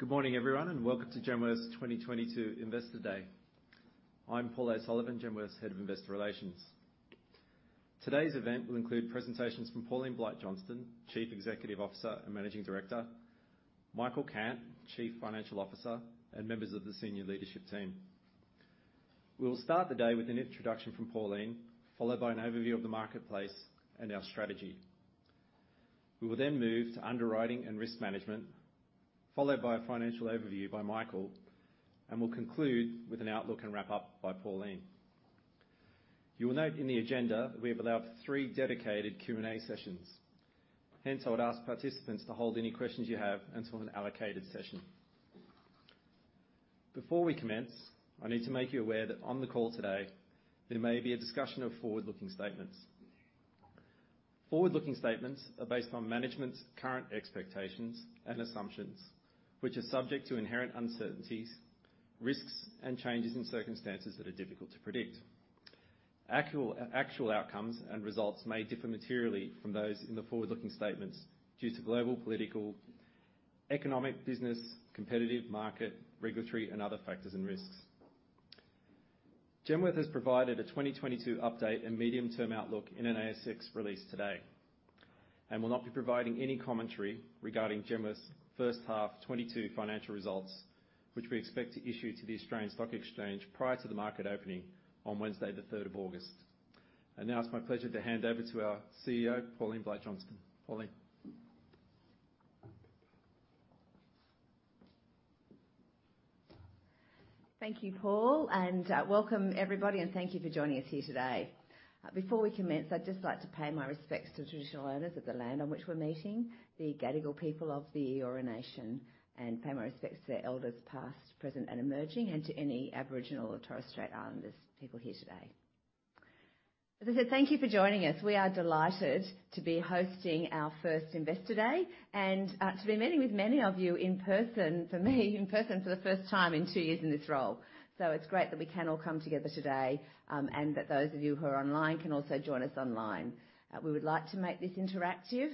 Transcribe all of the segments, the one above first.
Good morning, everyone, and welcome to Helia Group's 2022 Investor Day. I'm Paul O'Sullivan, Helia Group's Head of Investor Relations. Today's event will include presentations from Pauline Blight-Johnston, Chief Executive Officer and Managing Director, Michael Cant, Chief Financial Officer, and members of the senior leadership team. We will start the day with an introduction from Pauline, followed by an overview of the marketplace and our strategy. We will then move to underwriting and risk management, followed by a financial overview by Michael, and we'll conclude with an outlook and wrap-up by Pauline. You will note in the agenda that we have allowed three dedicated Q&A sessions. Hence, I would ask participants to hold any questions you have until an allocated session. Before we commence, I need to make you aware that on the call today, there may be a discussion of forward-looking statements. Forward-looking statements are based on management's current expectations and assumptions, which are subject to inherent uncertainties, risks, and changes in circumstances that are difficult to predict. Actual outcomes and results may differ materially from those in the forward-looking statements due to global, political, economic, business, competitive, market, regulatory, and other factors and risks. Helia Group has provided a 2022 update and medium-term outlook in an ASX release today and will not be providing any commentary regarding Helia Group's first half 2022 financial results, which we expect to issue to the Australian Stock Exchange prior to the market opening on Wednesday the third of August. Now it's my pleasure to hand over to our CEO, Pauline Blight-Johnston. Pauline. Thank you, Paul, and welcome everybody, and thank you for joining us here today. Before we commence, I'd just like to pay my respects to the traditional owners of the land on which we're meeting, the Gadigal people of the Eora Nation, and pay my respects to their elders, past, present, and emerging, and to any Aboriginal or Torres Strait Islanders people here today. As I said, thank you for joining us. We are delighted to be hosting our first Investor Day and to be meeting with many of you in person, for me, in person for the first time in two years in this role. It's great that we can all come together today, and that those of you who are online can also join us online. We would like to make this interactive.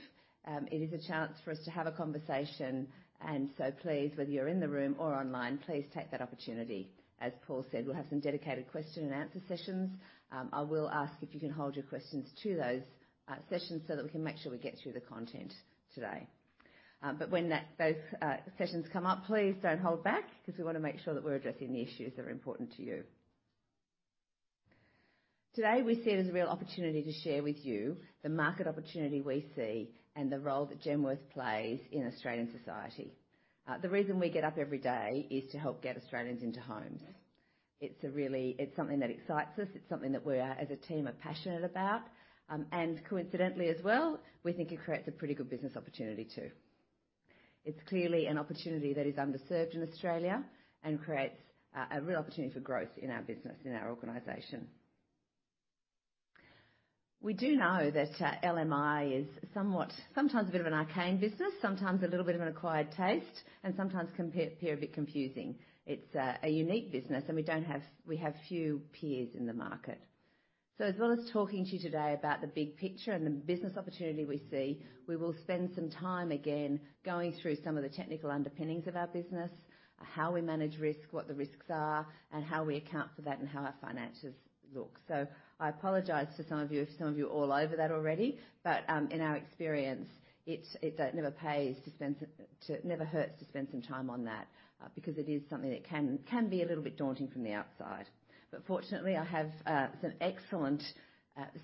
It is a chance for us to have a conversation and so please, whether you're in the room or online, please take that opportunity. As Paul said, we'll have some dedicated question and answer sessions. I will ask if you can hold your questions to those sessions so that we can make sure we get through the content today. When those sessions come up, please don't hold back 'cause we wanna make sure that we're addressing the issues that are important to you. Today, we see it as a real opportunity to share with you the market opportunity we see and the role that Genworth plays in Australian society. The reason we get up every day is to help get Australians into homes. It's something that excites us. It's something that we, as a team, are passionate about. Coincidentally as well, we think it creates a pretty good business opportunity too. It's clearly an opportunity that is underserved in Australia and creates a real opportunity for growth in our business, in our organization. We do know that LMI is somewhat, sometimes a bit of an arcane business, sometimes a little bit of an acquired taste, and sometimes can appear a bit confusing. It's a unique business, and we have few peers in the market. As well as talking to you today about the big picture and the business opportunity we see, we will spend some time again going through some of the technical underpinnings of our business, how we manage risk, what the risks are, and how we account for that, and how our financials look. I apologize to some of you if some of you are all over that already, but in our experience, it never hurts to spend some time on that, because it is something that can be a little bit daunting from the outside. Fortunately, I have some excellent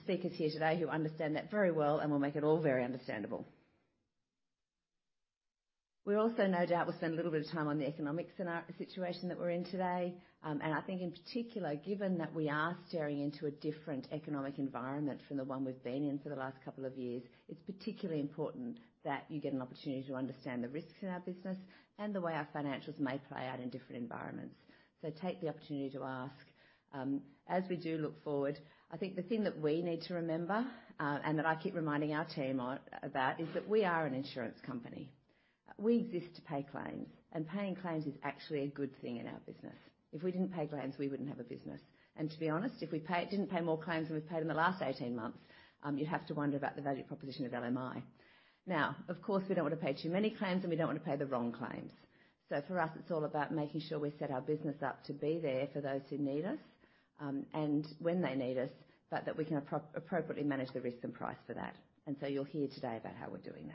speakers here today who understand that very well and will make it all very understandable. We also, no doubt, will spend a little bit of time on the economic situation that we're in today. I think in particular, given that we are steering into a different economic environment from the one we've been in for the last couple of years, it's particularly important that you get an opportunity to understand the risks in our business and the way our financials may play out in different environments. Take the opportunity to ask. As we do look forward, I think the thing that we need to remember, and that I keep reminding our team about, is that we are an insurance company. We exist to pay claims, and paying claims is actually a good thing in our business. If we didn't pay claims, we wouldn't have a business. To be honest, if we didn't pay more claims than we've paid in the last 18 months, you'd have to wonder about the value proposition of LMI. Now, of course, we don't want to pay too many claims, and we don't want to pay the wrong claims. For us, it's all about making sure we set our business up to be there for those who need us, and when they need us, but that we can appropriately manage the risk and price for that. You'll hear today about how we're doing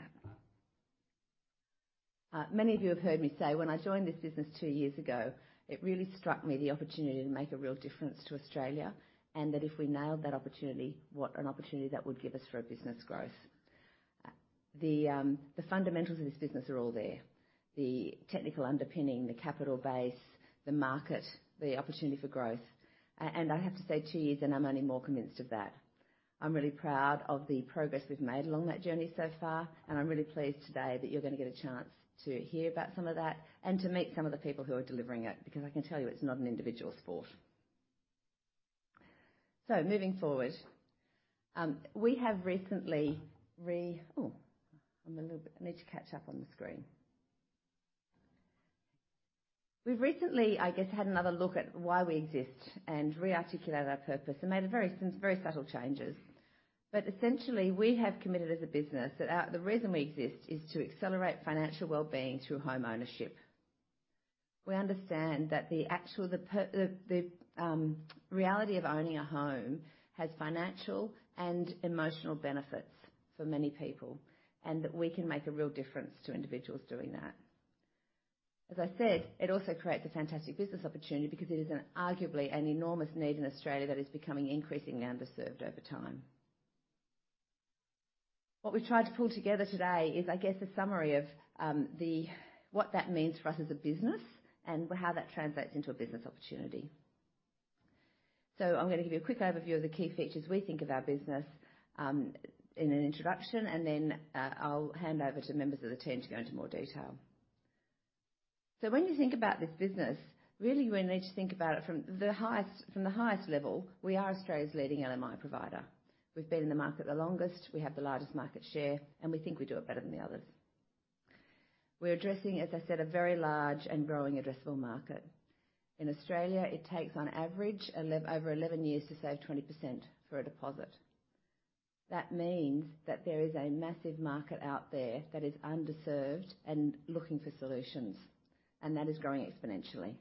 that. Many of you have heard me say when I joined this business two years ago, it really struck me the opportunity to make a real difference to Australia, and that if we nailed that opportunity, what an opportunity that would give us for our business growth. The fundamentals of this business are all there. The technical underpinning, the capital base, the market, the opportunity for growth. I have to say two years in, I'm only more convinced of that. I'm really proud of the progress we've made along that journey so far, and I'm really pleased today that you're gonna get a chance to hear about some of that and to meet some of the people who are delivering it, because I can tell you it's not an individual sport. Moving forward, we've recently, I guess, had another look at why we exist and re-articulated our purpose and made a very subtle changes. Essentially, we have committed as a business that the reason we exist is to accelerate financial well-being through homeownership. We understand that the reality of owning a home has financial and emotional benefits for many people, and that we can make a real difference to individuals doing that. As I said, it also creates a fantastic business opportunity because it is arguably an enormous need in Australia that is becoming increasingly underserved over time. What we've tried to pull together today is, I guess, a summary of what that means for us as a business and how that translates into a business opportunity. I'm gonna give you a quick overview of the key features we think of our business in an introduction, and then I'll hand over to members of the team to go into more detail. When you think about this business, really we need to think about it from the highest level. We are Australia's leading LMI provider. We've been in the market the longest, we have the largest market share, and we think we do it better than the others. We're addressing, as I said, a very large and growing addressable market. In Australia, it takes on average over 11 years to save 20% for a deposit. That means that there is a massive market out there that is underserved and looking for solutions, and that is growing exponentially.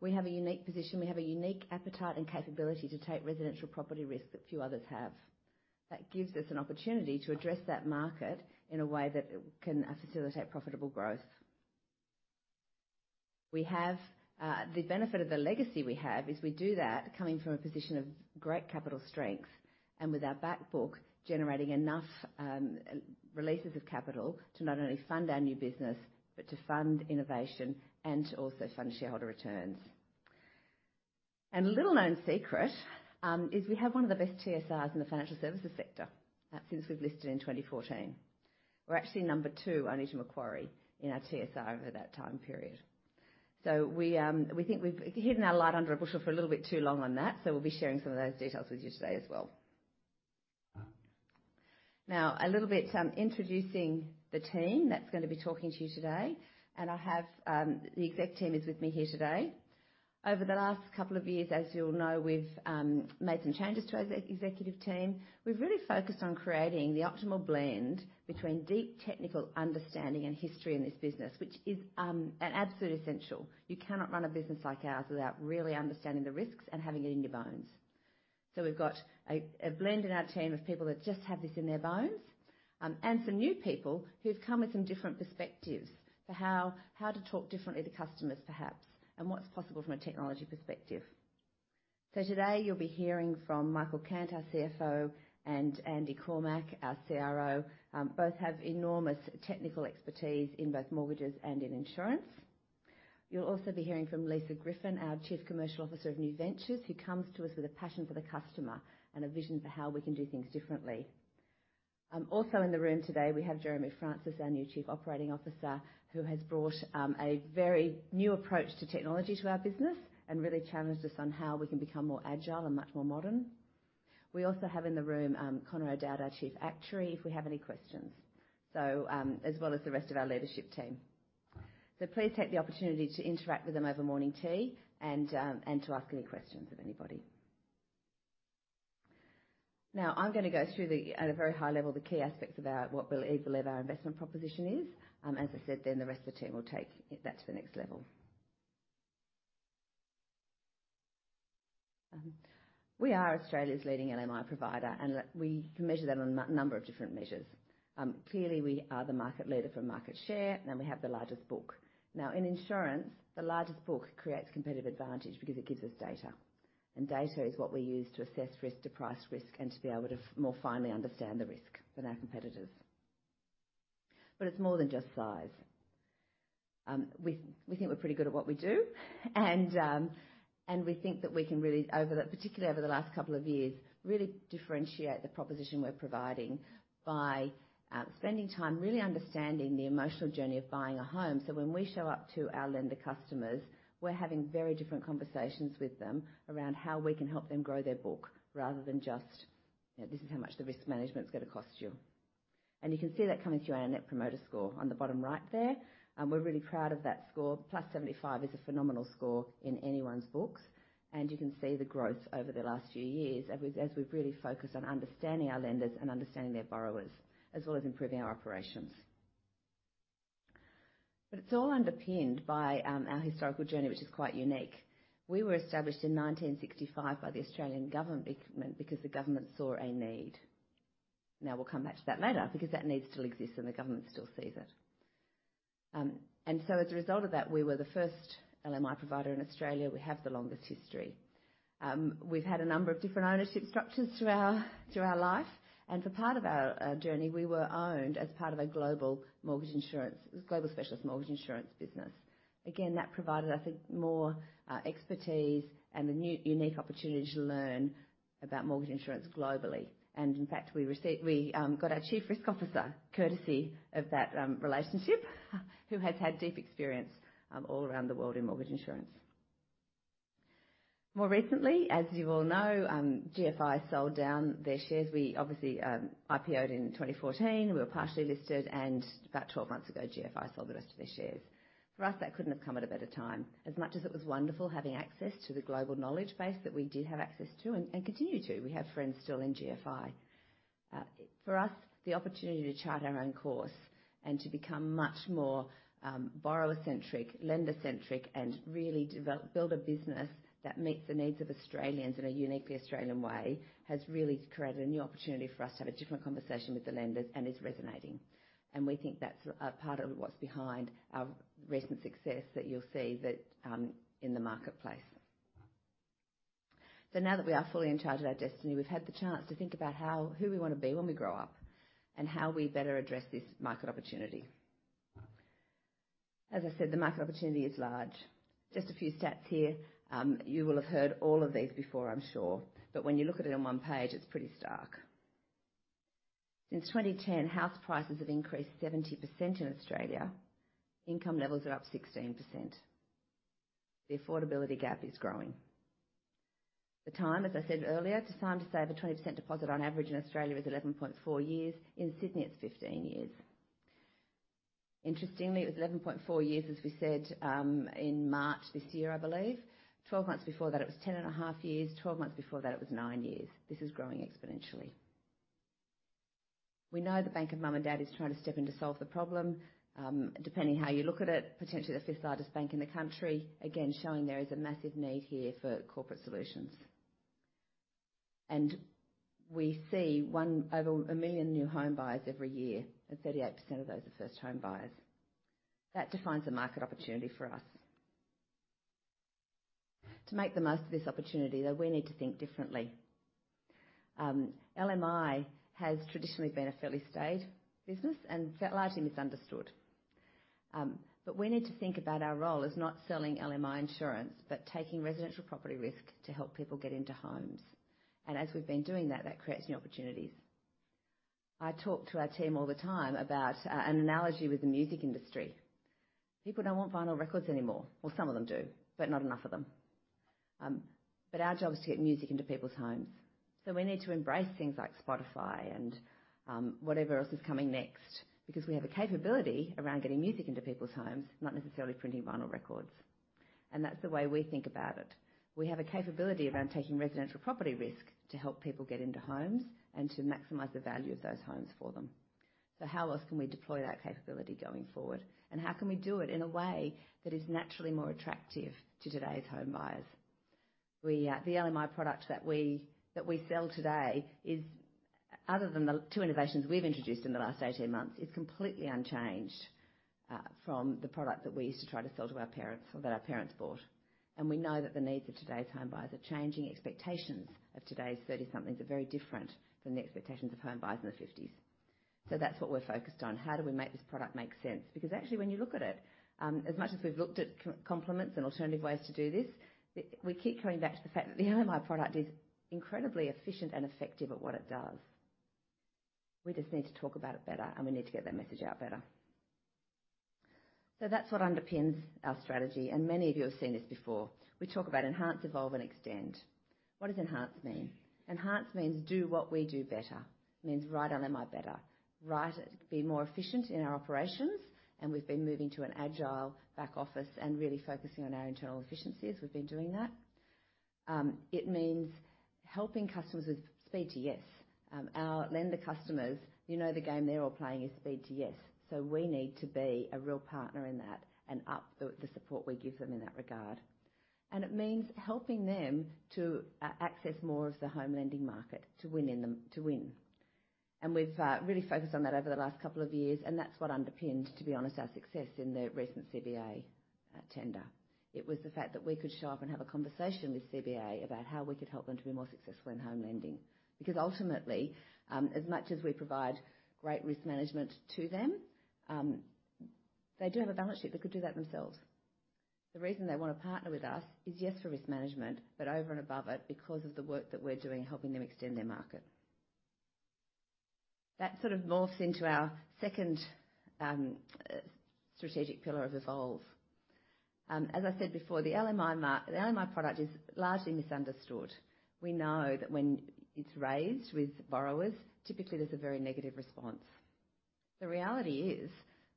We have a unique position. We have a unique appetite and capability to take residential property risk that few others have. That gives us an opportunity to address that market in a way that can facilitate profitable growth. We have the benefit of the legacy we have, is we do that coming from a position of great capital strength and with our back book generating enough releases of capital to not only fund our new business, but to fund innovation and to also fund shareholder returns. A little-known secret is we have one of the best TSRs in the financial services sector since we've listed in 2014. We're actually number two only to Macquarie in our TSR over that time period. We think we've hidden our light under a bushel for a little bit too long on that, so we'll be sharing some of those details with you today as well. Now, a little bit, introducing the team that's gonna be talking to you today, and I have the exec team with me here today. Over the last couple of years, as you'll know, we've made some changes to our executive team. We've really focused on creating the optimal blend between deep technical understanding and history in this business, which is an absolute essential. You cannot run a business like ours without really understanding the risks and having it in your bones. We've got a blend in our team of people that just have this in their bones, and some new people who've come with some different perspectives for how to talk differently to customers perhaps, and what's possible from a technology perspective. Today you'll be hearing from Michael Cant, our CFO, and Andy Cormack, our CRO. Both have enormous technical expertise in both mortgages and in insurance. You'll also be hearing from Lisa Griffin, our Chief Commercial Officer of New Ventures, who comes to us with a passion for the customer and a vision for how we can do things differently. Also in the room today, we have Jeremy Francis, our new Chief Operating Officer, who has brought a very new approach to technology to our business and really challenged us on how we can become more agile and much more modern. We also have in the room Connor O'Dowd, our Chief Actuary, if we have any questions, as well as the rest of our leadership team. Please take the opportunity to interact with them over morning tea and to ask any questions of anybody. Now I'm gonna go through the, at a very high level, the key aspects about what we believe our investment proposition is. As I said, then the rest of the team will take it back to the next level. We are Australia's leading LMI provider, and we can measure that on a number of different measures. Clearly, we are the market leader for market share, and we have the largest book. Now, in insurance, the largest book creates competitive advantage because it gives us data. Data is what we use to assess risk, to price risk, and to be able to more finely understand the risk than our competitors. It's more than just size. We think we're pretty good at what we do. We think that we can really, over the, particularly over the last couple of years, really differentiate the proposition we're providing by spending time really understanding the emotional journey of buying a home. When we show up to our lender customers, we're having very different conversations with them around how we can help them grow their book rather than just, "This is how much the risk management's gonna cost you." You can see that coming through our net promoter score on the bottom right there, and we're really proud of that score. Plus 75 is a phenomenal score in anyone's books, and you can see the growth over the last few years as we've really focused on understanding our lenders and understanding their borrowers, as well as improving our operations. It's all underpinned by our historical journey, which is quite unique. We were established in 1965 by the Australian government because the government saw a need. Now we'll come back to that later because that need still exists and the government still sees it. As a result of that, we were the first LMI provider in Australia. We have the longest history. We've had a number of different ownership structures through our life, and for part of our journey, we were owned as part of a global specialist mortgage insurance business. Again, that provided, I think, more expertise and the new unique opportunity to learn about mortgage insurance globally. In fact, we got our chief risk officer courtesy of that relationship, who has had deep experience all around the world in mortgage insurance. More recently, as you all know, GFI sold down their shares. We obviously IPO'd in 2014. We were partially listed, and about 12 months ago, GFI sold the rest of their shares. For us, that couldn't have come at a better time. As much as it was wonderful having access to the global knowledge base that we did have access to, and continue to, we have friends still in GFI. For us, the opportunity to chart our own course and to become much more borrower-centric, lender-centric, and really build a business that meets the needs of Australians in a uniquely Australian way, has really created a new opportunity for us to have a different conversation with the lenders and is resonating. We think that's a part of what's behind our recent success that you'll see that in the marketplace. Now that we are fully in charge of our destiny, we've had the chance to think about how, who we wanna be when we grow up and how we better address this market opportunity. As I said, the market opportunity is large. Just a few stats here. You will have heard all of these before, I'm sure. When you look at it on one page, it's pretty stark. Since 2010, house prices have increased 70% in Australia. Income levels are up 16%. The affordability gap is growing. The time, as I said earlier, to save a 20% deposit on average in Australia is 11.4 years. In Sydney, it's 15 years. Interestingly, it was 11.4 years, as we said, in March this year, I believe. Twelve months before that, it was 10.5 years. Twelve months before that, it was nine years. This is growing exponentially. We know the bank of mum and dad is trying to step in to solve the problem. Depending how you look at it, potentially the fifth largest bank in the country, again, showing there is a massive need here for corporate solutions. We see over 1 million new home buyers every year, and 38% of those are first home buyers. That defines the market opportunity for us. To make the most of this opportunity, though, we need to think differently. LMI has traditionally been a fairly staid business, and it's largely misunderstood. We need to think about our role as not selling LMI insurance, but taking residential property risk to help people get into homes. As we've been doing that creates new opportunities. I talk to our team all the time about an analogy with the music industry. People don't want vinyl records anymore. Well, some of them do, but not enough of them. Our job is to get music into people's homes. We need to embrace things like Spotify and whatever else is coming next because we have a capability around getting music into people's homes, not necessarily printing vinyl records. That's the way we think about it. We have a capability around taking residential property risk to help people get into homes and to maximize the value of those homes for them. How else can we deploy that capability going forward? How can we do it in a way that is naturally more attractive to today's home buyers? The LMI product that we sell today is, other than the two innovations we've introduced in the last 18 months, completely unchanged from the product that we used to try to sell to our parents or that our parents bought. We know that the needs of today's home buyers are changing. Expectations of today's thirty-somethings are very different from the expectations of home buyers in their fifties. That's what we're focused on. How do we make this product make sense? Because actually, when you look at it, as much as we've looked at complements and alternative ways to do this, we keep coming back to the fact that the LMI product is incredibly efficient and effective at what it does. We just need to talk about it better, and we need to get that message out better. That's what underpins our strategy, and many of you have seen this before. We talk about enhance, evolve, and extend. What does enhance mean? Enhance means do what we do better. It means write LMI better. Right, be more efficient in our operations, and we've been moving to an agile back office and really focusing on our internal efficiencies. We've been doing that. It means helping customers with speed to yes. Our lender customers, you know the game they're all playing is speed to yes. We need to be a real partner in that and up the support we give them in that regard. It means helping them to access more of the home lending market to win. We've really focused on that over the last couple of years, and that's what underpins, to be honest, our success in the recent CBA tender. It was the fact that we could show up and have a conversation with CBA about how we could help them to be more successful in home lending. Because ultimately, as much as we provide great risk management to them, they do have a balance sheet. They could do that themselves. The reason they wanna partner with us is, yes, for risk management, but over and above it, because of the work that we're doing helping them extend their market. That sort of morphs into our second strategic pillar of evolve. As I said before, the LMI product is largely misunderstood. We know that when it's raised with borrowers, typically there's a very negative response. The reality is,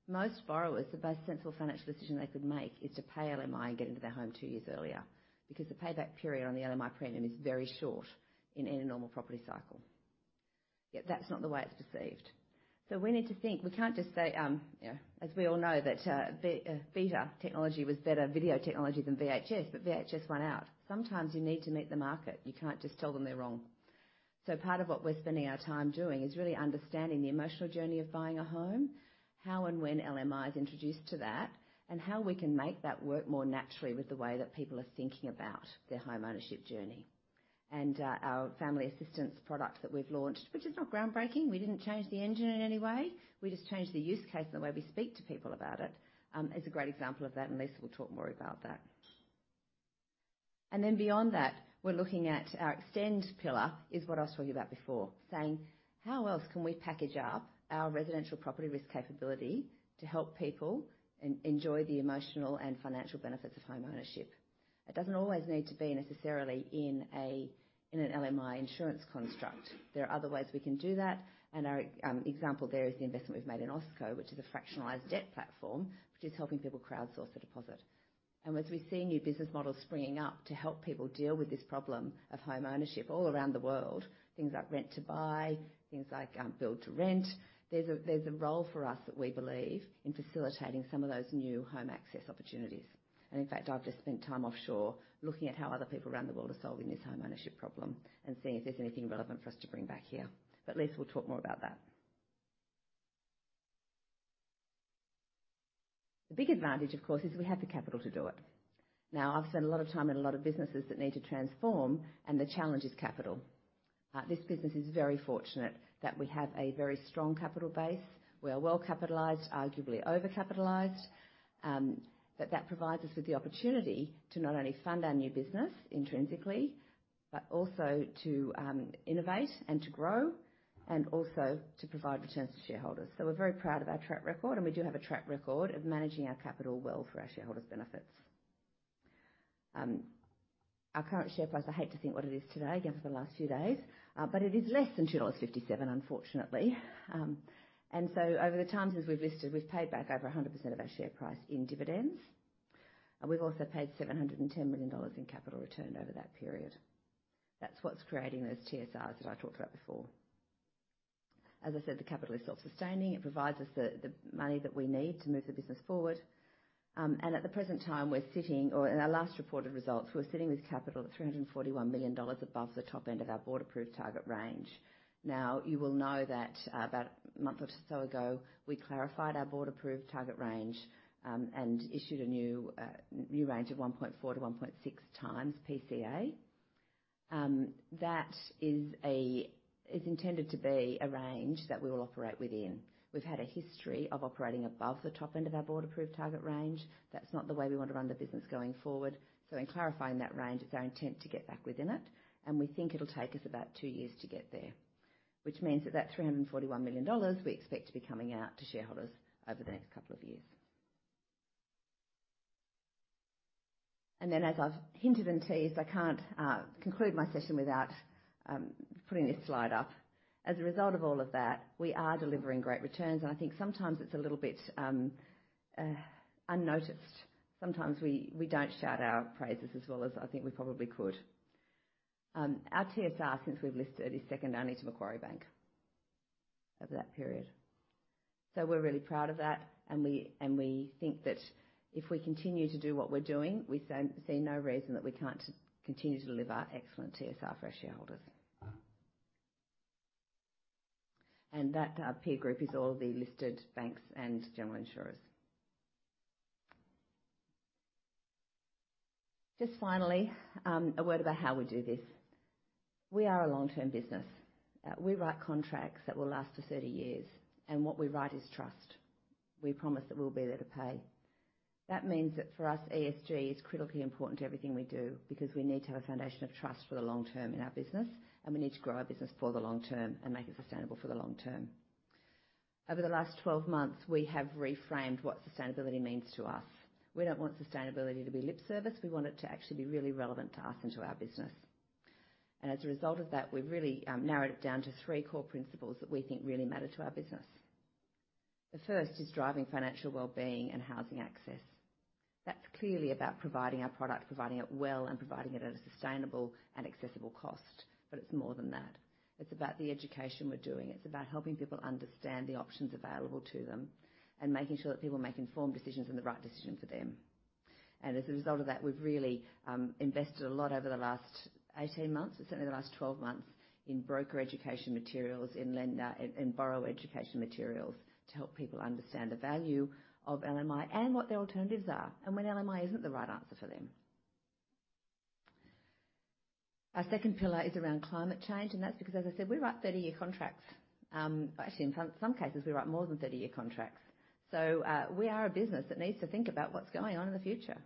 most borrowers, the most sensible financial decision they could make is to pay LMI and get into their home two years earlier because the payback period on the LMI premium is very short in a normal property cycle. Yet that's not the way it's perceived. We need to think, we can't just say, you know, as we all know that, Beta technology was better video technology than VHS, but VHS won out. Sometimes you need to meet the market. You can't just tell them they're wrong. Part of what we're spending our time doing is really understanding the emotional journey of buying a home, how and when LMI is introduced to that, and how we can make that work more naturally with the way that people are thinking about their home ownership journey. Our family assistance products that we've launched, which is not groundbreaking. We didn't change the engine in any way. We just changed the use case and the way we speak to people about it, is a great example of that, and Lisa will talk more about that. Beyond that, we're looking at our extend pillar is what I was talking about before, saying, "How else can we package up our residential property risk capability to help people enjoy the emotional and financial benefits of home ownership?" It doesn't always need to be necessarily in an LMI insurance construct. There are other ways we can do that, and our example there is the investment we've made in OwnHome, which is a fractionalized debt platform, which is helping people crowdsource the deposit. As we see new business models springing up to help people deal with this problem of homeownership all around the world, things like rent to buy, things like build to rent. There's a role for us that we believe in facilitating some of those new home access opportunities. In fact, I've just spent time offshore looking at how other people around the world are solving this homeownership problem and seeing if there's anything relevant for us to bring back here. Lisa will talk more about that. The big advantage, of course, is we have the capital to do it. Now, I've spent a lot of time in a lot of businesses that need to transform, and the challenge is capital. This business is very fortunate that we have a very strong capital base. We are well capitalized, arguably over-capitalized. But that provides us with the opportunity to not only fund our new business intrinsically, but also to innovate and to grow, and also to provide returns to shareholders. We're very proud of our track record, and we do have a track record of managing our capital well for our shareholders' benefits. Our current share price, I hate to think what it is today, again, for the last few days, but it is less than 2.57 dollars, unfortunately. Over the time since we've listed, we've paid back over 100% of our share price in dividends. We've also paid 710 million dollars in capital return over that period. That's what's creating those TSRs that I talked about before. As I said, the capital is self-sustaining. It provides us the money that we need to move the business forward. In our last reported results, we're sitting with capital at 341 million dollars above the top end of our board-approved target range. Now, you will know that about a month or so ago, we clarified our board-approved target range and issued a new range of 1.4-1.6x PCA. That is intended to be a range that we will operate within. We've had a history of operating above the top end of our board-approved target range. That's not the way we want to run the business going forward. In clarifying that range, it's our intent to get back within it, and we think it'll take us about two years to get there. Which means that 341 million dollars we expect to be coming out to shareholders over the next couple of years. As I've hinted and teased, I can't conclude my session without putting this slide up. As a result of all of that, we are delivering great returns, and I think sometimes it's a little bit unnoticed. Sometimes we don't shout our praises as well as I think we probably could. Our TSR since we've listed is second only to Macquarie Bank over that period. We're really proud of that, and we think that if we continue to do what we're doing, we see no reason that we can't continue to deliver excellent TSR for our shareholders. That peer group is all the listed banks and general insurers. Just finally, a word about how we do this. We are a long-term business. We write contracts that will last for 30 years, and what we write is trust. We promise that we'll be there to pay. That means that for us, ESG is critically important to everything we do because we need to have a foundation of trust for the long term in our business, and we need to grow our business for the long term and make it sustainable for the long term. Over the last 12 months, we have reframed what sustainability means to us. We don't want sustainability to be lip service. We want it to actually be really relevant to us and to our business. As a result of that, we've really narrowed it down to three core principles that we think really matter to our business. The first is driving financial wellbeing and housing access. That's clearly about providing our product, providing it well, and providing it at a sustainable and accessible cost. It's more than that. It's about the education we're doing. It's about helping people understand the options available to them and making sure that people make informed decisions and the right decision for them. As a result of that, we've really invested a lot over the last 18 months, or certainly the last 12 months, in broker education materials, in borrower education materials to help people understand the value of LMI and what their alternatives are, and when LMI isn't the right answer for them. Our second pillar is around climate change, and that's because, as I said, we write 30-year contracts. Actually in some cases, we write more than 30-year contracts. We are a business that needs to think about what's going on in the future.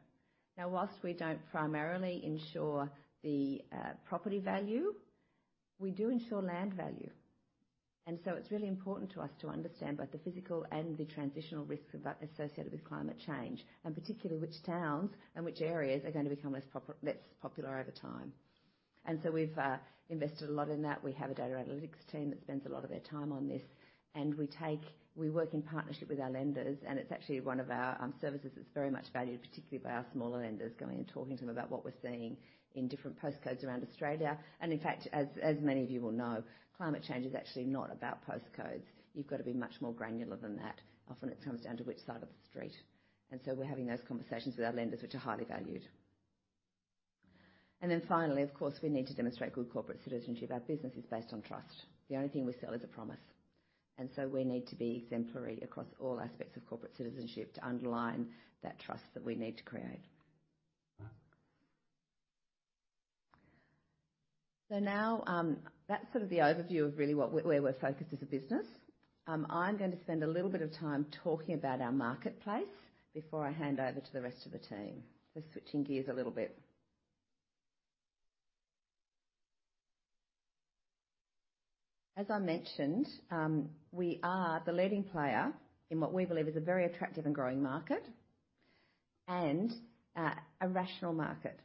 Now, while we don't primarily insure the property value, we do insure land value. It's really important to us to understand both the physical and the transitional risks of that associated with climate change, and particularly which towns and which areas are going to become less popular over time. We've invested a lot in that. We have a data analytics team that spends a lot of their time on this, and we work in partnership with our lenders, and it's actually one of our services that's very much valued, particularly by our smaller lenders, going and talking to them about what we're seeing in different postcodes around Australia. In fact, as many of you will know, climate change is actually not about postcodes. You've got to be much more granular than that. Often it comes down to which side of the street. We're having those conversations with our lenders, which are highly valued. Finally, of course, we need to demonstrate good corporate citizenship. Our business is based on trust. The only thing we sell is a promise. We need to be exemplary across all aspects of corporate citizenship to underline that trust that we need to create. That's sort of the overview of really where we're focused as a business. I'm going to spend a little bit of time talking about our marketplace before I hand over to the rest of the team. We're switching gears a little bit. As I mentioned, we are the leading player in what we believe is a very attractive and growing market and a rational market.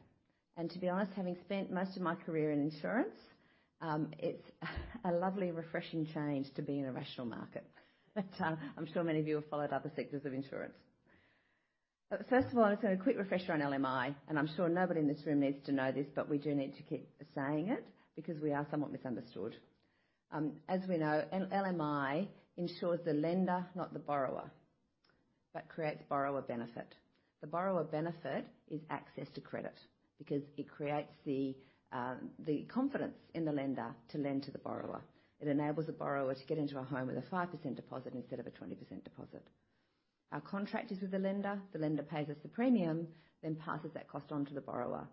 To be honest, having spent most of my career in insurance, it's a lovely, refreshing change to be in a rational market. I'm sure many of you have followed other sectors of insurance. First of all, just a quick refresher on LMI, and I'm sure nobody in this room needs to know this, but we do need to keep saying it because we are somewhat misunderstood. As we know, LMI insures the lender, not the borrower, but creates borrower benefit. The borrower benefit is access to credit because it creates the confidence in the lender to lend to the borrower. It enables the borrower to get into a home with a 5% deposit instead of a 20% deposit. Our contract is with the lender. The lender pays us the premium, then passes that cost on to the borrower.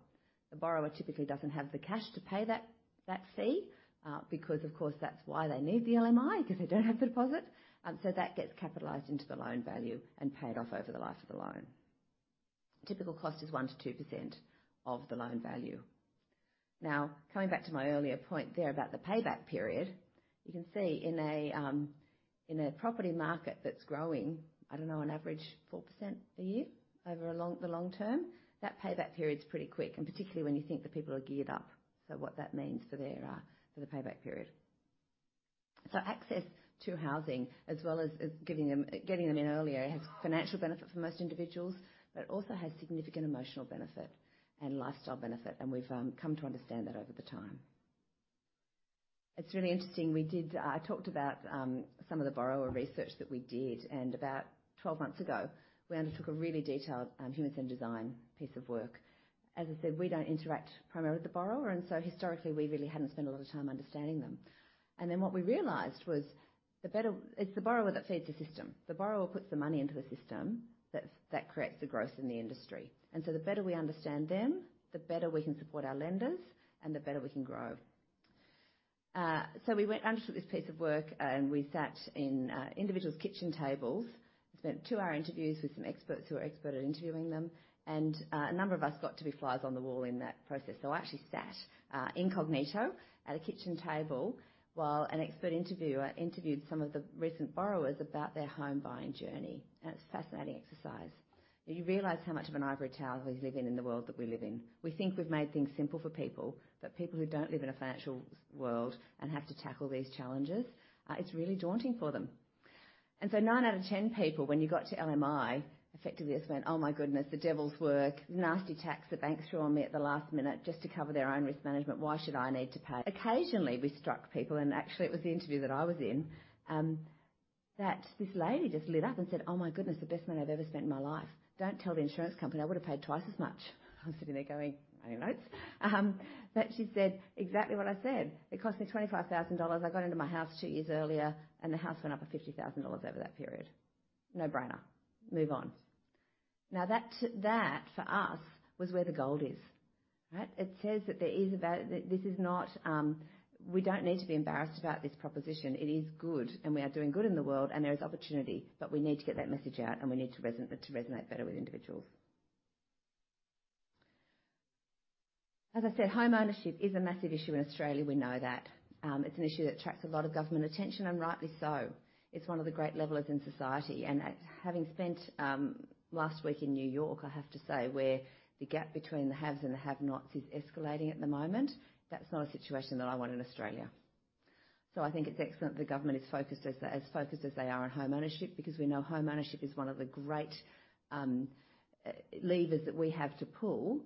The borrower typically doesn't have the cash to pay that fee, because of course, that's why they need the LMI, because they don't have the deposit. That gets capitalized into the loan value and paid off over the life of the loan. Typical cost is 1%-2% of the loan value. Now, coming back to my earlier point there about the payback period, you can see in a property market that's growing, I don't know, on average 4% a year over the long term, that payback period's pretty quick, and particularly when you think the people are geared up. What that means for their payback period. Access to housing as well as giving them, getting them in earlier, has financial benefit for most individuals, but it also has significant emotional benefit and lifestyle benefit. We've come to understand that over time. It's really interesting. I talked about some of the borrower research that we did. About 12 months ago, we undertook a really detailed human-centered design piece of work. As I said, we don't interact primarily with the borrower, and so historically, we really hadn't spent a lot of time understanding them. Then what we realized was it's the borrower that feeds the system. The borrower puts the money into a system that creates the growth in the industry. The better we understand them, the better we can support our lenders and the better we can grow. We undertook this piece of work, and we sat in individuals' kitchen tables and spent two-hour interviews with some experts who are expert at interviewing them. A number of us got to be flies on the wall in that process. I actually sat incognito at a kitchen table while an expert interviewer interviewed some of the recent borrowers about their home buying journey. It's a fascinating exercise. You realize how much of an ivory tower we live in in the world that we live in. We think we've made things simple for people, but people who don't live in a financial world and have to tackle these challenges, it's really daunting for them. Nine out of ten people, when you got to LMI, effectively just went, "Oh, my goodness, the devil's work. Nasty tax the bank threw on me at the last minute just to cover their own risk management. Why should I need to pay?" Occasionally, we struck people, and actually, it was the interview that I was in, that this lady just lit up and said, "Oh, my goodness, the best money I've ever spent in my life. Don't tell the insurance company. I would have paid twice as much." I'm sitting there going, "I know." But she said, "Exactly what I said. It cost me 25,000 dollars. I got into my house two years earlier, and the house went up by 50,000 dollars over that period." No-brainer. Move on. Now that for us was where the gold is, right? It says that there is a This is not, we don't need to be embarrassed about this proposition. It is good, and we are doing good in the world, and there is opportunity, but we need to get that message out, and we need to resonate better with individuals. As I said, home ownership is a massive issue in Australia. We know that. It's an issue that attracts a lot of government attention, and rightly so. It's one of the great levelers in society. After having spent last week in New York, I have to say where the gap between the haves and the have-nots is escalating at the moment, that's not a situation that I want in Australia. I think it's excellent the government is focused as focused as they are on home ownership because we know home ownership is one of the great levers that we have to pull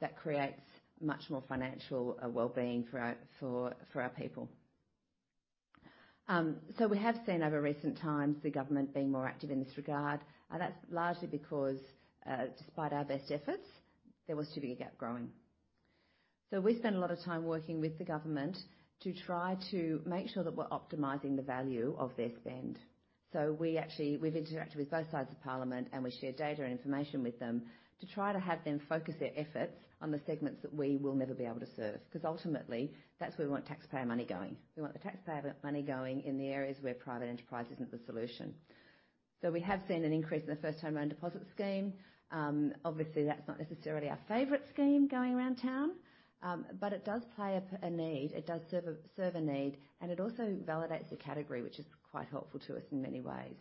that creates much more financial well-being for our people. We have seen over recent times the government being more active in this regard. That's largely because, despite our best efforts, there was too big a gap growing. We spent a lot of time working with the government to try to make sure that we're optimizing the value of their spend. We actually, we've interacted with both sides of Parliament, and we share data information with them to try to have them focus their efforts on the segments that we will never be able to serve. 'Cause ultimately, that's where we want taxpayer money going. We want the taxpayer money going in the areas where private enterprise isn't the solution. We have seen an increase in the First Home Loan Deposit Scheme. Obviously, that's not necessarily our favorite scheme going around town, but it does play a need. It does serve a need, and it also validates the category, which is quite helpful to us in many ways.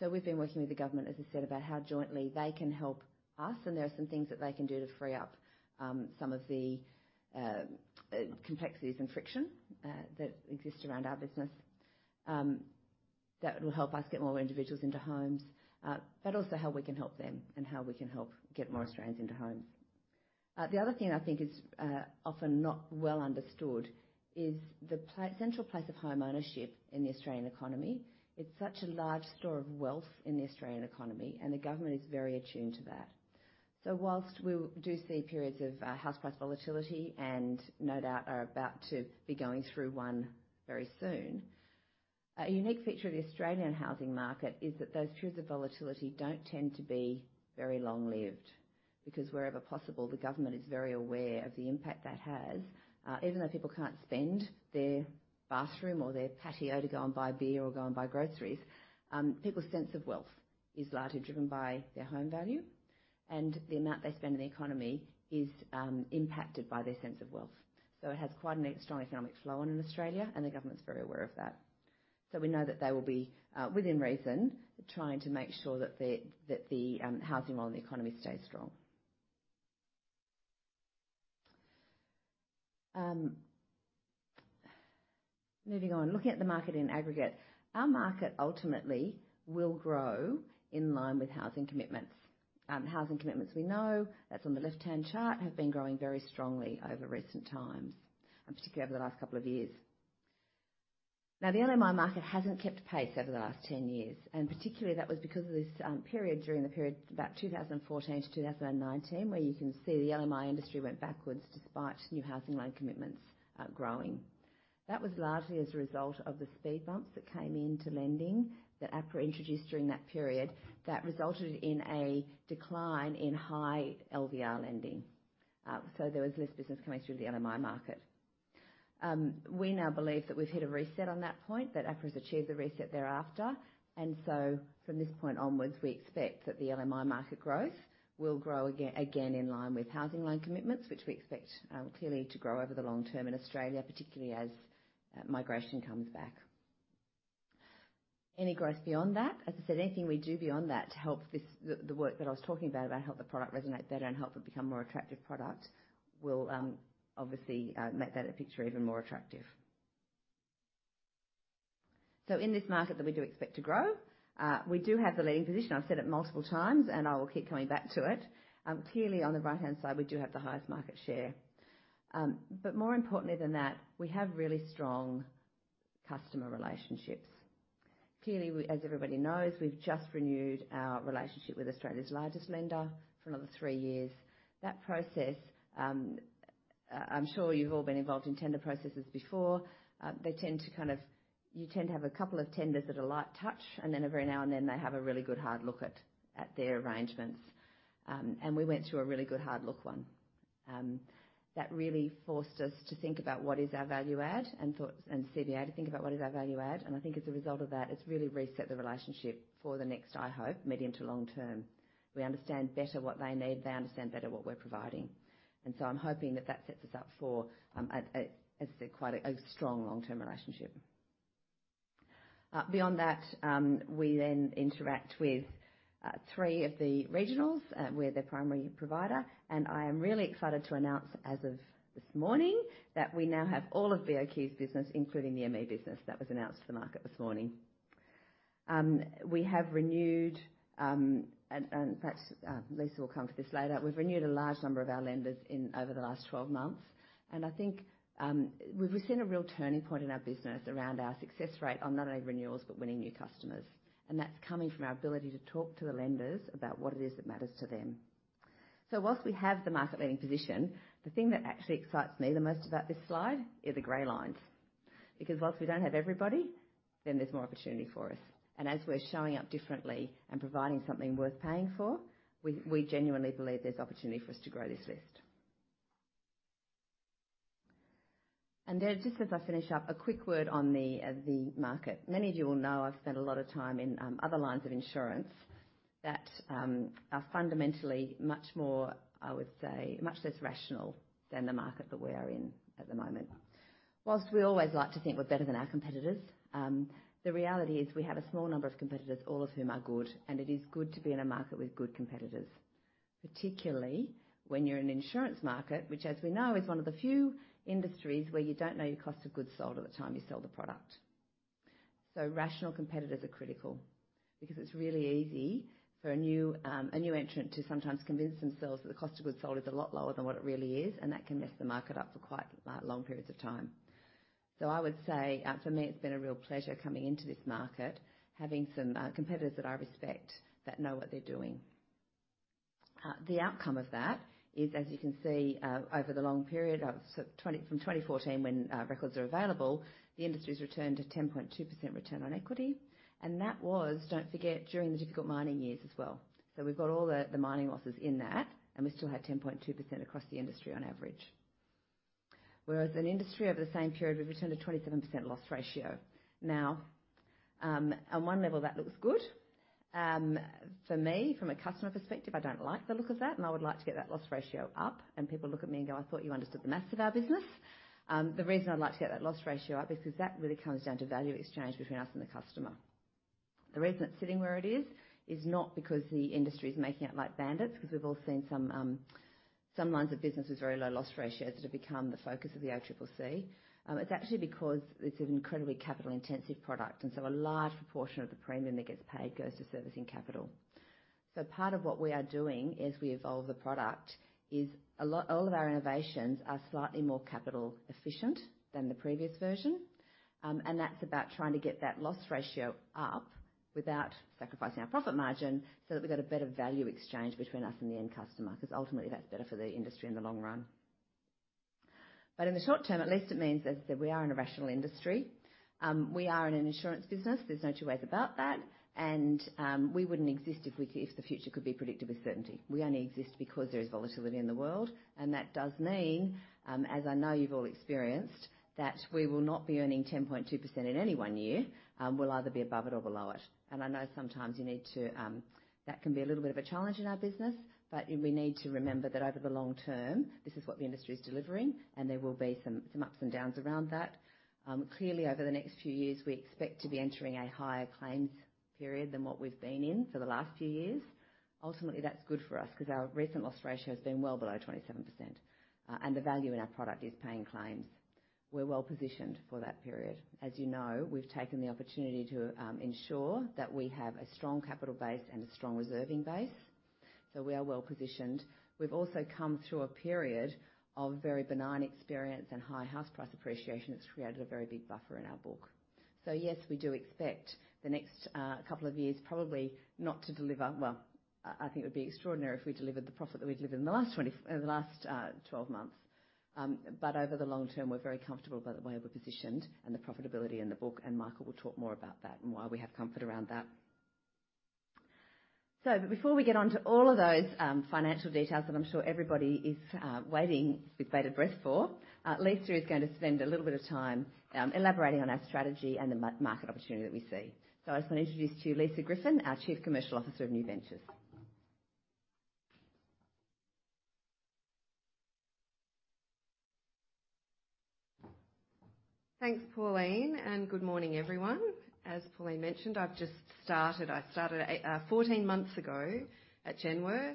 We've been working with the government, as I said, about how jointly they can help us, and there are some things that they can do to free up some of the complexities and friction that exist around our business, that will help us get more individuals into homes, but also how we can help them and how we can help get more Australians into homes. The other thing I think is often not well understood is the central place of home ownership in the Australian economy. It's such a large store of wealth in the Australian economy, and the government is very attuned to that. Whilst we do see periods of house price volatility and no doubt are about to be going through one very soon, a unique feature of the Australian housing market is that those periods of volatility don't tend to be very long-lived because wherever possible, the government is very aware of the impact that has. Even though people can't spend their bathroom or their patio to go and buy a beer or go and buy groceries, people's sense of wealth is largely driven by their home value. The amount they spend in the economy is impacted by their sense of wealth. It has quite a strong economic flow on in Australia, and the government's very aware of that. We know that they will be, within reason, trying to make sure that the housing role in the economy stays strong. Moving on. Looking at the market in aggregate, our market ultimately will grow in line with housing commitments. Housing commitments we know, that's on the left-hand chart, have been growing very strongly over recent times, and particularly over the last couple of years. Now, the LMI market hasn't kept pace over the last 10 years, and particularly that was because of this period about 2014-2019, where you can see the LMI industry went backwards despite new housing loan commitments growing. That was largely as a result of the speed bumps that came into lending that APRA introduced during that period that resulted in a decline in high LVR lending. There was less business coming through the LMI market. We now believe that we've hit a reset on that point, that APRA's achieved the reset they're after. From this point onwards, we expect that the LMI market growth will grow again in line with housing loan commitments, which we expect, clearly to grow over the long term in Australia, particularly as, migration comes back. Any growth beyond that, as I said, anything we do beyond that to help this. The work that I was talking about helping the product resonate better and help it become more attractive product will, obviously, make that picture even more attractive. In this market that we do expect to grow, we do have the leading position. I've said it multiple times and I will keep coming back to it. Clearly on the right-hand side, we do have the highest market share. But more importantly than that, we have really strong customer relationships. Clearly, we, as everybody knows, we've just renewed our relationship with Australia's largest lender for another three years. That process, I'm sure you've all been involved in tender processes before. You tend to have a couple of tenders that are light touch, and then every now and then they have a really good hard look at their arrangements. We went through a really good hard look one. That really forced us to think about what is our value add and CBA to think about what is our value add. I think as a result of that, it's really reset the relationship for the next, I hope, medium to long term. We understand better what they need. They understand better what we're providing. I'm hoping that that sets us up for, as I said, quite a strong long-term relationship. Beyond that, we then interact with three of the regionals. We're their primary provider, and I am really excited to announce as of this morning that we now have all of BOQ's business, including the ME business that was announced to the market this morning. We have renewed, and perhaps Lisa will come to this later. We've renewed a large number of our lenders won over the last 12 months, and I think we've seen a real turning point in our business around our success rate on not only renewals, but winning new customers. That's coming from our ability to talk to the lenders about what it is that matters to them. Whilst we have the market-leading position, the thing that actually excites me the most about this slide are the gray lines, because whilst we don't have everybody, then there's more opportunity for us. As we're showing up differently and providing something worth paying for, we genuinely believe there's opportunity for us to grow this list. Then just as I finish up, a quick word on the market. Many of you will know I've spent a lot of time in other lines of insurance that are fundamentally much more, I would say, much less rational than the market that we are in at the moment. While we always like to think we're better than our competitors, the reality is we have a small number of competitors, all of whom are good, and it is good to be in a market with good competitors. Particularly when you're an insurance market, which as we know is one of the few industries where you don't know your cost of goods sold at the time you sell the product. Rational competitors are critical because it's really easy for a new entrant to sometimes convince themselves that the cost of goods sold is a lot lower than what it really is, and that can mess the market up for quite long periods of time. I would say, for me, it's been a real pleasure coming into this market, having some competitors that I respect that know what they're doing. The outcome of that is, as you can see, over the long period from 2014 when records are available, the industry's returned a 10.2% return on equity, and that was, don't forget, during the difficult mining years as well. We've got all the mining losses in that, and we still had 10.2% across the industry on average. Whereas an industry over the same period, we've returned a 27% loss ratio. Now, on one level, that looks good. For me, from a customer perspective, I don't like the look of that and I would like to get that loss ratio up, and people look at me and go, "I thought you understood the math of our business." The reason I'd like to get that loss ratio up is because that really comes down to value exchange between us and the customer. The reason it's sitting where it is is not because the industry is making it like bandits, because we've all seen some lines of business with very low loss ratios that have become the focus of the ACCC. It's actually because it's an incredibly capital intensive product, and a large proportion of the premium that gets paid goes to servicing capital. Part of what we are doing as we evolve the product is all of our innovations are slightly more capital efficient than the previous version. That's about trying to get that loss ratio up without sacrificing our profit margin so that we've got a better value exchange between us and the end customer, because ultimately that's better for the industry in the long run. In the short term, at least it means, as I said, we are in a rational industry. We are in an insurance business. There's no two ways about that. We wouldn't exist if the future could be predicted with certainty. We only exist because there is volatility in the world, and that does mean, as I know you've all experienced, that we will not be earning 10.2% in any one year. We'll either be above it or below it. I know sometimes you need to. That can be a little bit of a challenge in our business. We need to remember that over the long term, this is what the industry is delivering and there will be some ups and downs around that. Clearly over the next few years, we expect to be entering a higher claims period than what we've been in for the last few years. Ultimately, that's good for us because our recent loss ratio has been well below 27%, and the value in our product is paying claims. We're well-positioned for that period. As you know, we've taken the opportunity to ensure that we have a strong capital base and a strong reserving base, so we are well-positioned. We've also come through a period of very benign experience and high house price appreciation that's created a very big buffer in our book. Yes, we do expect the next couple of years probably not to deliver. Well, I think it would be extraordinary if we delivered the profit that we delivered in the last 12 months. Over the long term, we're very comfortable about the way we're positioned and the profitability in the book, and Michael will talk more about that and why we have comfort around that. Before we get onto all of those financial details that I'm sure everybody is waiting with bated breath for, Lisa is going to spend a little bit of time elaborating on our strategy and the market opportunity that we see. I just want to introduce to you Lisa Griffin, our Chief Commercial Officer of New Ventures. Thanks, Pauline, and good morning, everyone. As Pauline mentioned, I've just started. I started 14 months ago at Genworth. I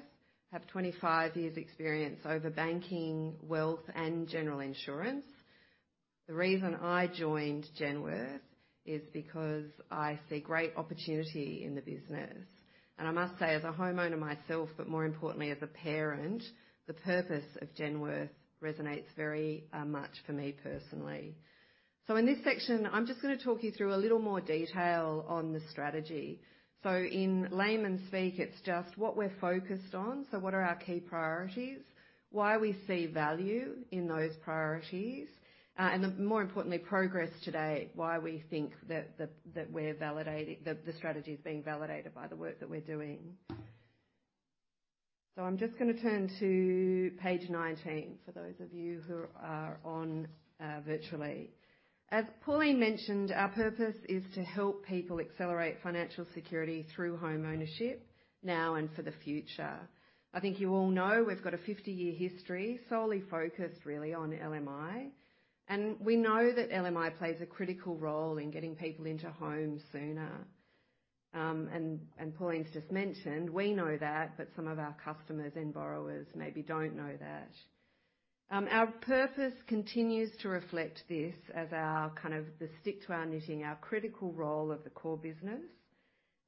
have 25 years' experience in banking, wealth, and general insurance. The reason I joined Genworth is because I see great opportunity in the business. I must say, as a homeowner myself, but more importantly, as a parent, the purpose of Genworth resonates very much for me personally. In this section, I'm just gonna talk you through a little more detail on the strategy. In layman's speak, it's just what we're focused on, so what are our key priorities, why we see value in those priorities, and more importantly, progress to date, why we think that the strategy is being validated by the work that we're doing. I'm just gonna turn to page 19 for those of you who are on virtually. As Pauline mentioned, our purpose is to help people accelerate financial security through homeownership now and for the future. I think you all know we've got a 50-year history solely focused really on LMI, and we know that LMI plays a critical role in getting people into homes sooner. Pauline's just mentioned, we know that, but some of our customers and borrowers maybe don't know that. Our purpose continues to reflect this as our kind of stick to our knitting, our critical role of the core business.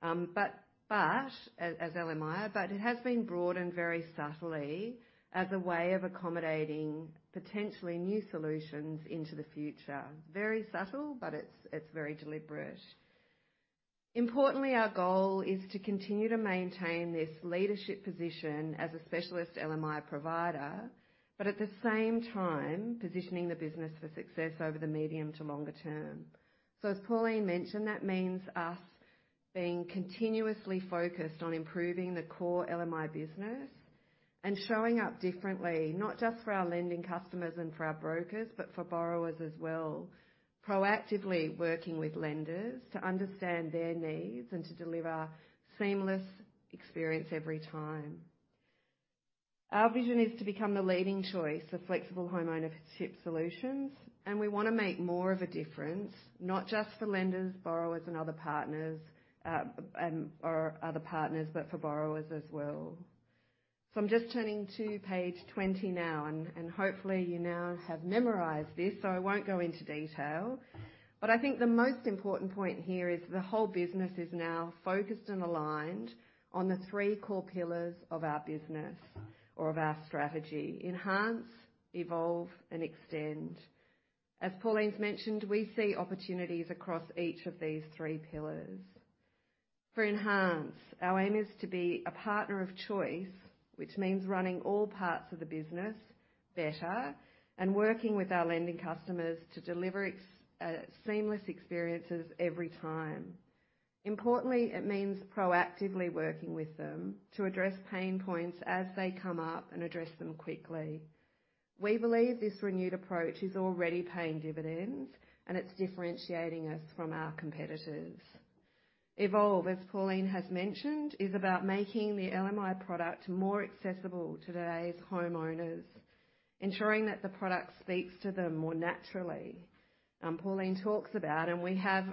But as LMI, but it has been broadened very subtly as a way of accommodating potentially new solutions into the future. Very subtle, but it's very deliberate. Importantly, our goal is to continue to maintain this leadership position as a specialist LMI provider, but at the same time, positioning the business for success over the medium to longer term. As Pauline mentioned, that means us being continuously focused on improving the core LMI business and showing up differently, not just for our lending customers and for our brokers, but for borrowers as well. Proactively working with lenders to understand their needs and to deliver a seamless experience every time. Our vision is to become the leading choice for flexible homeownership solutions, and we wanna make more of a difference, not just for lenders, borrowers, and other partners, but for borrowers as well. I'm just turning to page 20 now and hopefully, you now have memorized this, so I won't go into detail. I think the most important point here is the whole business is now focused and aligned on the three core pillars of our business or of our strategy: enhance, evolve, and extend. As Pauline's mentioned, we see opportunities across each of these three pillars. For enhance, our aim is to be a partner of choice, which means running all parts of the business better and working with our lending customers to deliver seamless experiences every time. Importantly, it means proactively working with them to address pain points as they come up and address them quickly. We believe this renewed approach is already paying dividends, and it's differentiating us from our competitors. Evolve, as Pauline has mentioned, is about making the LMI product more accessible to today's homeowners, ensuring that the product speaks to them more naturally. Pauline talks about, and we have,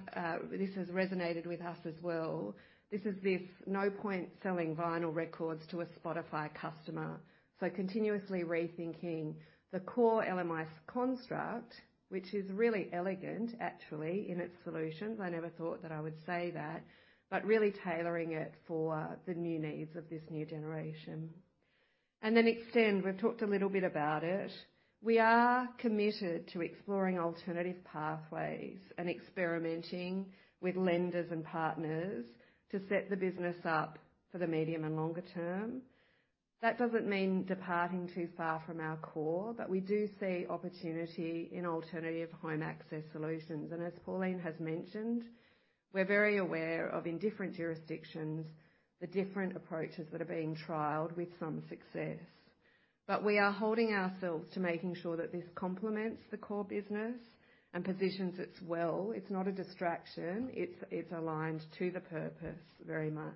this has resonated with us as well. There's no point selling vinyl records to a Spotify customer. Continuously rethinking the core LMI construct, which is really elegant actually in its solution. I never thought that I would say that. Really tailoring it for the new needs of this new generation. We've talked a little bit about it. We are committed to exploring alternative pathways and experimenting with lenders and partners to set the business up for the medium and longer term. That doesn't mean departing too far from our core, but we do see opportunity in alternative home access solutions. As Pauline has mentioned, we're very aware of, in different jurisdictions, the different approaches that are being trialed with some success. We are holding ourselves to making sure that this complements the core business and positions it well. It's not a distraction. It's aligned to the purpose very much.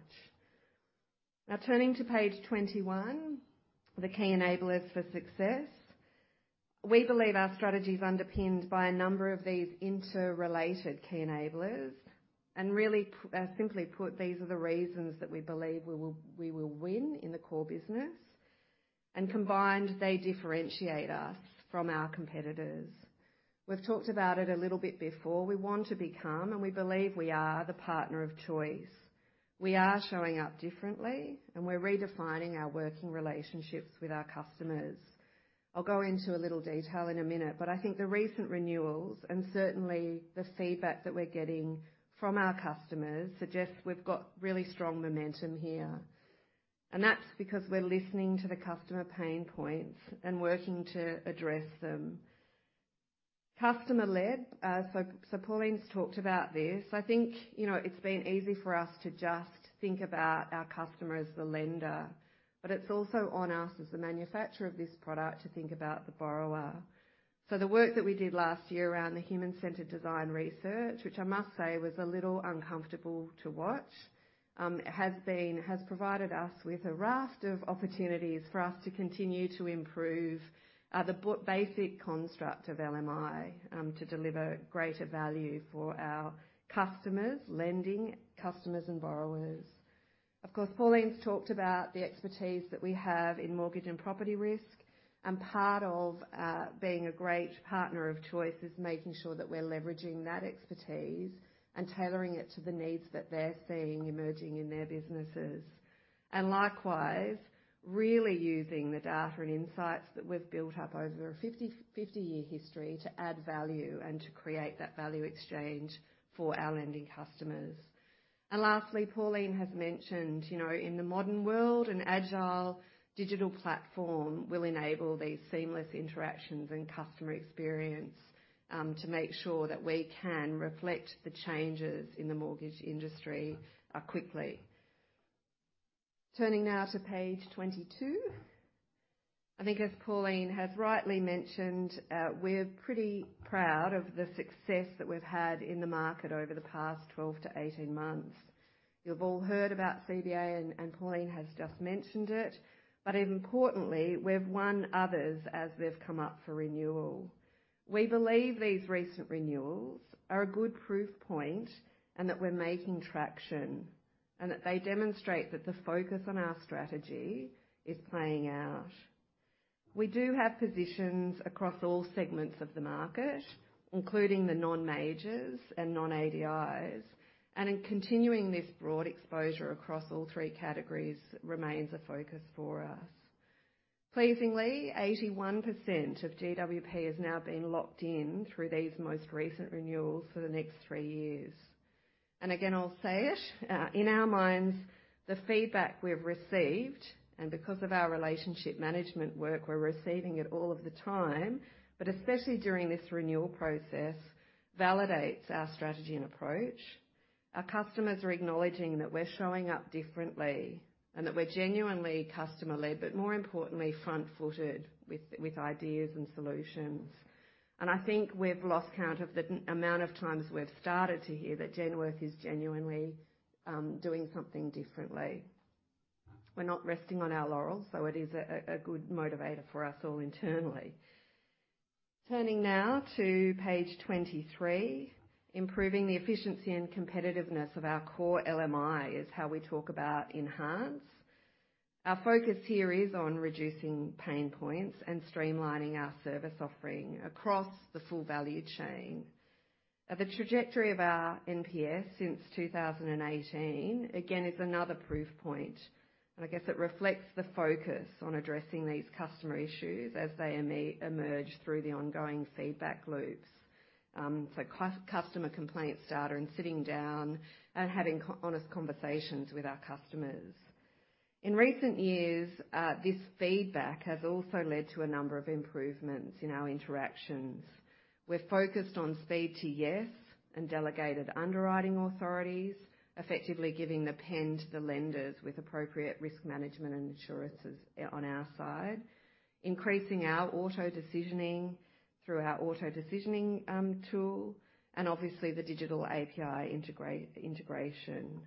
Now, turning to page 21, the key enablers for success. We believe our strategy is underpinned by a number of these interrelated key enablers. Really, simply put, these are the reasons that we believe we will win in the core business, and combined they differentiate us from our competitors. We've talked about it a little bit before. We want to become, and we believe we are the partner of choice. We are showing up differently and we're redefining our working relationships with our customers. I'll go into a little detail in a minute, but I think the recent renewals and certainly the feedback that we're getting from our customers suggests we've got really strong momentum here. That's because we're listening to the customer pain points and working to address them. Customer-led. Pauline's talked about this. I think, you know, it's been easy for us to just think about our customer as the lender, but it's also on us as the manufacturer of this product to think about the borrower. The work that we did last year around the human-centered design research, which I must say was a little uncomfortable to watch, has provided us with a raft of opportunities for us to continue to improve the basic construct of LMI to deliver greater value for our customers, lending customers and borrowers. Of course, Pauline's talked about the expertise that we have in mortgage and property risk, and part of being a great partner of choice is making sure that we're leveraging that expertise and tailoring it to the needs that they're seeing emerging in their businesses. Likewise, really using the data and insights that we've built up over a 50-year history to add value and to create that value exchange for our lending customers. Lastly, Pauline has mentioned, you know, in the modern world, an agile digital platform will enable these seamless interactions and customer experience to make sure that we can reflect the changes in the mortgage industry quickly. Turning now to page 22. I think as Pauline has rightly mentioned, we're pretty proud of the success that we've had in the market over the past 12-18 months. You've all heard about CBA and Pauline has just mentioned it, but importantly, we've won others as they've come up for renewal. We believe these recent renewals are a good proof point and that we're making traction, and that they demonstrate that the focus on our strategy is playing out. We do have positions across all segments of the market, including the non-majors and non-ADIs, and in continuing this broad exposure across all three categories remains a focus for us. Pleasingly, 81% of GWP is now being locked in through these most recent renewals for the next three years. Again, I'll say it, in our minds, the feedback we've received, and because of our relationship management work, we're receiving it all of the time, but especially during this renewal process, validates our strategy and approach. Our customers are acknowledging that we're showing up differently and that we're genuinely customer-led, but more importantly, front-footed with ideas and solutions. I think we've lost count of the amount of times we've started to hear that Genworth is genuinely doing something differently. We're not resting on our laurels, so it is a good motivator for us all internally. Turning now to page 23. Improving the efficiency and competitiveness of our core LMI is how we talk about Enhance. Our focus here is on reducing pain points and streamlining our service offering across the full value chain. The trajectory of our NPS since 2018, again, is another proof point, and I guess it reflects the focus on addressing these customer issues as they emerge through the ongoing feedback loops. Customer complaints data and sitting down and having honest conversations with our customers. In recent years, this feedback has also led to a number of improvements in our interactions. We're focused on speed to yes and delegated underwriting authorities, effectively giving the pen to the lenders with appropriate risk management and assurances on our side, increasing our auto decisioning through our auto decisioning tool, and obviously the digital API integration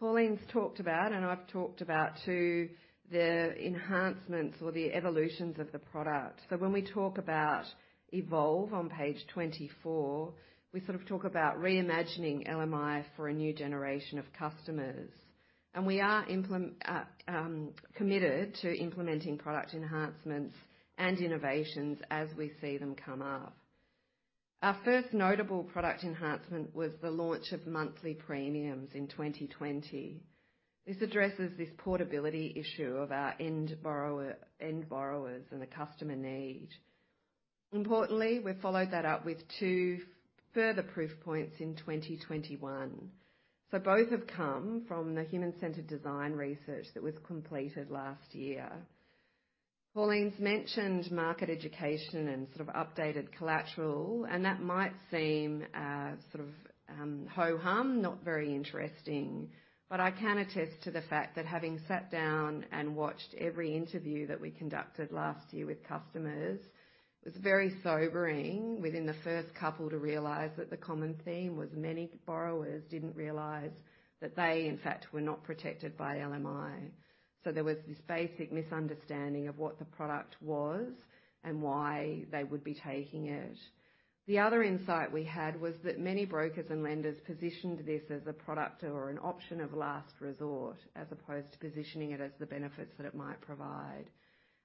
Pauline’s talked about, and I've talked about too, the enhancements or the evolutions of the product. When we talk about Evolve on page 24, we sort of talk about reimagining LMI for a new generation of customers. We are committed to implementing product enhancements and innovations as we see them come up. Our first notable product enhancement was the launch of monthly premiums in 2020. This addresses this portability issue of our end borrowers and the customer need. Importantly, we followed that up with two further proof points in 2021. Both have come from the human-centered design research that was completed last year. Pauline has mentioned market education and sort of updated collateral, and that might seem, sort of, ho-hum, not very interesting. But I can attest to the fact that having sat down and watched every interview that we conducted last year with customers, it was very sobering within the first couple to realize that the common theme was many borrowers didn't realize that they, in fact, were not protected by LMI. There was this basic misunderstanding of what the product was and why they would be taking it. The other insight we had was that many brokers and lenders positioned this as a product or an option of last resort, as opposed to positioning it as the benefits that it might provide.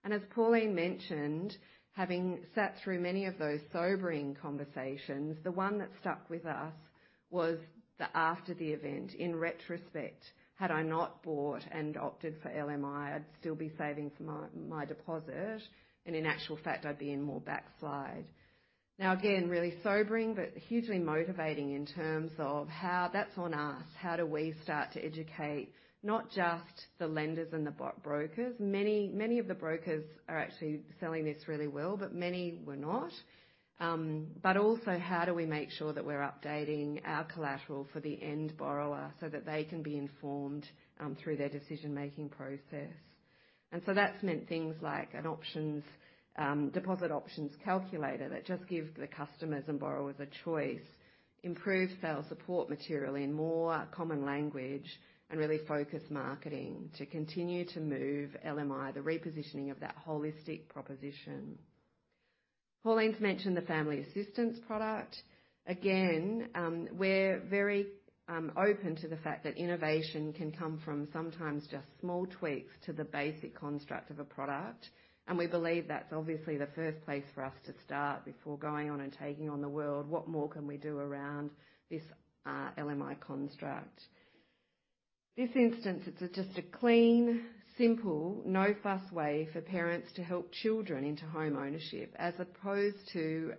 As Pauline mentioned, having sat through many of those sobering conversations, the one that stuck with us was the after the event. In retrospect, had I not bought and opted for LMI, I'd still be saving for my deposit, and in actual fact, I'd be in more backslide. Now, again, really sobering, but hugely motivating in terms of how. That's on us. How do we start to educate not just the lenders and the brokers? Many, many of the brokers are actually selling this really well, but many were not. how do we make sure that we're updating our collateral for the end borrower so that they can be informed through their decision-making process? That's meant things like an options deposit options calculator that just give the customers and borrowers a choice, improve sales support material in more common language, and really focus marketing to continue to move LMI, the repositioning of that holistic proposition. Pauline's mentioned the family assistance product. Again, we're very open to the fact that innovation can come from sometimes just small tweaks to the basic construct of a product, and we believe that's obviously the first place for us to start before going on and taking on the world. What more can we do around this LMI construct? This instance, it's just a clean, simple, no-fuss way for parents to help children into home ownership as opposed to,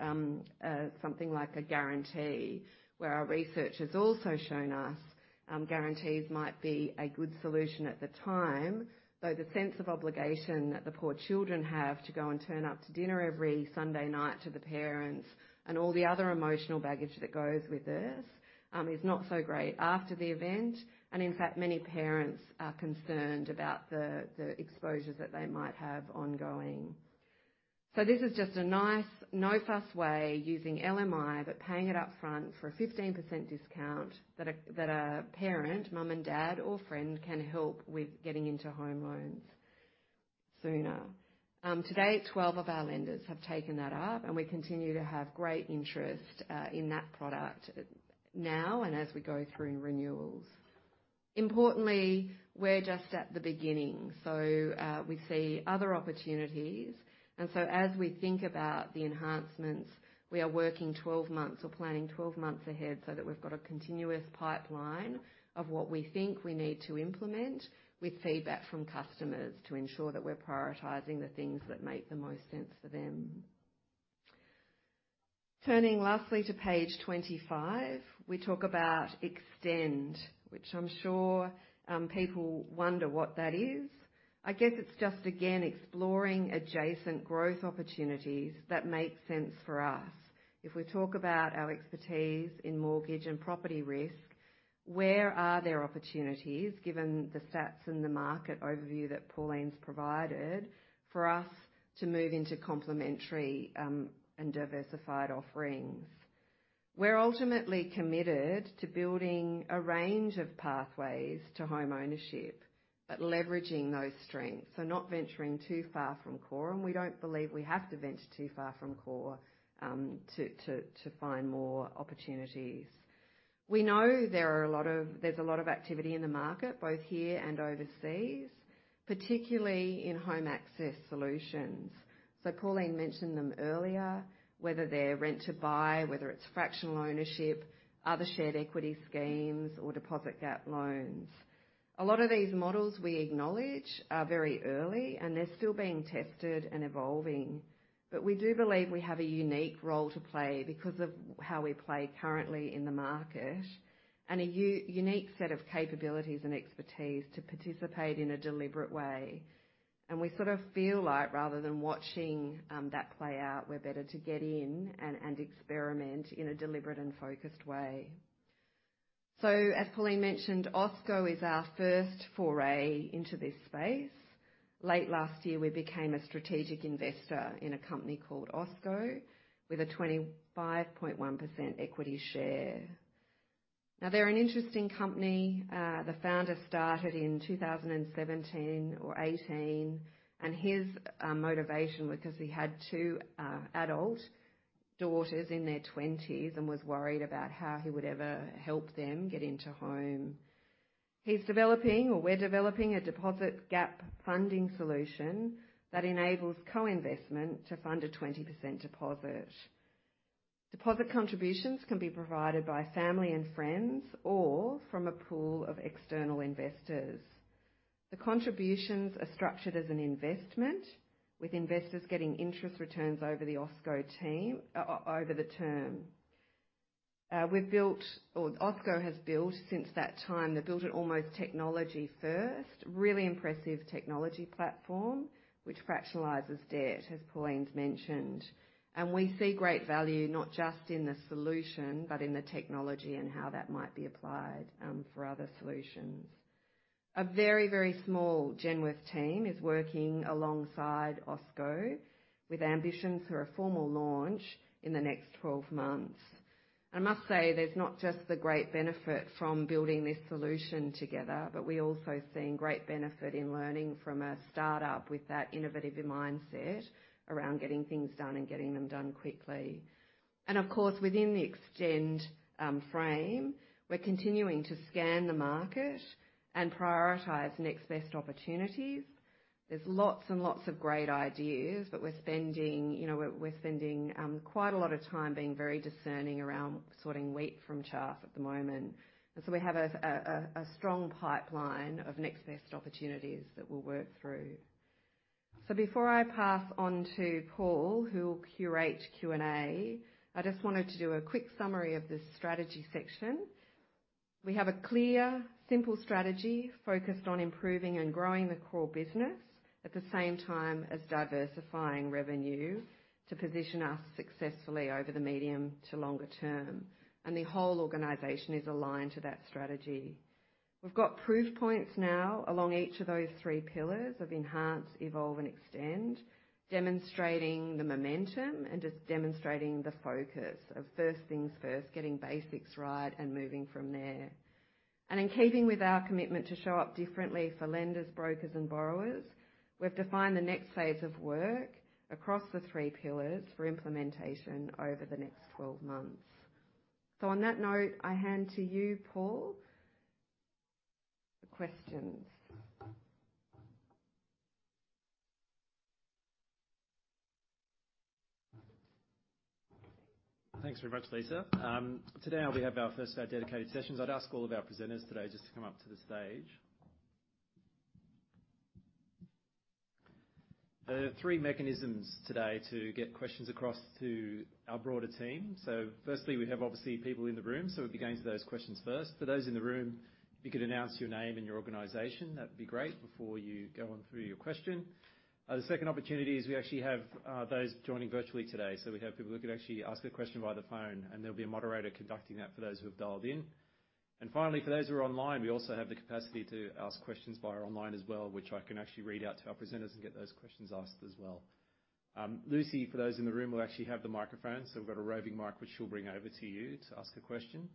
something like a guarantee, where our research has also shown us, guarantees might be a good solution at the time. Though the sense of obligation that the poor children have to go and turn up to dinner every Sunday night to the parents and all the other emotional baggage that goes with this, is not so great after the event. In fact, many parents are concerned about the exposures that they might have ongoing. This is just a nice, no-fuss way using LMI, but paying it up front for a 15% discount that a parent, mom and dad or friend can help with getting into home loans sooner. To date, 12 of our lenders have taken that up, and we continue to have great interest in that product now and as we go through renewals. Importantly, we're just at the beginning, so we see other opportunities. As we think about the enhancements, we are working 12 months or planning 12 months ahead so that we've got a continuous pipeline of what we think we need to implement with feedback from customers to ensure that we're prioritizing the things that make the most sense for them. Turning lastly to page 25, we talk about Extend, which I'm sure people wonder what that is. I guess it's just, again, exploring adjacent growth opportunities that make sense for us. If we talk about our expertise in mortgage and property risk, where are there opportunities, given the stats and the market overview that Pauline's provided, for us to move into complementary, and diversified offerings? We're ultimately committed to building a range of pathways to home ownership, but leveraging those strengths. Not venturing too far from core, and we don't believe we have to venture too far from core, to find more opportunities. We know there's a lot of activity in the market, both here and overseas, particularly in home access solutions. Pauline mentioned them earlier, whether they're rent to buy, whether it's fractional ownership, other shared equity schemes or deposit gap loans. A lot of these models we acknowledge are very early, and they're still being tested and evolving. We do believe we have a unique role to play because of how we play currently in the market, and a unique set of capabilities and expertise to participate in a deliberate way. We sort of feel like rather than watching that play out, we're better to get in and experiment in a deliberate and focused way. As Pauline mentioned, OwnHome is our first foray into this space. Late last year, we became a strategic investor in a company called OwnHome with a 25.1% equity share. Now they're an interesting company. The founder started in 2017 or 2018, and his motivation was because he had two adult daughters in their twenties and was worried about how he would ever help them get into home. He's developing, or we're developing a deposit gap funding solution that enables co-investment to fund a 20% deposit. Deposit contributions can be provided by family and friends or from a pool of external investors. The contributions are structured as an investment, with investors getting interest returns over the term. We've built or Osco has built since that time, they built a most technology-first, really impressive technology platform which fractionalizes debt, as Pauline's mentioned. We see great value not just in the solution, but in the technology and how that might be applied, for other solutions. A very, very small Genworth team is working alongside Osco with ambitions for a formal launch in the next 12 months. I must say, there's not just the great benefit from building this solution together, but we also are seeing great benefit in learning from a startup with that innovative mindset around getting things done and getting them done quickly. Of course, within the existing frame, we're continuing to scan the market and prioritize next best opportunities. There's lots and lots of great ideas, but we're spending, you know, we're spending quite a lot of time being very discerning around sorting wheat from chaff at the moment. We have a strong pipeline of next best opportunities that we'll work through. Before I pass on to Paul, who will curate Q&A, I just wanted to do a quick summary of this strategy section. We have a clear, simple strategy focused on improving and growing the core business at the same time as diversifying revenue to position us successfully over the medium to longer term. The whole organization is aligned to that strategy. We've got proof points now along each of those three pillars of enhance, evolve, and extend, demonstrating the momentum and just demonstrating the focus of first things first, getting basics right and moving from there. In keeping with our commitment to show up differently for lenders, brokers, and borrowers, we've defined the next phase of work across the three pillars for implementation over the next 12 months. On that note, I hand to you, Paul. The questions. Thanks very much, Lisa. Today we have our first dedicated sessions. I'd ask all of our presenters today just to come up to the stage. There are three mechanisms today to get questions across to our broader team. Firstly, we have obviously people in the room, so we'll be going to those questions first. For those in the room, if you could announce your name and your organization, that'd be great before you go on through your question. The second opportunity is we actually have those joining virtually today. We have people who could actually ask a question via the phone, and there'll be a moderator conducting that for those who have dialed in. Finally, for those who are online, we also have the capacity to ask questions via online as well, which I can actually read out to our presenters and get those questions asked as well. Lucy, for those in the room, will actually have the microphone. We've got a roving mic, which she'll bring over to you to ask the question.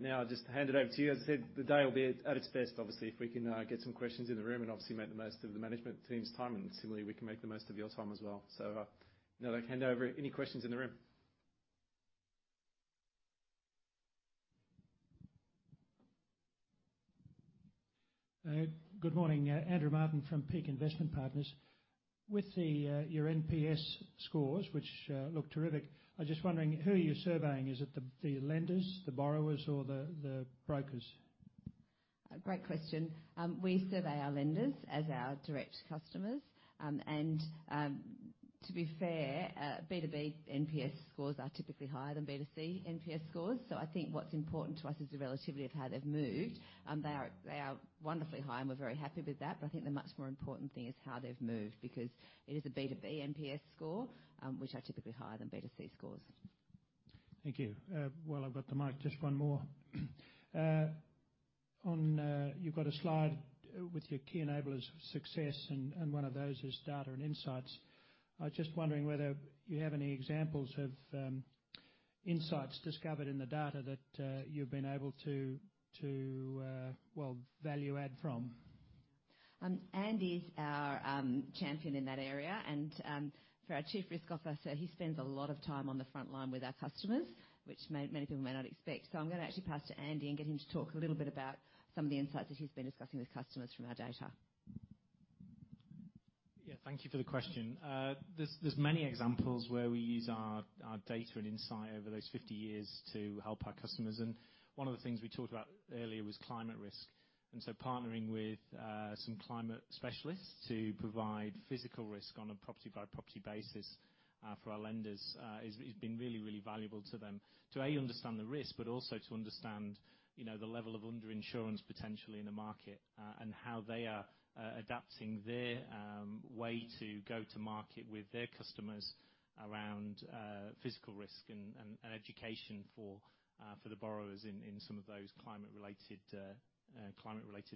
Now I'll just hand it over to you. As I said, the day will be at its best, obviously, if we can get some questions in the room and obviously make the most of the management team's time, and similarly, we can make the most of your time as well. Now I hand over any questions in the room. Good morning. Andrew Martin from Peak Investment Partners. With the your NPS scores, which look terrific, I was just wondering who you're surveying. Is it the lenders, the borrowers or the brokers? A great question. We survey our lenders as our direct customers. To be fair, B2B NPS scores are typically higher than B2C NPS scores. I think what's important to us is the relativity of how they've moved. They are wonderfully high, and we're very happy with that, but I think the much more important thing is how they've moved, because it is a B2B NPS score, which are typically higher than B2C scores. Thank you. While I've got the mic, just one more. On, you've got a slide with your key enablers for success, and one of those is data and insights. I was just wondering whether you have any examples of insights discovered in the data that you've been able to well, value add from. Andy is our champion in that area, and for our Chief Risk Officer, he spends a lot of time on the front line with our customers, which many people may not expect. I'm gonna actually pass to Andy and get him to talk a little bit about some of the insights that he's been discussing with customers from our data. Yeah. Thank you for the question. There's many examples where we use our data and insight over those 50 years to help our customers, and one of the things we talked about earlier was climate risk. Partnering with some climate specialists to provide physical risk on a property by property basis for our lenders has been really valuable to them to A, understand the risk, but also to understand, you know, the level of underinsurance potentially in the market, and how they are adapting their way to go to market with their customers around physical risk and education for the borrowers in some of those climate related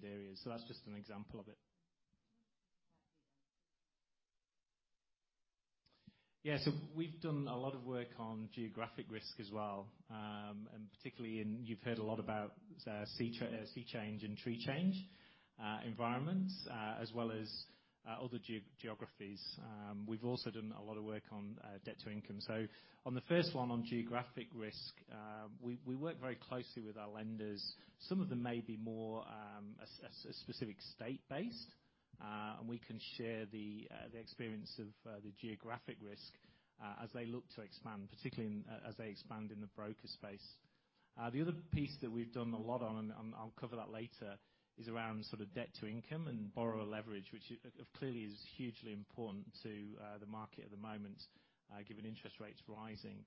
areas. That's just an example of it. Yeah. We've done a lot of work on geographic risk as well. And particularly in, you've heard a lot about sea change and tree change environments, as well as other geographies. We've also done a lot of work on debt to income. On the first one, on geographic risk, we work very closely with our lenders. Some of them may be more specific state-based, and we can share the experience of the geographic risk as they look to expand, particularly as they expand in the broker space. The other piece that we've done a lot on, and I'll cover that later, is around sort of debt to income and borrower leverage, which is clearly hugely important to the market at the moment, given interest rates rising.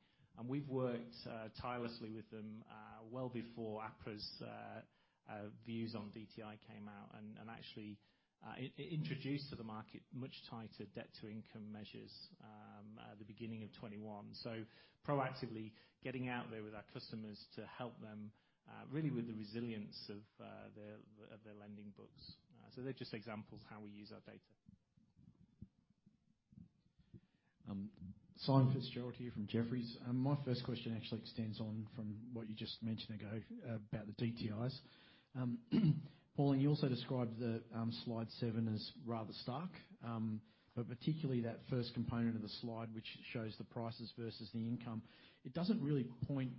We've worked tirelessly with them well before APRA's views on DTI came out and actually introduced to the market much tighter debt to income measures at the beginning of 2021. Proactively getting out there with our customers to help them really with the resilience of their lending books. They're just examples how we use our data. Simon Fitzgerald here from Jefferies. My first question actually extends on from what you just mentioned ago about the DTIs. Pauline, you also described the slide seven as rather stark. Particularly that first component of the slide, which shows the prices versus the income. It doesn't really point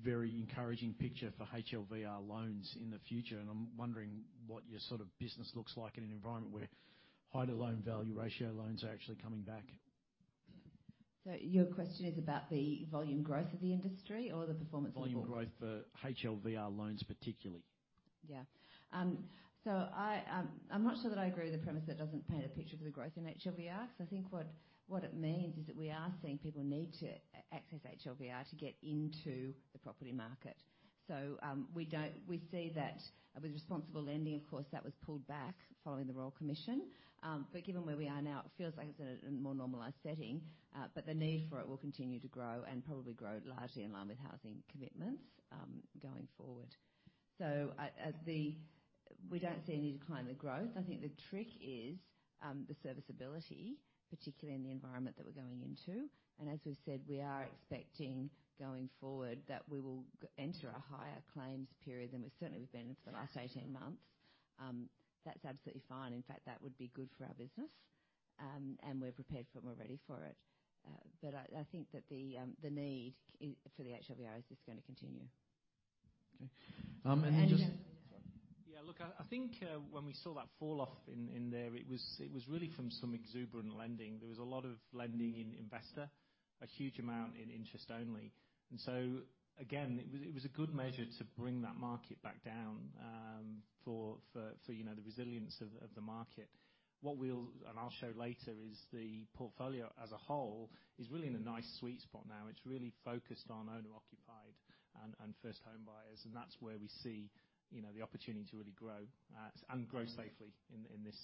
a very encouraging picture for high LVR loans in the future. I'm wondering what your sort of business looks like in an environment where higher loan-to-value ratio loans are actually coming back. Your question is about the volume growth of the industry or the performance of. Volume growth for high LVR loans, particularly. Yeah. I'm not sure that I agree with the premise that doesn't paint a picture for the growth in high LVR. I think what it means is that we are seeing people need to access high LVR to get into the property market. We see that with responsible lending, of course, that was pulled back following the Royal Commission. But given where we are now, it feels like it's in a more normalized setting. But the need for it will continue to grow and probably grow largely in line with housing commitments, going forward. We don't see any decline in the growth. I think the trick is, the serviceability, particularly in the environment that we're going into. As we've said, we are expecting going forward that we will enter a higher claims period than we've certainly been for the last 18 months. That's absolutely fine. In fact, that would be good for our business. We're prepared for it, we're ready for it. I think that the need for the high LVR is just gonna continue. Okay. Andrew. Yeah. Look, I think when we saw that falloff in there, it was really from some exuberant lending. There was a lot of lending in investor, a huge amount in interest only. Again, it was a good measure to bring that market back down for you know the resilience of the market. What we'll and I'll show later is the portfolio as a whole is really in a nice sweet spot now. It's really focused on owner-occupied and first home buyers, and that's where we see you know the opportunity to really grow and grow safely in this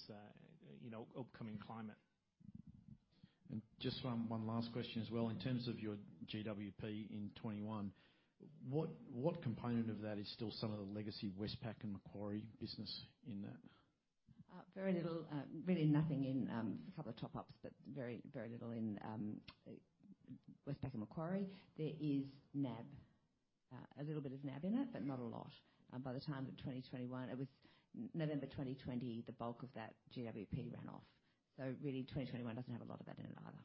upcoming climate. Just one last question as well. In terms of your GWP in 2021, what component of that is still some of the legacy Westpac and Macquarie business in that? Very little. Really nothing in a couple of top ups, but very, very little in Westpac and Macquarie. There is NAB. A little bit of NAB in it, but not a lot. By the time that 2021. It was November 2020, the bulk of that GWP ran off. Really, 2021 doesn't have a lot of that in it either.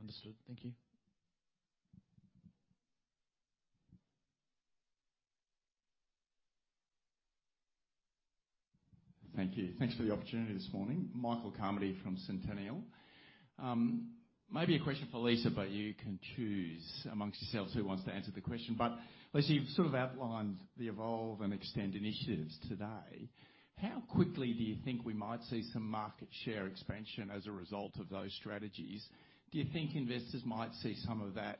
Understood. Thank you. Thank you. Thanks for the opportunity this morning. Michael Carmody from Centennial Asset Management. Maybe a question for Lisa, but you can choose among yourselves who wants to answer the question. Lisa, you've sort of outlined the evolve and extend initiatives today. How quickly do you think we might see some market share expansion as a result of those strategies? Do you think investors might see some of that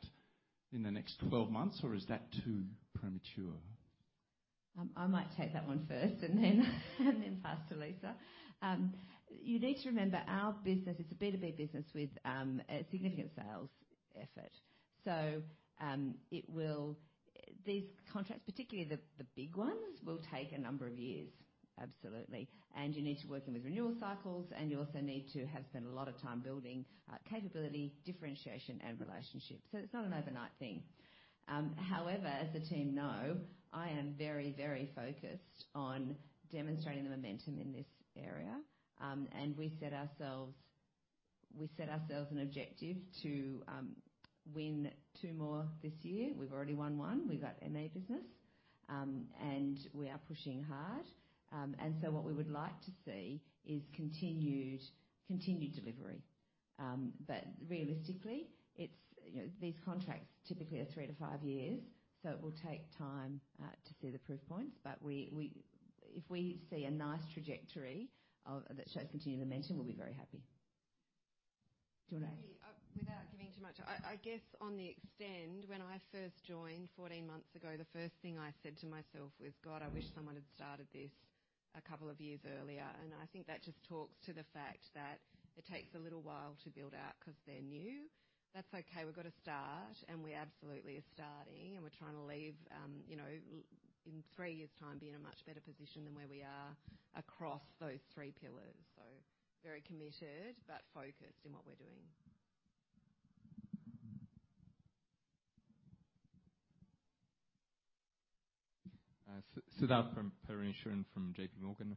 in the next 12 months, or is that too premature? I might take that one first and then pass to Lisa. You need to remember our business is a B2B business with a significant sales effort. These contracts, particularly the big ones, will take a number of years. Absolutely. You need to work in with renewal cycles, and you also need to have spent a lot of time building capability, differentiation and relationships. It's not an overnight thing. However, as the team know, I am very, very focused on demonstrating the momentum in this area. We set ourselves an objective to win two more this year. We've already won one. We got MA business, and we are pushing hard. What we would like to see is continued delivery. Realistically, it's, you know, these contracts typically are 3-5 years, so it will take time to see the proof points. If we see a nice trajectory that shows continued momentum, we'll be very happy. Do you wanna add? Yeah. Without giving too much, I guess to the extent, when I first joined 14 months ago, the first thing I said to myself was, "God, I wish someone had started this a couple of years earlier." I think that just talks to the fact that it takes a little while to build out 'cause they're new. That's okay, we've got to start, and we absolutely are starting, and we're trying to leave, you know, in three years' time, be in a much better position than where we are across those three pillars. Very committed, but focused in what we're doing. Siddharth Parameswaran from J.P. Morgan.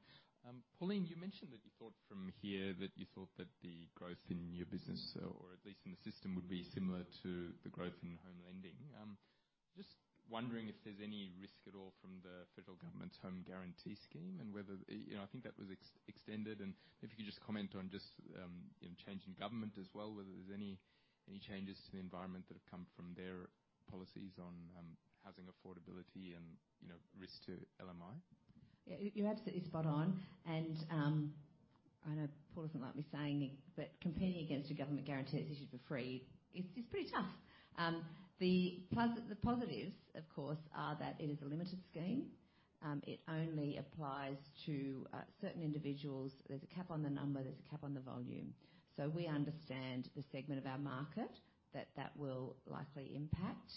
Pauline, you mentioned that from here you thought that the growth in your business or at least in the system would be similar to the growth in home lending. Just wondering if there's any risk at all from the federal government's Home Guarantee Scheme and whether I think that was extended, and if you could just comment on the change in government as well, whether there's any changes to the environment that have come from their policies on housing affordability and risk to LMI. Yeah, you're absolutely spot on. I know Paul doesn't like me saying it, but competing against your government guarantee that's issued for free is pretty tough. The positives, of course, are that it is a limited scheme. It only applies to certain individuals. There's a cap on the number. There's a cap on the volume. We understand the segment of our market that that will likely impact.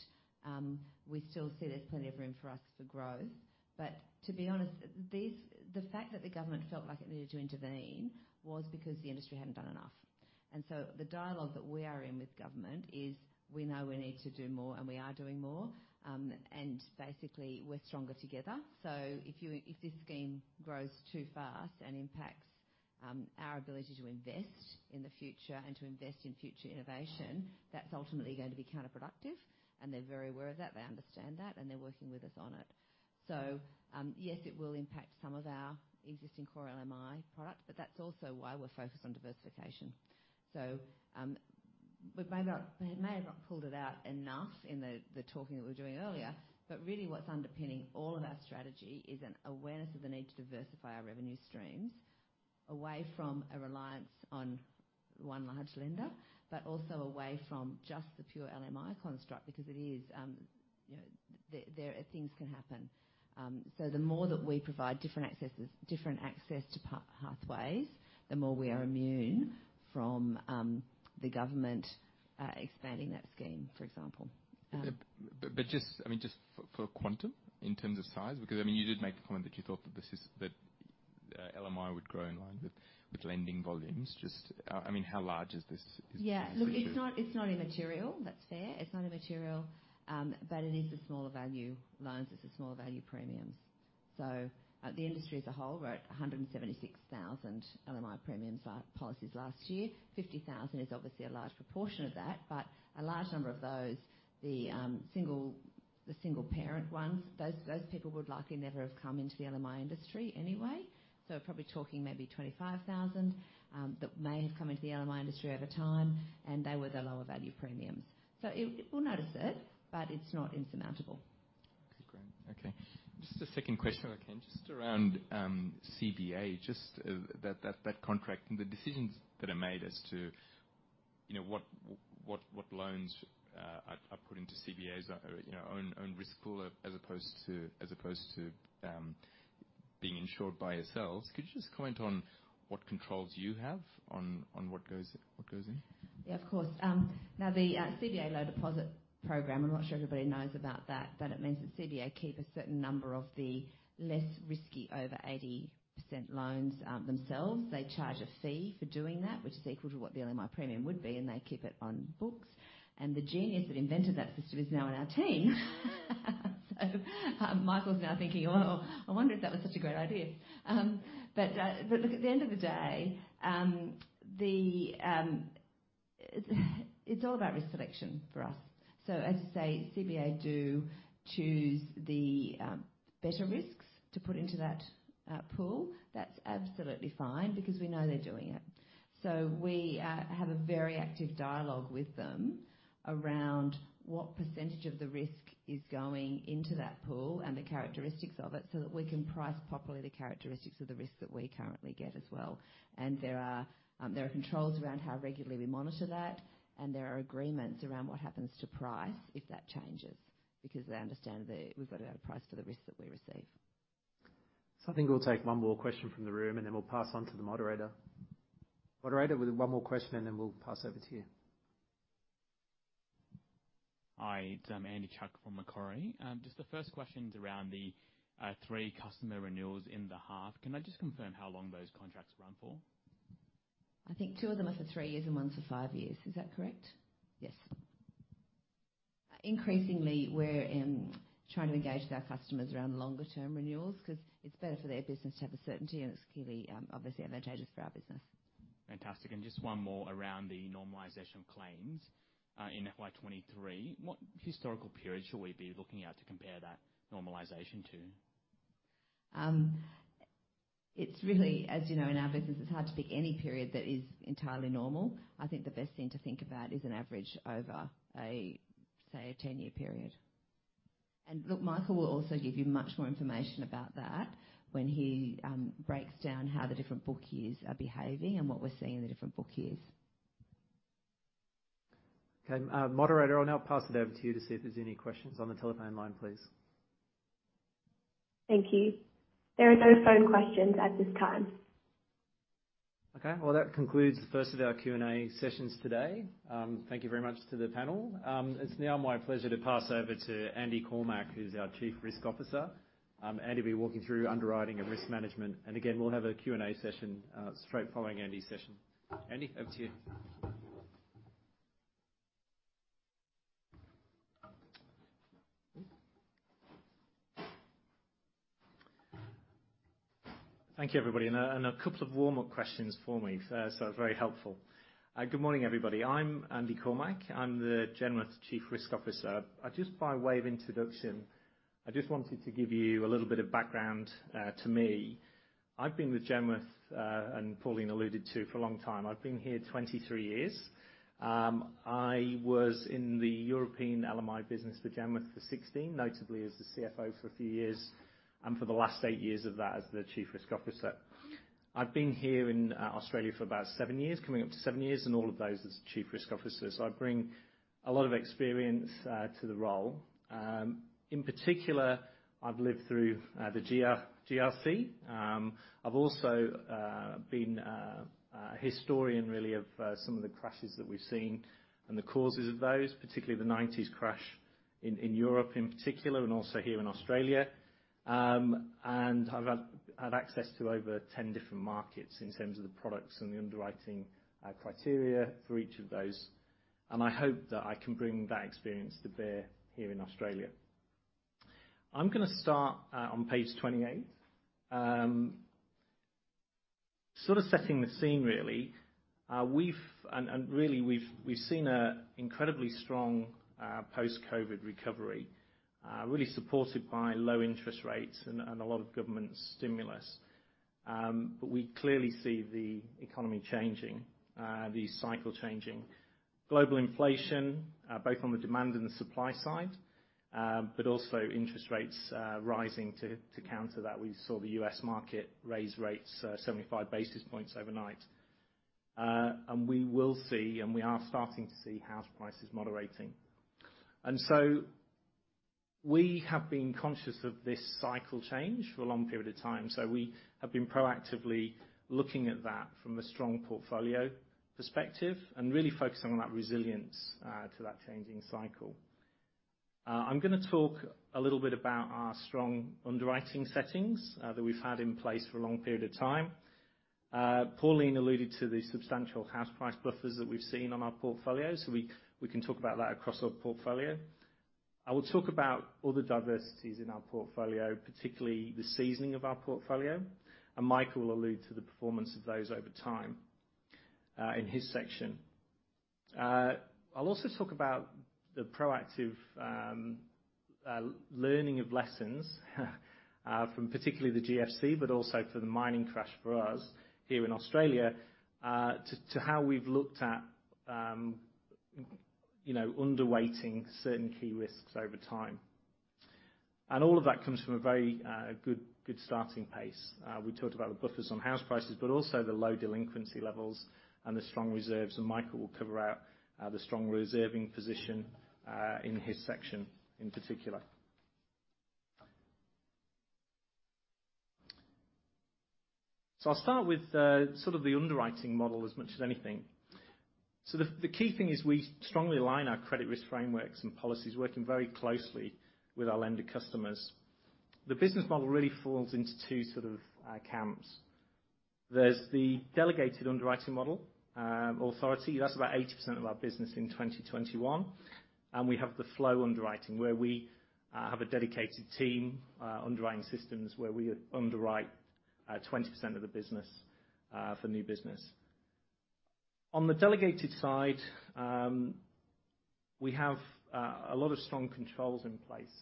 We still see there's plenty of room for us for growth. To be honest, the fact that the government felt like it needed to intervene was because the industry hadn't done enough. The dialogue that we are in with government is, we know we need to do more, and we are doing more. Basically, we're stronger together. If this scheme grows too fast and impacts our ability to invest in the future and to invest in future innovation, that's ultimately going to be counterproductive. They're very aware of that, they understand that, and they're working with us on it. Yes, it will impact some of our existing core LMI product, but that's also why we're focused on diversification. We may have not pulled it out enough in the talking that we were doing earlier, but really what's underpinning all of our strategy is an awareness of the need to diversify our revenue streams away from a reliance on one large lender but also away from just the pure LMI construct because it is, you know. Things can happen. The more that we provide different access to pathways, the more we are immune from the government expanding that scheme, for example. Just, I mean, just for quantum in terms of size, because I mean, you did make the point that you thought that LMI would grow in line with lending volumes. Just, I mean, how large is this? Yeah. Look, it's not immaterial. That's fair. It's not immaterial, but it is the smaller value loans. It's the smaller value premiums. The industry as a whole wrote 176,000 LMI premiums, policies last year. 50,000 is obviously a large proportion of that, but a large number of those, the single parent ones, those people would likely never have come into the LMI industry anyway. Probably talking maybe 25,000 that may have come into the LMI industry at a time, and they were the lower value premiums. We'll notice it, but it's not insurmountable. Okay, great. Just a second question, if I can. Just around CBA, just that contract and the decisions that are made as to, you know, what loans are put into CBA's own risk pool as opposed to being insured by yourselves. Could you just comment on what controls you have on what goes in? Yeah, of course. Now the CBA low deposit program, I'm not sure everybody knows about that, but it means that CBA keep a certain number of the less risky over 80% loans, themselves. They charge a fee for doing that, which is equal to what the LMI premium would be, and they keep it on books. The genius that invented that system is now in our team. Michael's now thinking, "Oh, I wonder if that was such a great idea." Look, at the end of the day, it's all about risk selection for us. As I say, CBA do choose the better risks to put into that pool. That's absolutely fine because we know they're doing it. We have a very active dialogue with them around what percentage of the risk is going into that pool and the characteristics of it, so that we can price properly the characteristics of the risk that we currently get as well. There are controls around how regularly we monitor that, and there are agreements around what happens to price if that changes because they understand that we've got to add a price to the risk that we receive. I think we'll take one more question from the room, and then we'll pass on to the moderator. Moderator, with one more question, and then we'll pass over to you. Hi, it's Andy Chuk from Macquarie. Just the first question's around the three customer renewals in the half. Can I just confirm how long those contracts run for? I think two of them are for three years and one's for five years. Is that correct? Yes. Increasingly, we're trying to engage with our customers around longer-term renewals 'cause it's better for their business to have a certainty, and it's clearly obviously advantageous for our business. Fantastic. Just one more around the normalization of claims in FY 23. What historical period should we be looking at to compare that normalization to? It's really, as you know, in our business, it's hard to pick any period that is entirely normal. I think the best thing to think about is an average over a, say, 10-year period. Look, Michael will also give you much more information about that when he breaks down how the different book years are behaving and what we're seeing in the different book years. Okay. Moderator, I'll now pass it over to you to see if there's any questions on the telephone line, please. Thank you. There are no phone questions at this time. Okay. Well, that concludes the first of our Q&A sessions today. Thank you very much to the panel. It's now my pleasure to pass over to Andrew Cormack, who's our Chief Risk Officer. Andy will be walking through underwriting and risk management. Again, we'll have a Q&A session straight following Andy's session. Andy, over to you. Thank you everybody. A couple of warm-up questions for me first, so it's very helpful. Good morning, everybody. I'm Andrew Cormack. I'm the Genworth Chief Risk Officer. Just by way of introduction, I just wanted to give you a little bit of background to me. I've been with Genworth, and Pauline alluded to, for a long time. I've been here 23 years. I was in the European LMI business for Genworth for 16, notably as the CFO for a few years, and for the last eight years of that, as the Chief Risk Officer. I've been here in Australia for about seven years, coming up to seven years, and all of those as Chief Risk Officer. I bring a lot of experience to the role. In particular, I've lived through the GFC. I've also been a historian really of some of the crashes that we've seen and the causes of those, particularly the nineties crash in Europe in particular, and also here in Australia. I've had access to over 10 different markets in terms of the products and the underwriting criteria for each of those. I hope that I can bring that experience to bear here in Australia. I'm gonna start on page 28. Sort of setting the scene really. We've seen an incredibly strong post-COVID recovery really supported by low interest rates and a lot of government stimulus. We clearly see the economy changing, the cycle changing. Global inflation, both on the demand and the supply side, but also interest rates, rising to counter that. We saw the U.S. market raise rates, 75 basis points overnight. We will see, and we are starting to see house prices moderating. We have been conscious of this cycle change for a long period of time. We have been proactively looking at that from a strong portfolio perspective and really focusing on that resilience, to that changing cycle. I'm gonna talk a little bit about our strong underwriting settings, that we've had in place for a long period of time. Pauline alluded to the substantial house price buffers that we've seen on our portfolio, so we can talk about that across our portfolio. I will talk about other diversities in our portfolio, particularly the seasoning of our portfolio, and Michael will allude to the performance of those over time, in his section. I'll also talk about the proactive learning of lessons from particularly the GFC, but also for the mining crash for us here in Australia, to how we've looked at, you know, underweighting certain key risks over time. All of that comes from a very good starting pace. We talked about the buffers on house prices, but also the low delinquency levels and the strong reserves, and Michael will cover out the strong reserving position in his section in particular. I'll start with sort of the underwriting model as much as anything. The key thing is we strongly align our credit risk frameworks and policies, working very closely with our lender customers. The business model really falls into two sort of camps. There's the delegated underwriting model authority. That's about 80% of our business in 2021. We have the flow underwriting, where we have a dedicated team underwriting systems where we underwrite 20% of the business for new business. On the delegated side, we have a lot of strong controls in place,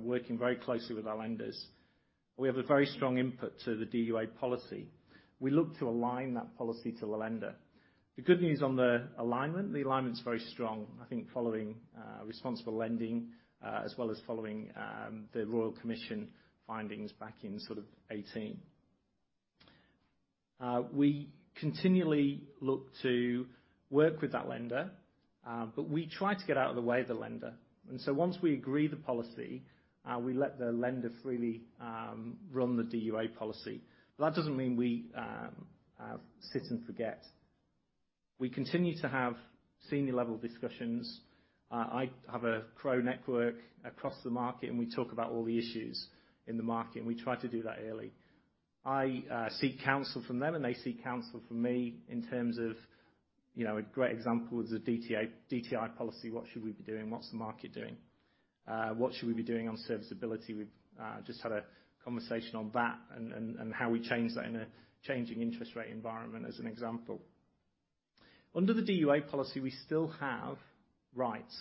working very closely with our lenders. We have a very strong input to the DUA policy. We look to align that policy to the lender. The good news on the alignment, the alignment's very strong, I think following responsible lending, as well as following the Royal Commission findings back in sort of 2018. We continually look to work with that lender, but we try to get out of the way of the lender. Once we agree the policy, we let the lender freely run the DUA policy. That doesn't mean we sit and forget. We continue to have senior level discussions. I have a broad network across the market, and we talk about all the issues in the market, and we try to do that early. I seek counsel from them, and they seek counsel from me in terms of, you know, a great example is the DTI policy, what should we be doing? What's the market doing? What should we be doing on serviceability? We've just had a conversation on that and how we change that in a changing interest rate environment, as an example. Under the DUA policy, we still have rights.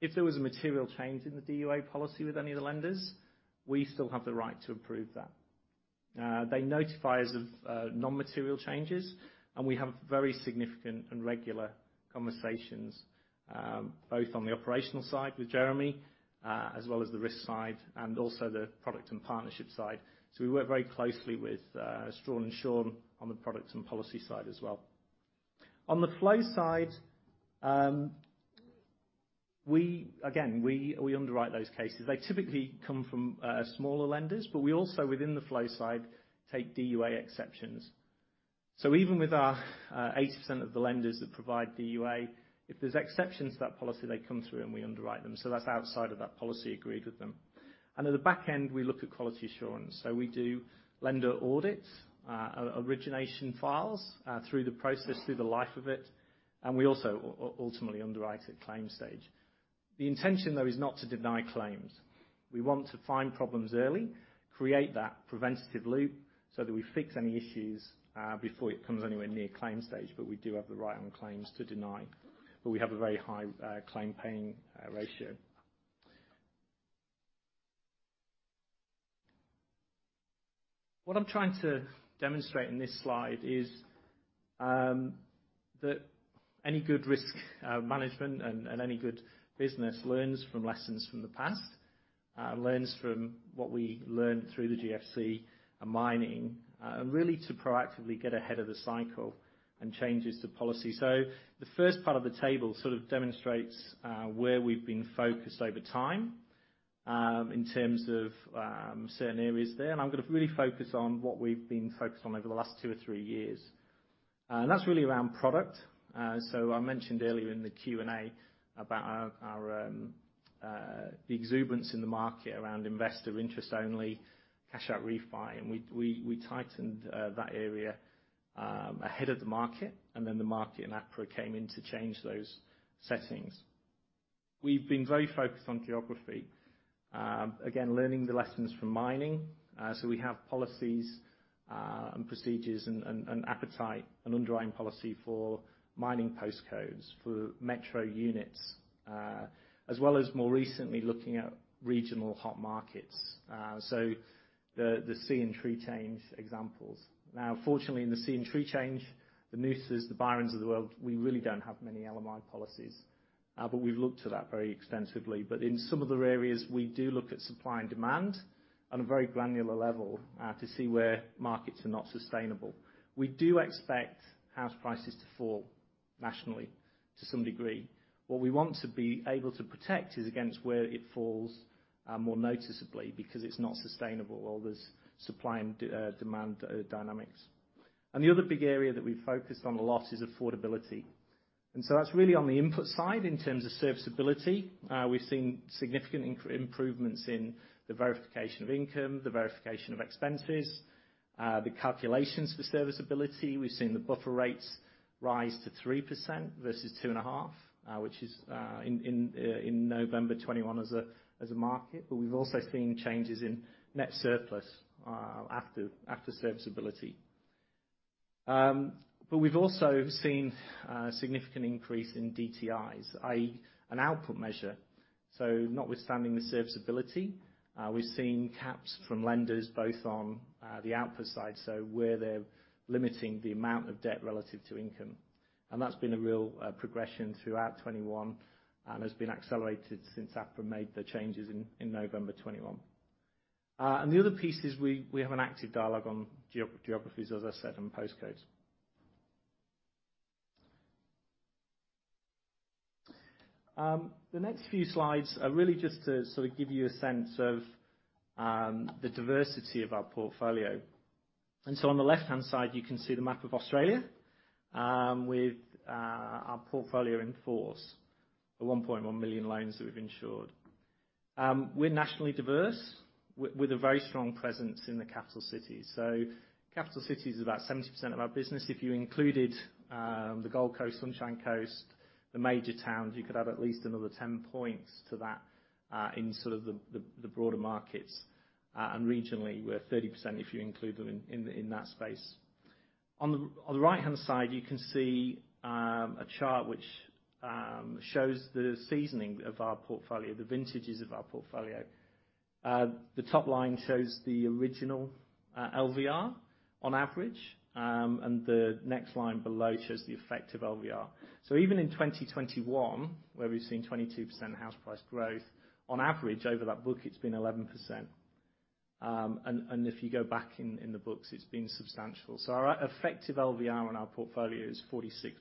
If there was a material change in the DUA policy with any of the lenders, we still have the right to approve that. They notify us of non-material changes, and we have very significant and regular conversations, both on the operational side with Jeremy, as well as the risk side, and also the product and partnership side. We work very closely with Strachan Taylor and Shawn on the products and policy side as well. On the flow side, we underwrite those cases. They typically come from smaller lenders, but we also within the flow side, take DUA exceptions. Even with our 80% of the lenders that provide DUA, if there's exceptions to that policy, they come through and we underwrite them. That's outside of that policy agreed with them. At the back end, we look at quality assurance. We do lender audits, origination files, through the process, through the life of it. We also ultimately underwrite at claim stage. The intention though is not to deny claims. We want to find problems early, create that preventative loop so that we fix any issues, before it comes anywhere near claim stage. We do have the right on claims to deny, but we have a very high claim paying ratio. What I'm trying to demonstrate in this slide is that any good risk management and any good business learns from lessons from the past, learns from what we learned through the GFC and mining, and really to proactively get ahead of the cycle and changes to policy. The first part of the table sort of demonstrates where we've been focused over time in terms of certain areas there, and I'm gonna really focus on what we've been focused on over the last two or three years. That's really around product. I mentioned earlier in the Q&A about our the exuberance in the market around investor interest only cashout refi. We tightened that area ahead of the market, and then the market and APRA came in to change those settings. We've been very focused on geography, again, learning the lessons from mining. We have policies, and procedures and an appetite and underwriting policy for mining postcodes for metro units, as well as more recently looking at regional hot markets. The sea/tree change examples. Now, fortunately, in the sea/tree change, the Noosas, the Byrons of the world, we really don't have many LMI policies, but we've looked to that very extensively. In some other areas, we do look at supply and demand on a very granular level, to see where markets are not sustainable. We do expect house prices to fall nationally to some degree. What we want to be able to protect is against where it falls, more noticeably because it's not sustainable or there's supply and demand dynamics. The other big area that we've focused on a lot is affordability. That's really on the input side in terms of serviceability. We've seen significant improvements in the verification of income, the verification of expenses, the calculations for serviceability. We've seen the buffer rates rise to 3% versus 2.5%, which is in November 2021 as a market. We've also seen changes in net surplus after serviceability. We've also seen significant increase in DTIs, i.e., an output measure. Notwithstanding the serviceability, we've seen caps from lenders both on the output side, so where they're limiting the amount of debt relative to income. That's been a real progression throughout 2021 and has been accelerated since APRA made the changes in November 2021. The other piece is we have an active dialogue on geographies, as I said, and postcodes. The next few slides are really just to sort of give you a sense of the diversity of our portfolio. On the left-hand side, you can see the map of Australia with our portfolio in force, the 1.1 million loans that we've insured. We're nationally diverse with a very strong presence in the capital cities. Capital cities is about 70% of our business. If you included the Gold Coast, Sunshine Coast, the major towns, you could add at least another 10 points to that in sort of the broader markets. Regionally, we're 30% if you include them in that space. On the right-hand side, you can see a chart which shows the seasoning of our portfolio, the vintages of our portfolio. The top line shows the original LVR on average. And the next line below shows the effect of LVR. Even in 2021, where we've seen 22% house price growth, on average over that book, it's been 11%. And if you go back in the books, it's been substantial. Our effective LVR on our portfolio is 46%.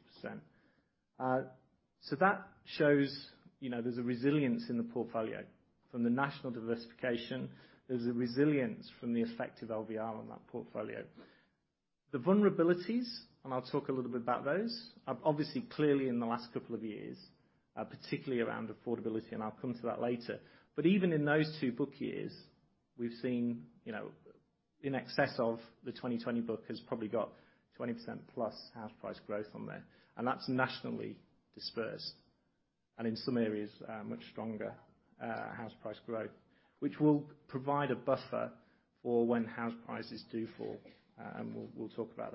That shows, you know, there's a resilience in the portfolio. From the national diversification, there's a resilience from the effective LVR on that portfolio. The vulnerabilities, and I'll talk a little bit about those, are obviously clearly in the last couple of years, particularly around affordability, and I'll come to that later. Even in those two book years, we've seen, you know, in excess of the 2020 book has probably got 20% plus house price growth on there. That's nationally dispersed. In some areas, much stronger house price growth, which will provide a buffer for when house prices do fall. We'll talk about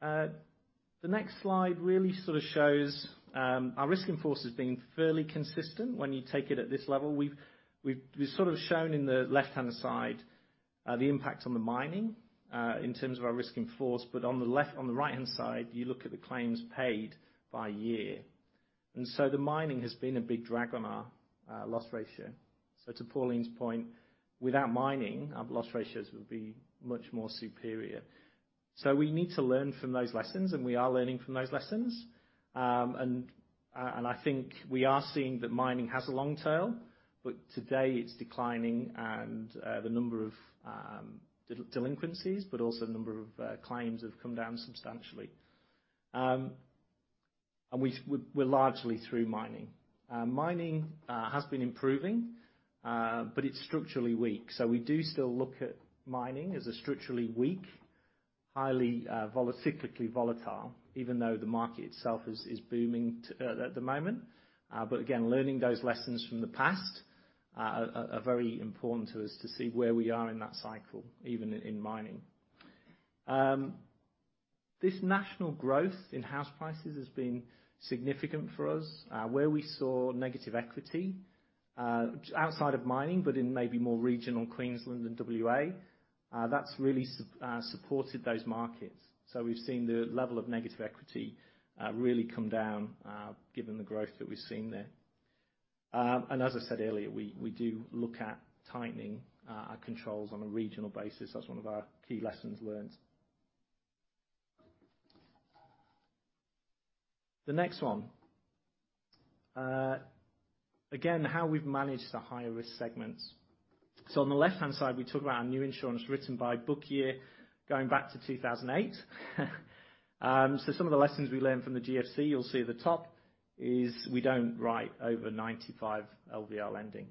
that. The next slide really sort of shows our risk in force as being fairly consistent when you take it at this level. We've sort of shown in the left-hand side the impact on the mining in terms of our risk in force. On the right-hand side, you look at the claims paid by year. The mining has been a big drag on our loss ratio. To Pauline's point, without mining, our loss ratios would be much more superior. We need to learn from those lessons, and we are learning from those lessons. I think we are seeing that mining has a long tail, but today it's declining and the number of delinquencies but also the number of claims have come down substantially. We're largely through mining. Mining has been improving, but it's structurally weak. We do still look at mining as a structurally weak, highly cyclically volatile, even though the market itself is booming at the moment. But again, learning those lessons from the past are very important to us to see where we are in that cycle, even in mining. This national growth in house prices has been significant for us. Where we saw negative equity outside of mining, but in maybe more regional Queensland than WA, that's really supported those markets. We've seen the level of negative equity really come down given the growth that we've seen there. As I said earlier, we do look at tightening our controls on a regional basis. That's one of our key lessons learned. The next one. Again, how we've managed the higher risk segments. On the left-hand side, we talk about our new insurance written by book year, going back to 2008. Some of the lessons we learned from the GFC, you'll see at the top is we don't write over 95 LVR lending.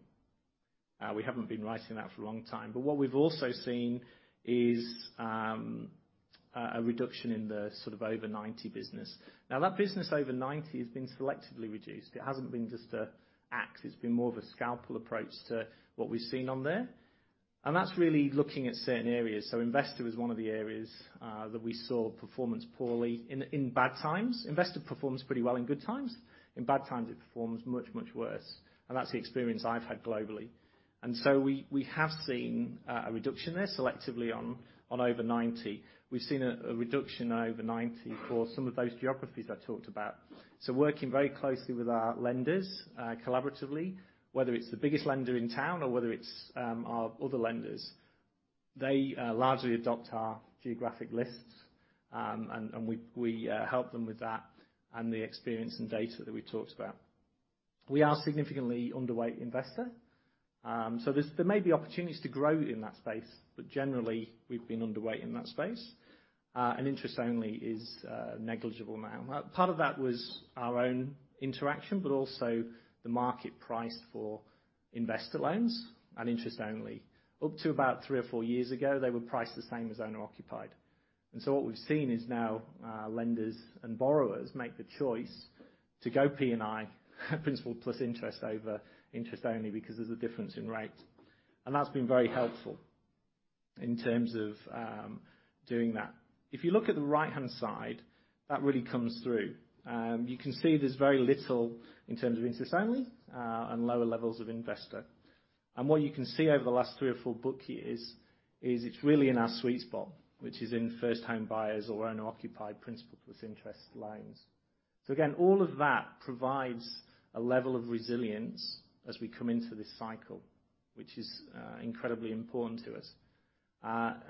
We haven't been writing that for a long time. what we've also seen is a reduction in the sort of over 90 business. Now that business over 90 has been selectively reduced. It hasn't been just an axe, it's been more of a scalpel approach to what we've seen on there. That's really looking at certain areas. Investor is one of the areas that we saw performance poorly in in bad times. Investor performs pretty well in good times. In bad times, it performs much, much worse. That's the experience I've had globally. We have seen a reduction there selectively on over 90. We've seen a reduction over 90 for some of those geographies I talked about. Working very closely with our lenders, collaboratively, whether it's the biggest lender in town or whether it's our other lenders, they largely adopt our geographic lists. We help them with that, and the experience and data that we talked about. We are significantly underweight investor. There may be opportunities to grow in that space, but generally, we've been underweight in that space. Interest-only is negligible now. Part of that was our own interaction, but also the market price for investor loans and interest only. Up to about three or four years ago, they were priced the same as owner-occupied. What we've seen is now, lenders and borrowers make the choice to go P&I, principal plus interest over interest only because there's a difference in rate. That's been very helpful in terms of doing that. If you look at the right-hand side, that really comes through. You can see there's very little in terms of interest only and lower levels of investor. What you can see over the last three or four book years is it's really in our sweet spot, which is in first home buyers or owner occupied principal plus interest loans. Again, all of that provides a level of resilience as we come into this cycle, which is incredibly important to us.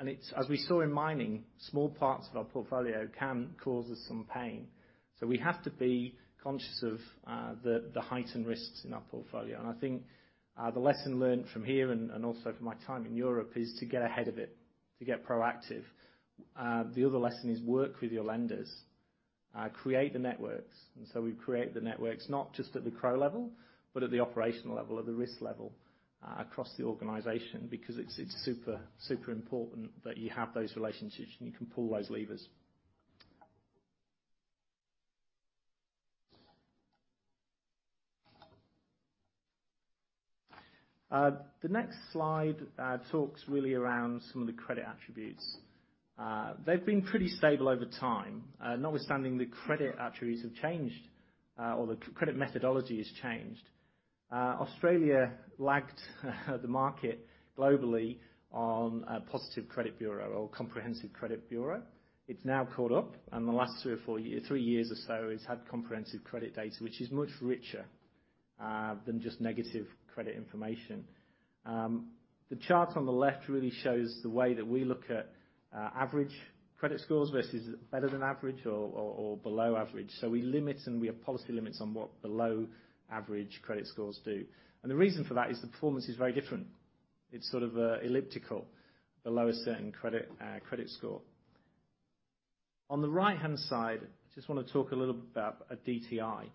It's, as we saw in mining, small parts of our portfolio can cause us some pain. We have to be conscious of the heightened risks in our portfolio. I think the lesson learned from here and also from my time in Europe is to get ahead of it, to get proactive. The other lesson is work with your lenders. Create the networks. We create the networks not just at the CRO level, but at the operational level, at the risk level, across the organization because it's super important that you have those relationships and you can pull those levers. The next slide talks really around some of the credit attributes. They've been pretty stable over time. Notwithstanding the credit attributes have changed, or the credit methodology has changed. Australia lagged the market globally on a positive credit bureau or comprehensive credit bureau. It's now caught up, and the last three or four years. Three years or so has had comprehensive credit data, which is much richer than just negative credit information. The chart on the left really shows the way that we look at average credit scores versus better than average or below average. We limit and we have policy limits on what below average credit scores do. The reason for that is the performance is very different. It's sort of elliptical below a certain credit score. On the right-hand side, I just wanna talk a little about our DTI.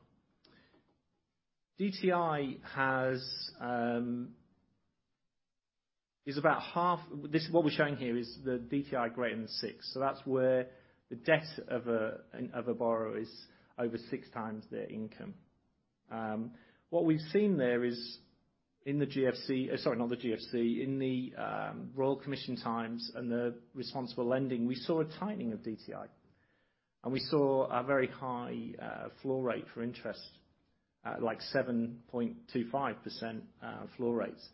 DTI is about half. What we're showing here is the DTI greater than six. That's where the debt of a borrower is over six times their income. What we've seen there is in the Royal Commission times and the responsible lending, we saw a tightening of DTI. We saw a very high floor rate for interest, like 7.25% floor rates.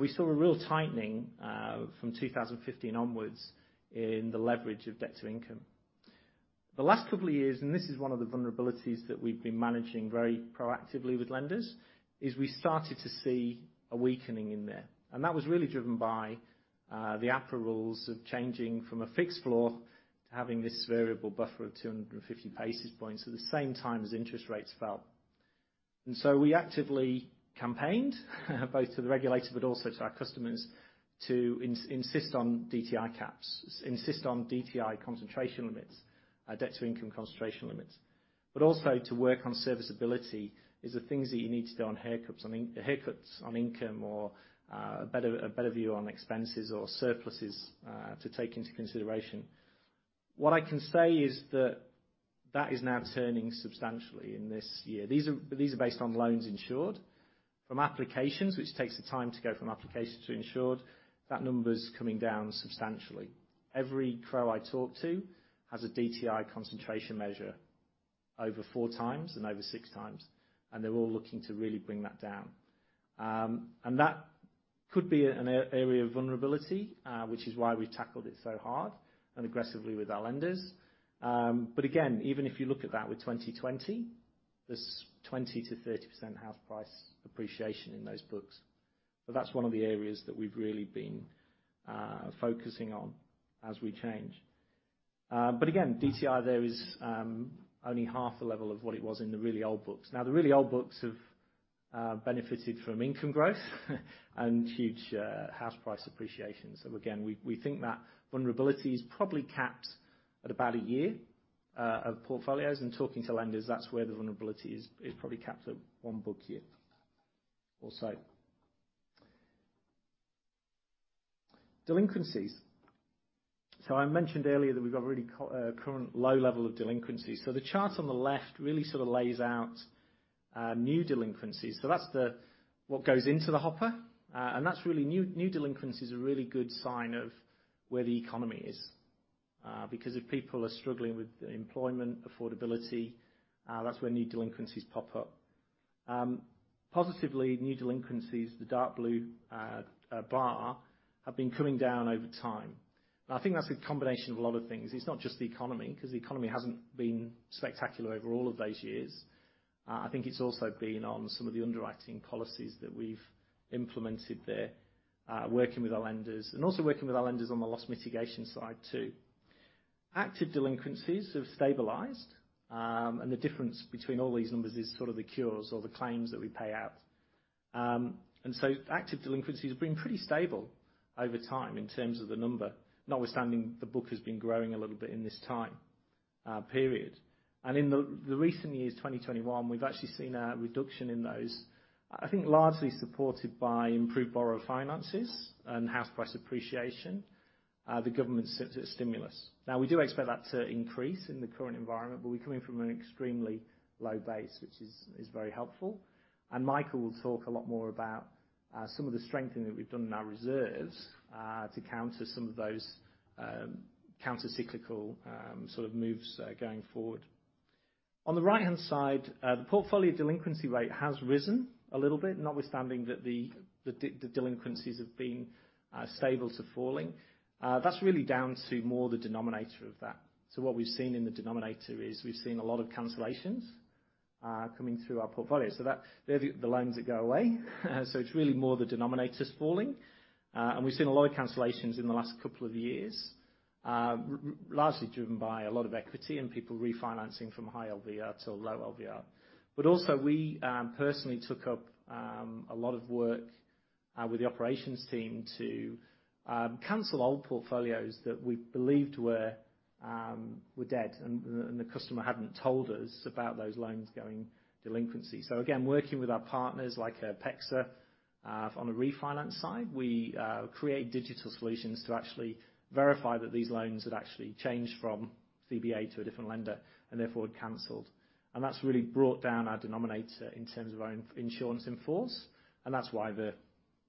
We saw a real tightening from 2015 onwards in the leverage of debt to income. The last couple of years, and this is one of the vulnerabilities that we've been managing very proactively with lenders, is we started to see a weakening in there. That was really driven by the APRA rules of changing from a fixed floor to having this variable buffer of 250 basis points at the same time as interest rates fell. We actively campaigned both to the regulator but also to our customers to insist on DTI caps, insist on DTI concentration limits, debt to income concentration limits. But also to work on serviceability is the things that you need to do on haircuts on income or a better view on expenses or surpluses to take into consideration. What I can say is that is now turning substantially in this year. These are based on loans insured from applications, which takes the time to go from applications to insured. That number's coming down substantially. Every CRO I talk to has a DTI concentration measure over four times and over six times, and they're all looking to really bring that down. That could be an area of vulnerability, which is why we tackled it so hard and aggressively with our lenders. Again, even if you look at that with 20/20, there's 20%-30% house price appreciation in those books. That's one of the areas that we've really been focusing on as we change. Again, DTI there is only half the level of what it was in the really old books. Now, the really old books have benefited from income growth and huge house price appreciation. Again, we think that vulnerability is probably capped at about a year of portfolios. Talking to lenders, that's where the vulnerability is, probably capped at one book year or so. Delinquencies. I mentioned earlier that we've got really current low level of delinquencies. The chart on the left really sort of lays out new delinquencies. That's what goes into the hopper. That's really new delinquencies are a really good sign of where the economy is. Because if people are struggling with employment affordability, that's where new delinquencies pop up. Positively, new delinquencies, the dark blue bar, have been coming down over time. I think that's a combination of a lot of things. It's not just the economy, 'cause the economy hasn't been spectacular over all of those years. I think it's also been on some of the underwriting policies that we've implemented there, working with our lenders and also working with our lenders on the loss mitigation side too. Active delinquencies have stabilized, and the difference between all these numbers is sort of the cures or the claims that we pay out. Active delinquencies have been pretty stable over time in terms of the number. Notwithstanding, the book has been growing a little bit in this time period. In the recent years, 2021, we've actually seen a reduction in those, I think largely supported by improved borrower finances and house price appreciation, the government's stimulus. Now, we do expect that to increase in the current environment, but we're coming from an extremely low base, which is very helpful. Michael will talk a lot more about some of the strengthening that we've done in our reserves to counter some of those countercyclical sort of moves going forward. On the right-hand side, the portfolio delinquency rate has risen a little bit, notwithstanding that the delinquencies have been stable to falling. That's really down to more the denominator of that. What we've seen in the denominator is we've seen a lot of cancellations coming through our portfolio. They're the loans that go away. It's really more the denominators falling. We've seen a lot of cancellations in the last couple of years largely driven by a lot of equity and people refinancing from high LVR to low LVR. We also personally took up a lot of work with the operations team to cancel old portfolios that we believed were dead and the customer hadn't told us about those loans going delinquency. Again, working with our partners like PEXA on the refinance side, we create digital solutions to actually verify that these loans had actually changed from CBA to a different lender and therefore canceled. That's really brought down our denominator in terms of our insurance in force. That's why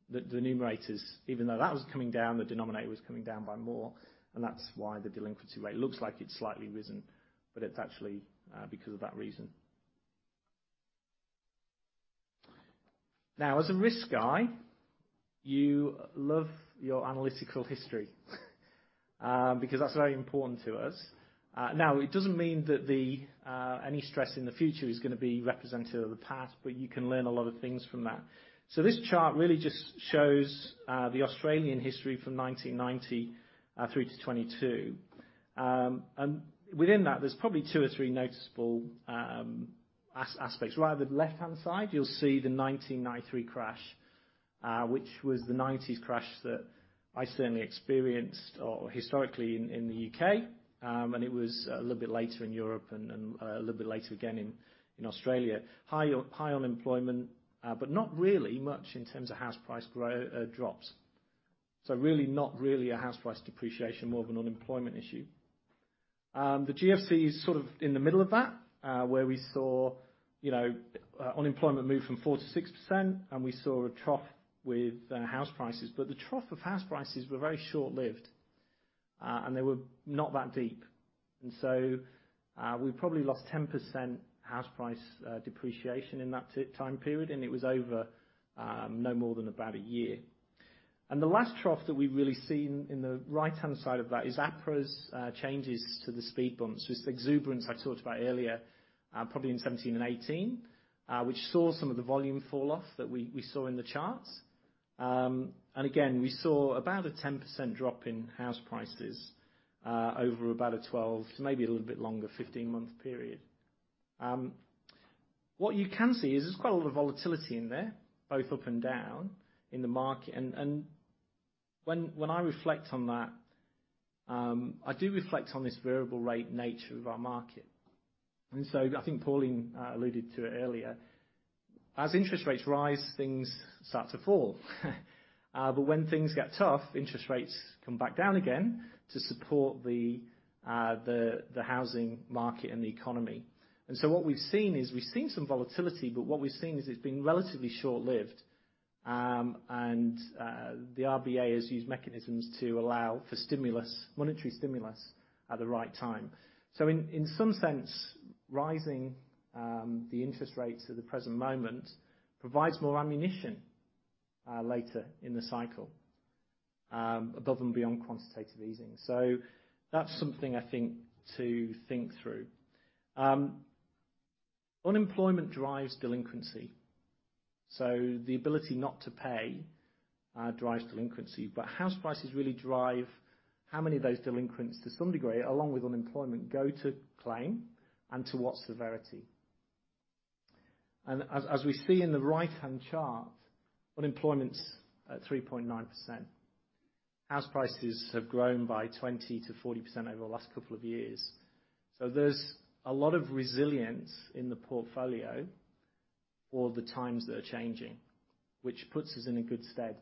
the numerators, even though that was coming down, the denominator was coming down by more, and that's why the delinquency rate looks like it's slightly risen, but it's actually because of that reason. Now, as a risk guy, you love your analytical history because that's very important to us. Now, it doesn't mean that the any stress in the future is gonna be representative of the past, but you can learn a lot of things from that. This chart really just shows the Australian history from 1993 to 2022. And within that, there's probably two or three Noticeable aspects. Right at the left-hand side, you'll see the 1993 crash, which was the 1990s crash that I certainly experienced or historically in the U.K.. And it was a little bit later in Europe and a little bit later again in Australia. High unemployment, but not really much in terms of house price growth drops. Not really a house price depreciation, more of an unemployment issue. The GFC is sort of in the middle of that, where we saw, you know, unemployment move from 4%-6%, and we saw a trough with house prices. The trough of house prices were very short-lived, and they were not that deep. We probably lost 10% house price depreciation in that time period, and it was over no more than about a year. The last trough that we've really seen in the right-hand side of that is APRA's changes to the speed bumps. This exuberance I talked about earlier, probably in 2017 and 2018, which saw some of the volume falloff that we saw in the charts. Again, we saw about a 10% drop in house prices, over about a 12 to maybe a little bit longer, 15-month period. What you can see is there's quite a lot of volatility in there, both up and down in the market. When I reflect on that, I do reflect on this variable rate nature of our market. I think Pauline alluded to it earlier. As interest rates rise, things start to fall. When things get tough, interest rates come back down again to support the housing market and the economy. What we've seen is some volatility, but what we're seeing is it's been relatively short-lived. The RBA has used mechanisms to allow for stimulus, monetary stimulus at the right time. In some sense, rising the interest rates at the present moment provides more ammunition later in the cycle above and beyond quantitative easing. That's something I think to think through. Unemployment drives delinquency, so the ability not to pay drives delinquency. House prices really drive how many of those delinquents, to some degree, along with unemployment, go to claim and to what severity. As we see in the right-hand chart, unemployment's at 3.9%. House prices have grown by 20%-40% over the last couple of years. There's a lot of resilience in the portfolio for the times that are changing, which puts us in a good stead.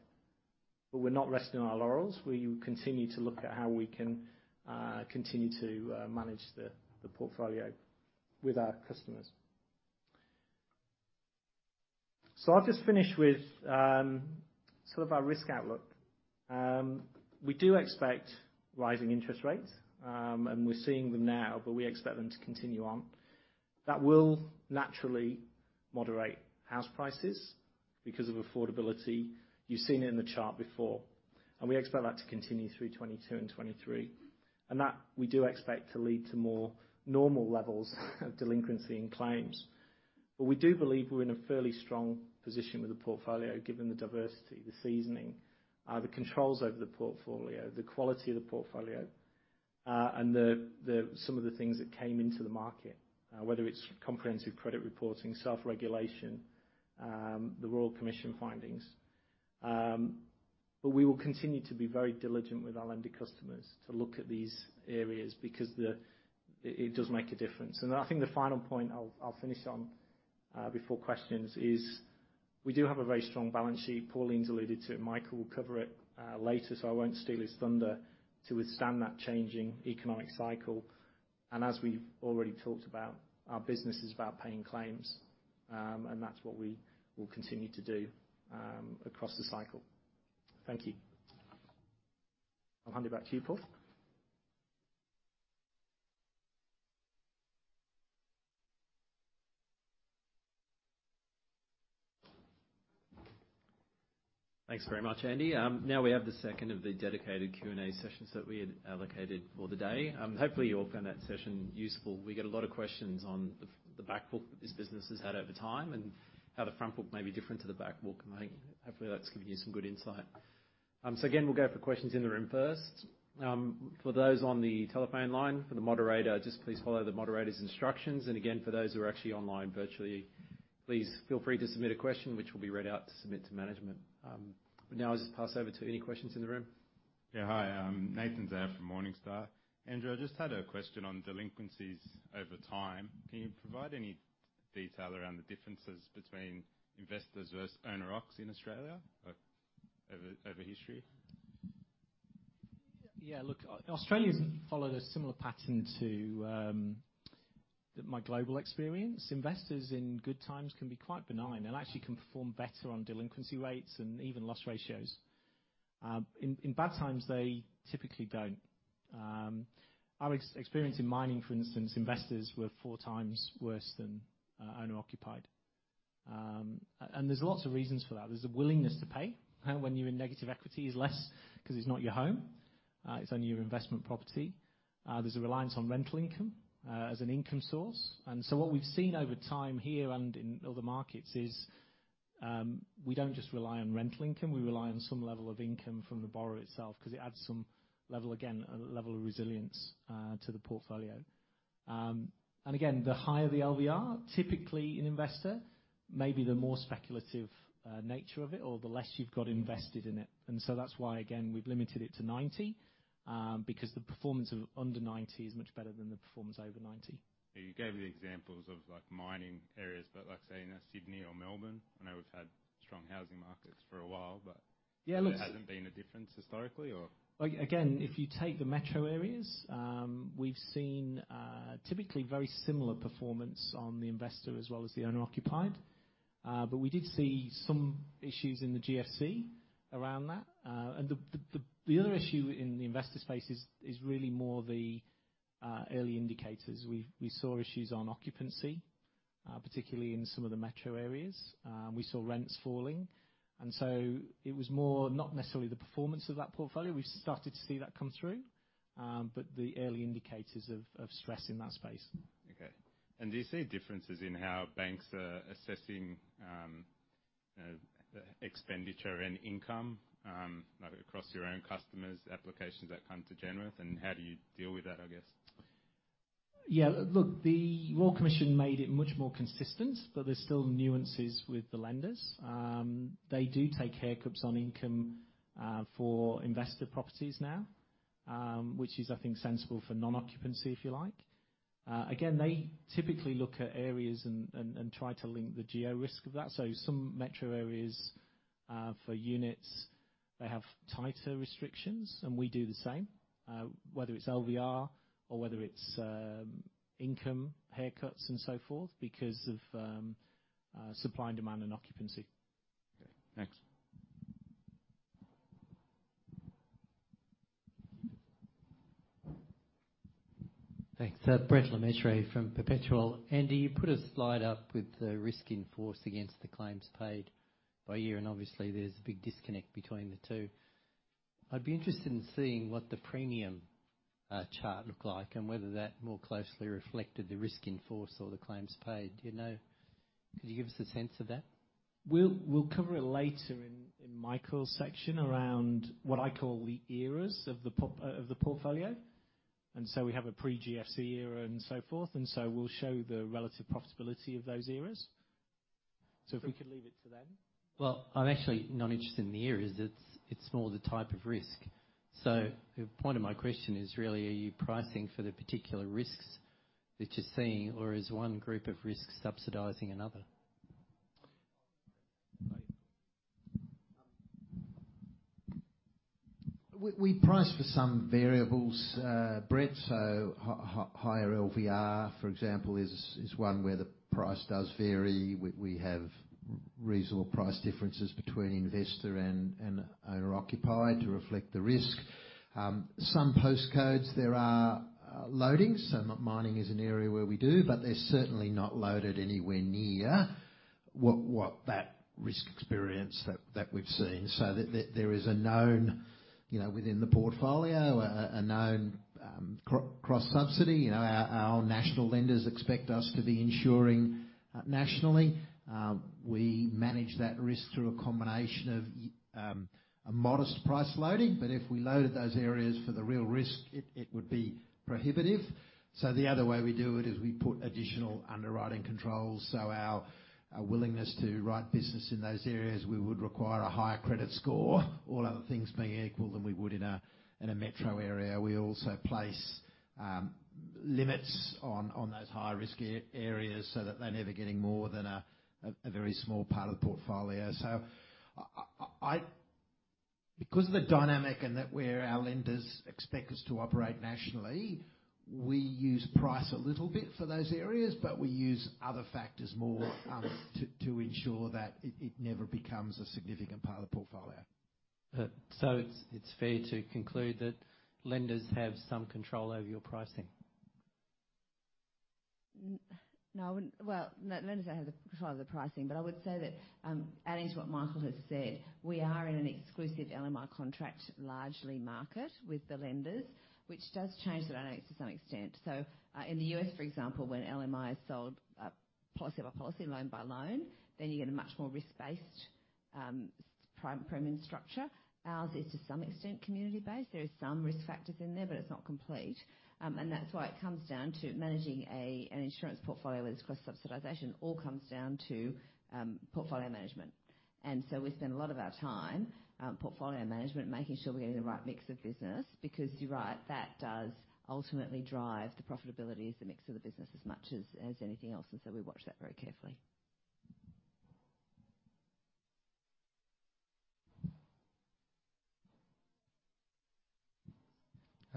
We're not resting on our laurels. We will continue to look at how we can continue to manage the portfolio with our customers. I'll just finish with sort of our risk outlook. We do expect rising interest rates, and we're seeing them now, but we expect them to continue on. That will naturally moderate house prices because of affordability. You've seen it in the chart before, and we expect that to continue through 2022 and 2023. That we do expect to lead to more normal levels of delinquency and claims. We do believe we're in a fairly strong position with the portfolio, given the diversity, the seasoning, the controls over the portfolio, the quality of the portfolio, and some of the things that came into the market, whether it's comprehensive credit reporting, self-regulation, the Royal Commission findings. We will continue to be very diligent with our lender customers to look at these areas because it does make a difference. I think the final point I'll finish on, before questions is we do have a very strong balance sheet. Pauline's alluded to it, Michael will cover it later, so I won't steal his thunder, to withstand that changing economic cycle. As we've already talked about, our business is about paying claims, and that's what we will continue to do, across the cycle. Thank you. I'll hand it back to you, Paul. Thanks very much, Andy. Now we have the second of the dedicated Q&A sessions that we had allocated for the day. Hopefully you all found that session useful. We get a lot of questions on the back book that this business has had over time and how the front book may be different to the back book. Hopefully, that's given you some good insight. So again, we'll go for questions in the room first. For those on the telephone line, for the moderator, just please follow the moderator's instructions. Again, for those who are actually online virtually, please feel free to submit a question which will be read out to submit to management. Now I'll just pass over to any questions in the room. Yeah. Hi, Nathan Zaia from Morningstar. Andrew, I just had a question on delinquencies over time. Can you provide any detail around the differences between investors versus owner-occupiers in Australia, like over history? Yeah. Look, Australia's followed a similar pattern to my global experience. Investors in good times can be quite benign and actually can perform better on delinquency rates and even loss ratios. In bad times, they typically don't. Our experience in mining, for instance, investors were four times worse than owner-occupied. There's lots of reasons for that. There's a willingness to pay when you're in negative equity is less 'cause it's not your home, it's only your investment property. There's a reliance on rental income as an income source. What we've seen over time here and in other markets is we don't just rely on rental income, we rely on some level of income from the borrower itself 'cause it adds some level, again, a level of resilience to the portfolio. Again, the higher the LVR, typically an investor, maybe the more speculative nature of it or the less you've got invested in it. That's why, again, we've limited it to 90%, because the performance of under 90% is much better than the performance over 90%. You gave the examples of like mining areas, but let's say now Sydney or Melbourne. I know we've had strong housing markets for a while, but. Yeah. There hasn't been a difference historically or? Again, if you take the metro areas, we've seen typically very similar performance on the investor as well as the owner-occupied. We did see some issues in the GFC around that. The other issue in the investor space is really more the early indicators. We saw issues on occupancy, particularly in some of the metro areas. We saw rents falling, and so it was more not necessarily the performance of that portfolio. We've started to see that come through. The early indicators of stress in that space. Okay. Do you see differences in how banks are assessing the expenditure and income, like across your own customers, applications that come to Genworth, and how do you deal with that, I guess? Yeah. Look, the Royal Commission made it much more consistent, but there's still nuances with the lenders. They do take haircuts on income for investor properties now, which is, I think, sensible for non-occupancy, if you like. Again, they typically look at areas and try to link the geo-risk of that. So some metro areas for units, they have tighter restrictions, and we do the same, whether it's LVR or whether it's income haircuts and so forth because of supply and demand and occupancy. Okay. Thanks. Thanks. Brett Le Mesurier from Perpetual. Andy, you put a slide up with the risk in force against the claims paid by year, and obviously there's a big disconnect between the two. I'd be interested in seeing what the premium chart looked like and whether that more closely reflected the risk in force or the claims paid. Do you know? Could you give us a sense of that? We'll cover it later in Michael's section around what I call the eras of the portfolio. We have a pre-GFC era and so forth, and so we'll show the relative profitability of those eras. If we could leave it to then. Well, I'm actually not interested in the eras. It's more the type of risk. The point of my question is really, are you pricing for the particular risks that you're seeing, or is one group of risks subsidizing another? We price for some variables, Brett. Higher LVR, for example, is one where the price does vary. We have reasonable price differences between investor and owner-occupied to reflect the risk. Some postcodes there are loadings, so mining is an area where we do, but they're certainly not loaded anywhere near what that risk experience we've seen. There is a known, you know, within the portfolio, a known cross subsidy. You know, our national lenders expect us to be insuring nationally. We manage that risk through a combination of a modest price loading. If we loaded those areas for the real risk, it would be prohibitive. The other way we do it is we put additional underwriting controls. Our willingness to write business in those areas, we would require a higher credit score, all other things being equal than we would in a metro area. We also place limits on those higher risk areas so that they're never getting more than a very small part of the portfolio. Because of the dynamic and that our lenders expect us to operate nationally, we use price a little bit for those areas, but we use other factors more to ensure that it never becomes a significant part of the portfolio. It's fair to conclude that lenders have some control over your pricing. No, I wouldn't. Well, no lenders don't have the control of the pricing. I would say that, adding to what Michael has said, we are in an exclusive LMI contract largely marketed with the lenders, which does change the dynamics to some extent. In the U.S., for example, when LMI is sold, policy by policy, loan by loan, then you get a much more risk-based, premium structure. Ours is to some extent community-based. There is some risk factors in there, but it's not complete. That's why it comes down to managing an insurance portfolio that's cross-subsidization. All comes down to portfolio management. We spend a lot of our time portfolio management, making sure we're getting the right mix of business because you're right, that does ultimately drive the profitability of the mix of the business as much as anything else, and so we watch that very carefully.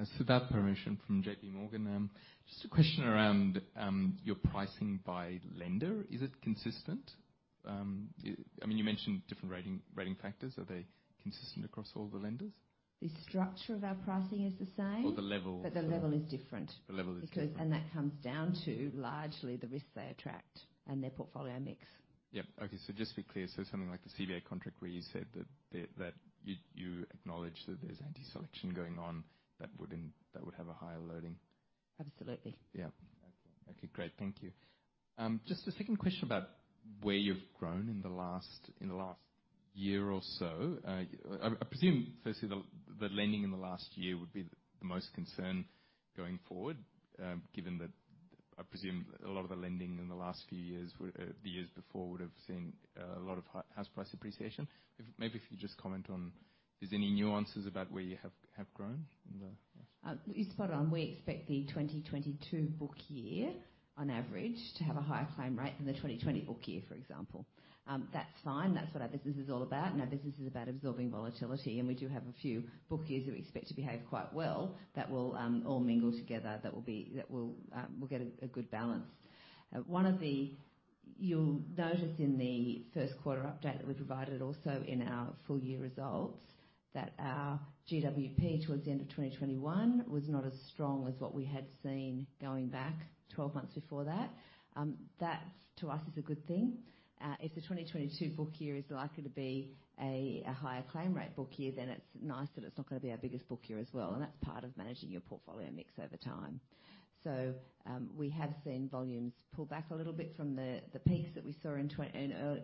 Siddharth Parameswaran from J.P. Morgan. Just a question around your pricing by lender. Is it consistent? I mean, you mentioned different rating factors. Are they consistent across all the lenders? The structure of our pricing is the same. Or the level- The level is different. The level is different. That comes down to largely the risks they attract and their portfolio mix. Yep. Okay. Just to be clear, so something like the CBA contract where you said that you acknowledge that there's adverse selection going on that would have a higher loading. Absolutely. Yeah. Okay, great. Thank you. Just a second question about where you've grown in the last year or so. I presume, firstly, the lending in the last year would be the most concern going forward, given that I presume a lot of the lending in the last few years, the years before, would have seen a lot of house price appreciation. If you just comment on if there's any nuances about where you have grown in the last. You're spot on. We expect the 2022 book year on average to have a higher claim rate than the 2020 book year, for example. That's fine. That's what our business is all about, and our business is about absorbing volatility, and we do have a few book years that we expect to behave quite well that will all mingle together that will get a good balance. You'll notice in the first quarter update that we provided also in our full year results, that our GWP towards the end of 2021 was not as strong as what we had seen going back twelve months before that. That to us is a good thing. If the 2022 book year is likely to be a higher claim rate book year, then it's nice that it's not gonna be our biggest book year as well, and that's part of managing your portfolio mix over time. We have seen volumes pull back a little bit from the peaks that we saw in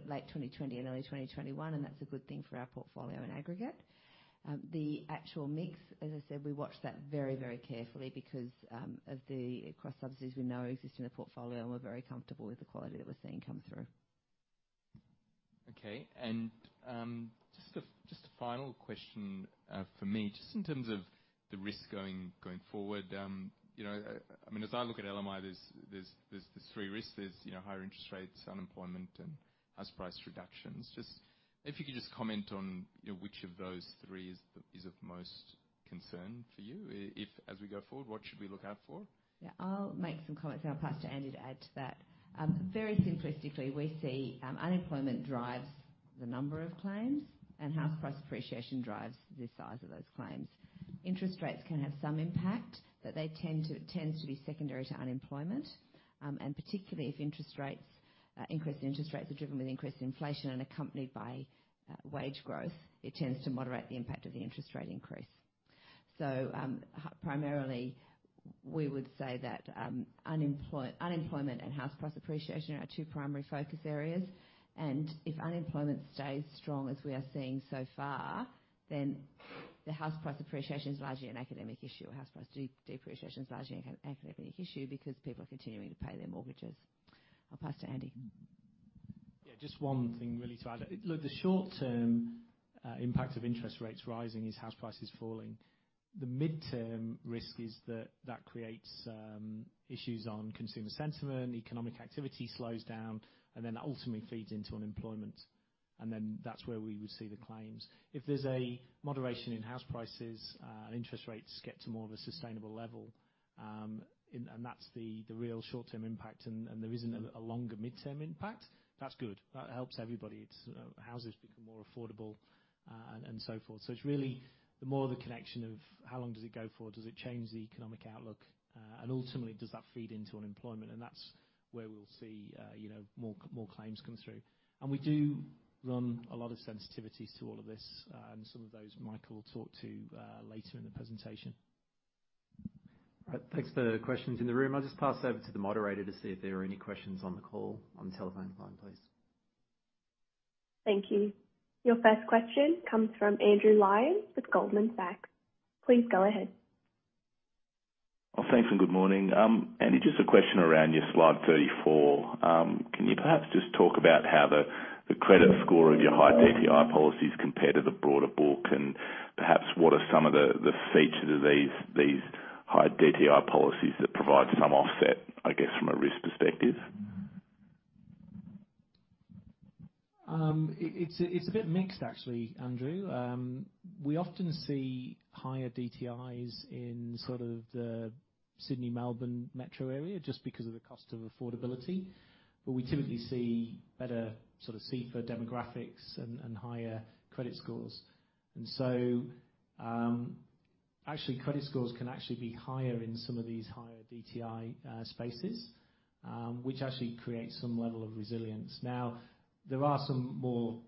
late 2020 and early 2021, and that's a good thing for our portfolio in aggregate. The actual mix, as I said, we watch that very, very carefully because of the cross subsidies we know exist in the portfolio, and we're very comfortable with the quality that we're seeing come through. Okay. Just a final question for me. Just in terms of the risk going forward, you know, I mean, as I look at LMI, there's three risks. There's, you know, higher interest rates, unemployment, and house price reductions. Just if you could just comment on, you know, which of those three is of most concern for you, if as we go forward, what should we look out for? Yeah, I'll make some comments, then I'll pass to Andy to add to that. Very simplistically, we see unemployment drives the number of claims and house price appreciation drives the size of those claims. Interest rates can have some impact, but they tend to be secondary to unemployment. And particularly if interest rates, increased interest rates are driven by increased inflation and accompanied by wage growth, it tends to moderate the impact of the interest rate increase. Primarily, we would say that unemployment and house price appreciation are our two primary focus areas. If unemployment stays strong as we are seeing so far, then the house price appreciation is largely an academic issue, or house price depreciation is largely an academic issue because people are continuing to pay their mortgages. I'll pass to Andy. Yeah, just one thing really to add. Look, the short-term impact of interest rates rising is house prices falling. The midterm risk is that that creates issues on consumer sentiment, economic activity slows down, and then that ultimately feeds into unemployment. Then that's where we would see the claims. If there's a moderation in house prices and interest rates get to more of a sustainable level, and that's the real short-term impact and there isn't a longer midterm impact, that's good. That helps everybody. It's, you know, houses become more affordable and so forth. It's really the more the connection of how long does it go for? Does it change the economic outlook? Ultimately, does that feed into unemployment? That's where we'll see, you know, more claims come through. We do run a lot of sensitivities to all of this, and some of those Michael will talk to later in the presentation. All right. Thanks for the questions in the room. I'll just pass over to the moderator to see if there are any questions on the call, on the telephone line, please. Thank you. Your first question comes from Andrew Lyons with Goldman Sachs. Please go ahead. Well, thanks and good morning. Andy, just a question around your slide 34. Can you perhaps just talk about how the credit score of your high DTI policies compare to the broader book? Perhaps what are some of the features of these high DTI policies that provide some offset, I guess, from a risk perspective? It's a bit mixed actually, Andrew. We often see higher DTIs in sort of the Sydney, Melbourne metro area just because of the cost of affordability. But we typically see better sort of SEIFA demographics and higher credit scores. Actually, credit scores can actually be higher in some of these higher DTI spaces, which actually creates some level of resilience. Now, there are some more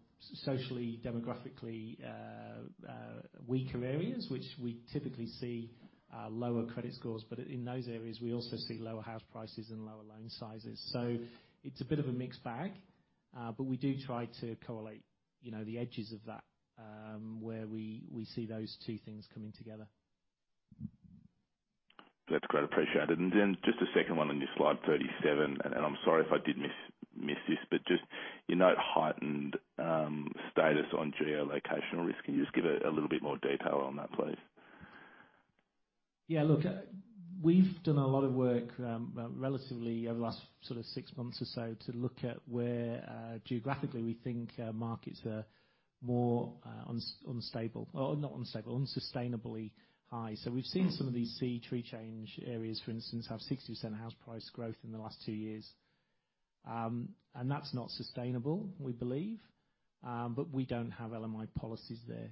socially, demographically weaker areas which we typically see lower credit scores. But in those areas, we also see lower house prices and lower loan sizes. It's a bit of a mixed bag, but we do try to correlate, you know, the edges of that, where we see those two things coming together. That's great. Appreciated. Just a second one on your slide 37. I'm sorry if I did miss this, but just you note heightened status on geolocation risk. Can you just give a little bit more detail on that, please? Yeah. Look, we've done a lot of work relatively over the last sort of six months or so to look at where geographically we think markets are more unstable. Or not unstable, unsustainably high. We've seen some of these sea- and tree-change areas, for instance, have 60% house price growth in the last two years. And that's not sustainable, we believe, but we don't have LMI policies there.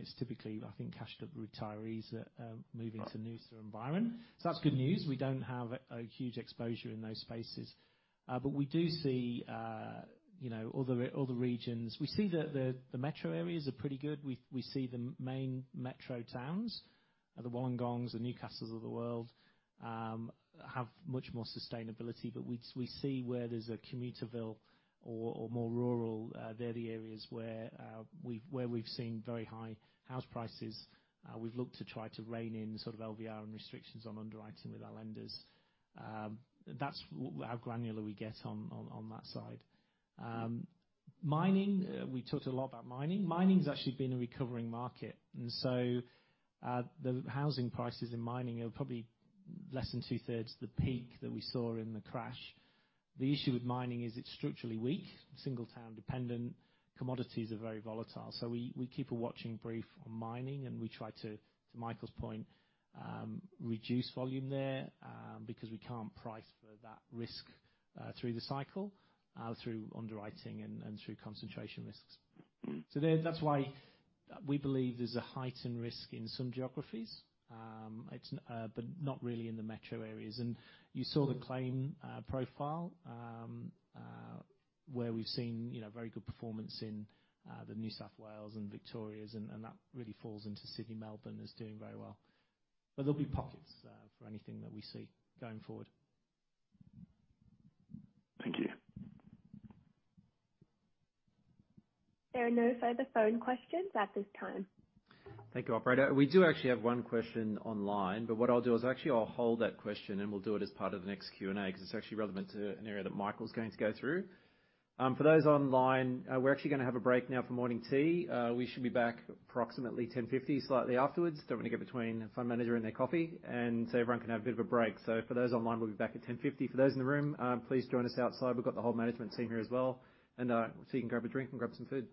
It's typically, I think, cashed up retirees that move into Noosa and Byron. That's good news. We don't have a huge exposure in those spaces. But we do see, you know, other regions. We see the metro areas are pretty good. We see the main metro towns, the Wollongongs, the Newcastles of the world have much more sustainability. We see where there's a commuter belt or more rural, they're the areas where we've seen very high house prices. We've looked to try to rein in sort of LVR and restrictions on underwriting with our lenders. That's how granular we get on that side. Mining, we talked a lot about mining. Mining's actually been a recovering market, and the housing prices in mining are probably less than two-thirds the peak that we saw in the crash. The issue with mining is it's structurally weak, single-town dependent, commodities are very volatile. We keep a watching brief on mining, and we try to Michael's point, reduce volume there, because we can't price for that risk through the cycle, through underwriting and through concentration risks. That's why we believe there's a heightened risk in some geographies. But not really in the metro areas. You saw the claim profile, where we've seen, you know, very good performance in the New South Wales and Victoria's, and that really falls into Sydney. Melbourne is doing very well. There'll be pockets for anything that we see going forward. Thank you. There are no further phone questions at this time. Thank you, operator. We do actually have one question online, but what I'll do is actually I'll hold that question and we'll do it as part of the next Q&A because it's actually relevant to an area that Michael's going to go through. For those online, we're actually gonna have a break now for morning tea. We should be back approximately 10:50 A.M., slightly afterwards. Don't wanna get between fund manager and their coffee, and so everyone can have a bit of a break. For those online, we'll be back at 10:50 A.M. For those in the room, please join us outside. We've got the whole management team here as well, and so you can grab a drink and grab some food.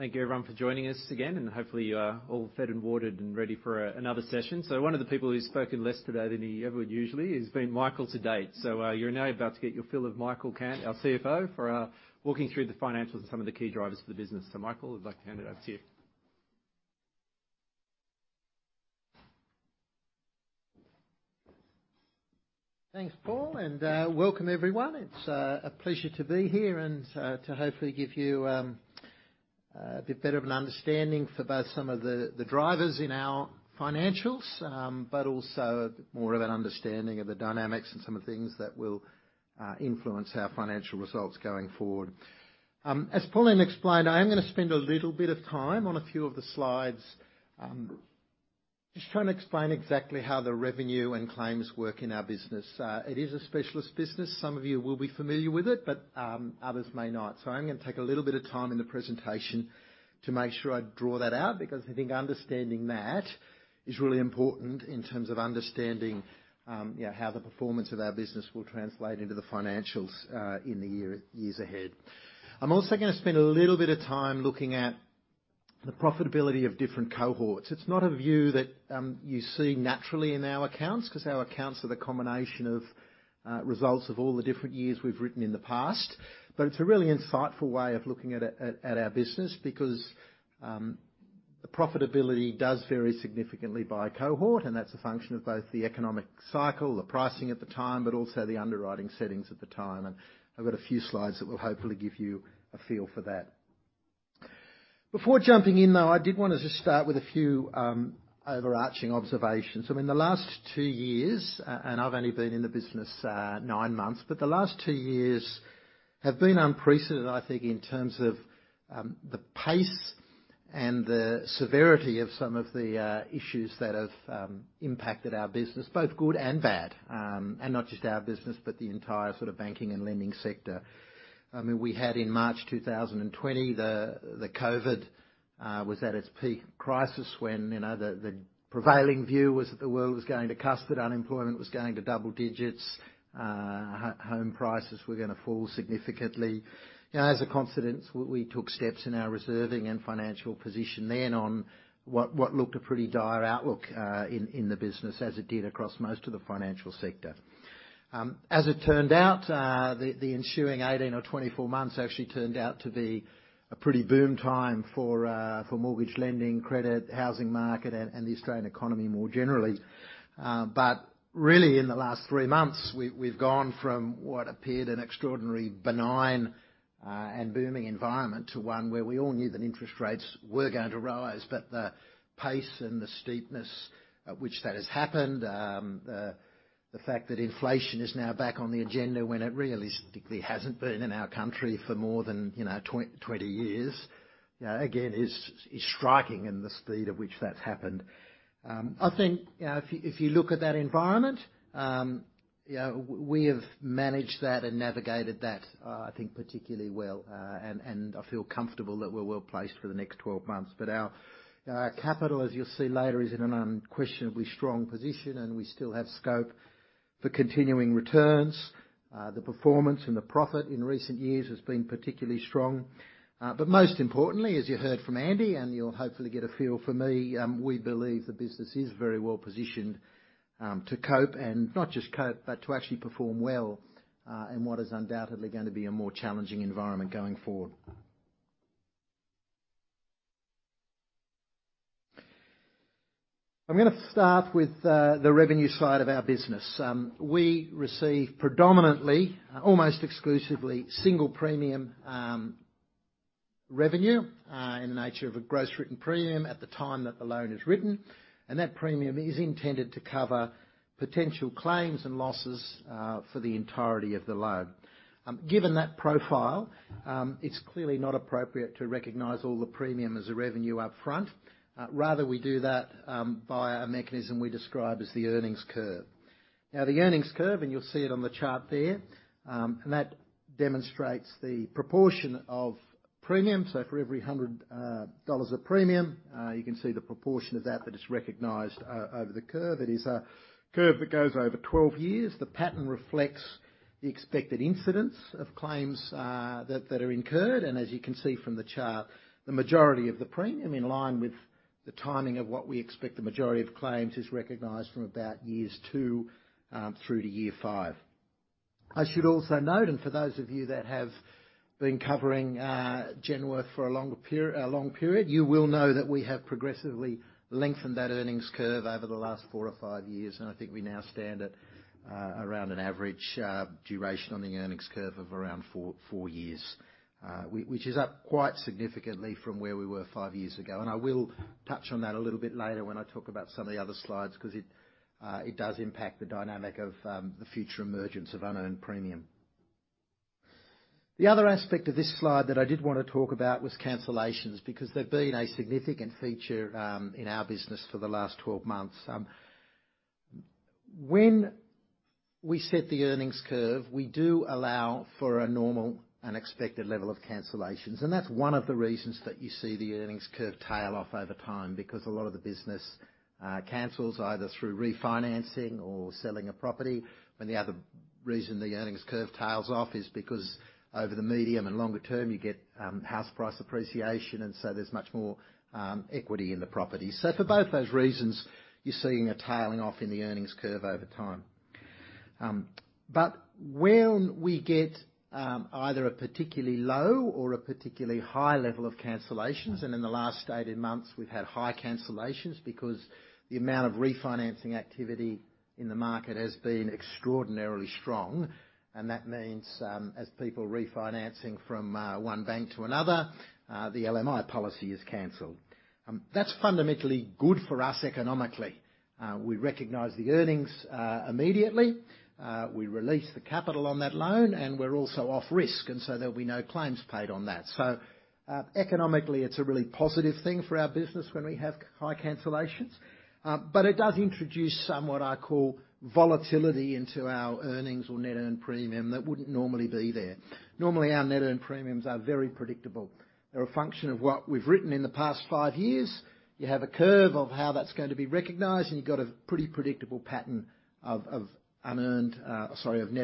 Thank you everyone for joining us again, and hopefully you are all fed and watered and ready for another session. One of the people who's spoken less today than he ever would usually has been Michael to date. You're now about to get your fill of Michael Cant, our CFO, for walking through the financials and some of the key drivers for the business. Michael, I'd like to hand it over to you. Thanks, Paul, and welcome everyone. It's a pleasure to be here and to hopefully give you a bit better of an understanding for both some of the drivers in our financials, but also more of an understanding of the dynamics and some of the things that will influence our financial results going forward. As Paul explained, I am gonna spend a little bit of time on a few of the slides, just trying to explain exactly how the revenue and claims work in our business. It is a specialist business. Some of you will be familiar with it, but others may not. I'm gonna take a little bit of time in the presentation to make sure I draw that out because I think understanding that is really important in terms of understanding how the performance of our business will translate into the financials in the years ahead. I'm also gonna spend a little bit of time looking at the profitability of different cohorts. It's not a view that you see naturally in our accounts, 'cause our accounts are the combination of results of all the different years we've written in the past. It's a really insightful way of looking at it at our business because the profitability does vary significantly by cohort, and that's a function of both the economic cycle, the pricing at the time, but also the underwriting settings at the time. I've got a few slides that will hopefully give you a feel for that. Before jumping in, though, I did wanna just start with a few overarching observations. I mean, the last two years, and I've only been in the business nine months, but the last two years have been unprecedented, I think, in terms of the pace and the severity of some of the issues that have impacted our business, both good and bad. Not just our business, but the entire sort of banking and lending sector. I mean, we had in March 2020, the COVID was at its peak crisis when, you know, the prevailing view was that the world was going to custard, unemployment was going to double digits, home prices were gonna fall significantly. You know, as a consequence, we took steps in our reserving and financial position then on what looked a pretty dire outlook, in the business as it did across most of the financial sector. As it turned out, the ensuing 18 or 24 months actually turned out to be a pretty boom time for mortgage lending, credit, housing market and the Australian economy more generally. Really, in the last 3 months, we've gone from what appeared an extraordinary benign and booming environment to one where we all knew that interest rates were going to rise, but the pace and the steepness at which that has happened, the fact that inflation is now back on the agenda when it realistically hasn't been in our country for more than 20 years, again, is striking in the speed at which that's happened. I think, you know, if you look at that environment, you know, we have managed that and navigated that, I think particularly well, and I feel comfortable that we're well-placed for the next 12 months. Our capital, as you'll see later, is in an unquestionably strong position, and we still have scope for continuing returns. The performance and the profit in recent years has been particularly strong. Most importantly, as you heard from Andy, and you'll hopefully get a feel for me, we believe the business is very well positioned to cope and not just cope, but to actually perform well in what is undoubtedly gonna be a more challenging environment going forward. I'm gonna start with the revenue side of our business. We receive predominantly almost exclusively single premium revenue in the nature of a gross written premium at the time that the loan is written, and that premium is intended to cover potential claims and losses for the entirety of the loan. Given that profile, it's clearly not appropriate to recognize all the premium as revenue up front. Rather, we do that via a mechanism we describe as the earnings curve. Now, the earnings curve, and you'll see it on the chart there, and that demonstrates the proportion of premium. So for every 100 dollars of premium, you can see the proportion of that that is recognized over the curve. It is a curve that goes over 12 years. The pattern reflects the expected incidence of claims that are incurred. As you can see from the chart, the majority of the premium, in line with the timing of what we expect the majority of claims, is recognized from about years 2 through to year 5. I should also note, for those of you that have been covering Genworth for a long period, you will know that we have progressively lengthened that earnings curve over the last four or five years, and I think we now stand at around an average duration on the earnings curve of around four years. Which is up quite significantly from where we were five years ago. I will touch on that a little bit later when I talk about some of the other slides because it does impact the dynamic of the future emergence of unearned premium. The other aspect of this slide that I did wanna talk about was cancellations, because they've been a significant feature in our business for the last 12 months. When we set the earnings curve, we do allow for a normal and expected level of cancellations, and that's one of the reasons that you see the earnings curve tail off over time, because a lot of the business cancels either through refinancing or selling a property. The other reason the earnings curve tails off is because over the medium and longer term, you get house price appreciation, and so there's much more equity in the property. For both those reasons, you're seeing a tailing off in the earnings curve over time. When we get either a particularly low or a particularly high level of cancellations, and in the last 18 months we've had high cancellations because the amount of refinancing activity in the market has been extraordinarily strong, and that means as people are refinancing from one bank to another the LMI policy is canceled. That's fundamentally good for us economically. We recognize the earnings immediately. We release the capital on that loan, and we're also off risk, and so there'll be no claims paid on that. Economically, it's a really positive thing for our business when we have high cancellations. But it does introduce some, what I call, volatility into our earnings or net earned premium that wouldn't normally be there. Normally, our net earned premiums are very predictable. They're a function of what we've written in the past five years. You have a curve of how that's going to be recognized, and you've got a pretty predictable pattern of net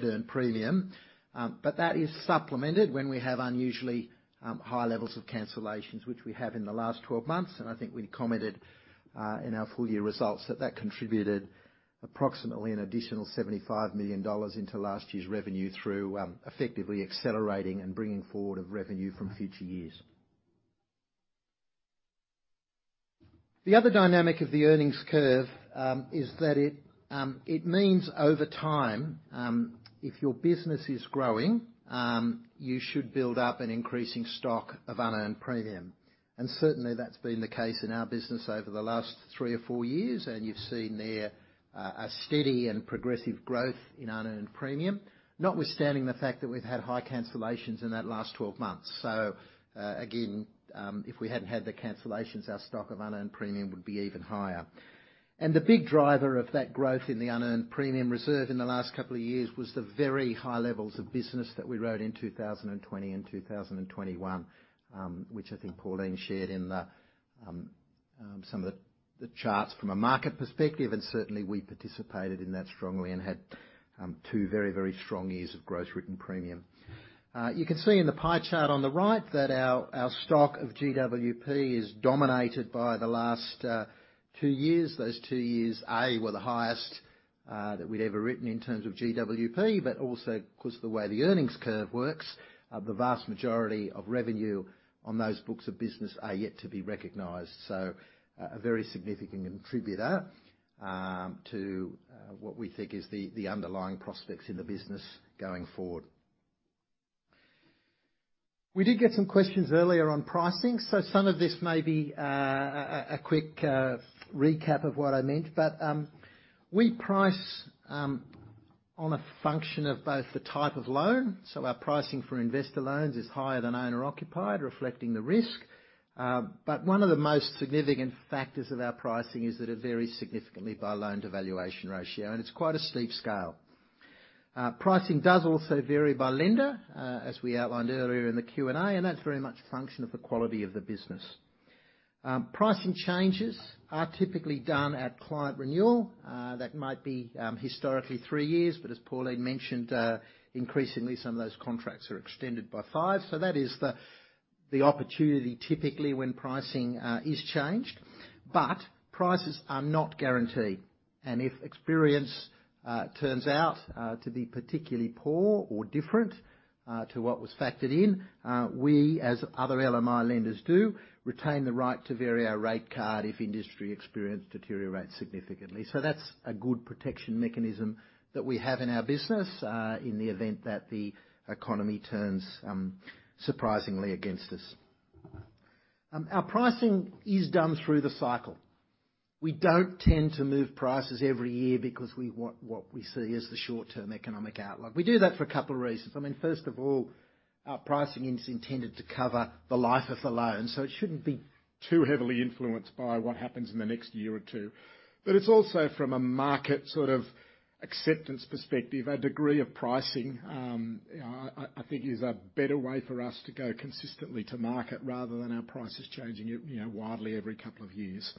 earned premium. That is supplemented when we have unusually high levels of cancellations, which we have in the last 12 months, and I think we commented in our full year results that that contributed approximately an additional 75 million dollars into last year's revenue through effectively accelerating and bringing forward of revenue from future years. The other dynamic of the earnings curve is that it means over time, if your business is growing, you should build up an increasing stock of unearned premium. Certainly that's been the case in our business over the last three or four years, and you've seen there a steady and progressive growth in unearned premium, notwithstanding the fact that we've had high cancellations in that last 12 months. If we hadn't had the cancellations, our stock of unearned premium would be even higher. The big driver of that growth in the unearned premium reserve in the last couple of years was the very high levels of business that we wrote in 2020 and 2021, which I think Pauline shared in the some of the charts from a market perspective, and certainly we participated in that strongly and had two very, very strong years of gross written premium. You can see in the pie chart on the right that our stock of GWP is dominated by the last two years. Those two years were the highest that we'd ever written in terms of GWP, but also because the way the earnings curve works, the vast majority of revenue on those books of business are yet to be recognized. A very significant contributor to what we think is the underlying prospects in the business going forward. We did get some questions earlier on pricing, so some of this may be a quick recap of what I meant, but we price on a function of both the type of loan. Our pricing for investor loans is higher than owner-occupied, reflecting the risk. One of the most significant factors of our pricing is that it varies significantly by loan-to-value ratio, and it's quite a steep scale. Pricing does also vary by lender, as we outlined earlier in the Q&A, and that's very much a function of the quality of the business. Pricing changes are typically done at client renewal. That might be historically three years, but as Pauline mentioned, increasingly some of those contracts are extended by five. That is the opportunity typically when pricing is changed. Prices are not guaranteed. If experience turns out to be particularly poor or different to what was factored in, we, as other LMI lenders do, retain the right to vary our rate card if industry experience deteriorates significantly. That's a good protection mechanism that we have in our business, in the event that the economy turns surprisingly against us. Our pricing is done through the cycle. We don't tend to move prices every year because we want what we see as the short-term economic outlook. We do that for a couple of reasons. I mean, first of all, our pricing is intended to cover the life of the loan, so it shouldn't be too heavily influenced by what happens in the next year or two. But it's also from a market sort of acceptance perspective, a degree of pricing, I think is a better way for us to go consistently to market rather than our prices changing, you know, wildly every couple of years.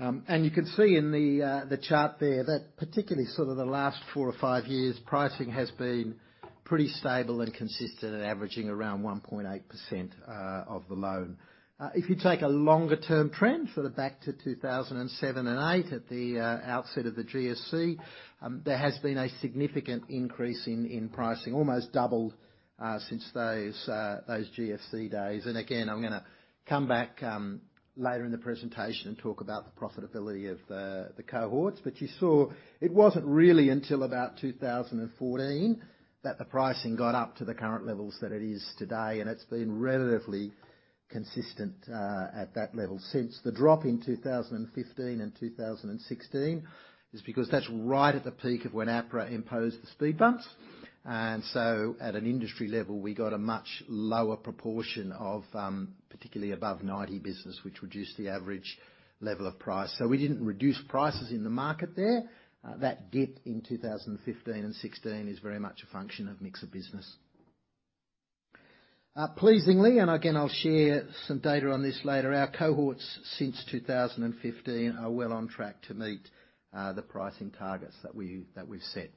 You can see in the chart there that particularly sort of the last four or five years, pricing has been pretty stable and consistent at averaging around 1.8% of the loan. If you take a longer-term trend, sort of back to 2007 and 2008 at the outset of the GFC, there has been a significant increase in pricing, almost double, since those GFC days. Again, I'm gonna come back later in the presentation and talk about the profitability of the cohorts. You saw it wasn't really until about 2014 that the pricing got up to the current levels that it is today, and it's been relatively consistent at that level since. The drop in 2015 and 2016 is because that's right at the peak of when APRA imposed the speed bumps. At an industry level, we got a much lower proportion of, particularly above 90 business, which reduced the average level of price. We didn't reduce prices in the market there. That dip in 2015 and 2016 is very much a function of mix of business. Pleasingly, and again, I'll share some data on this later, our cohorts since 2015 are well on track to meet the pricing targets that we've set.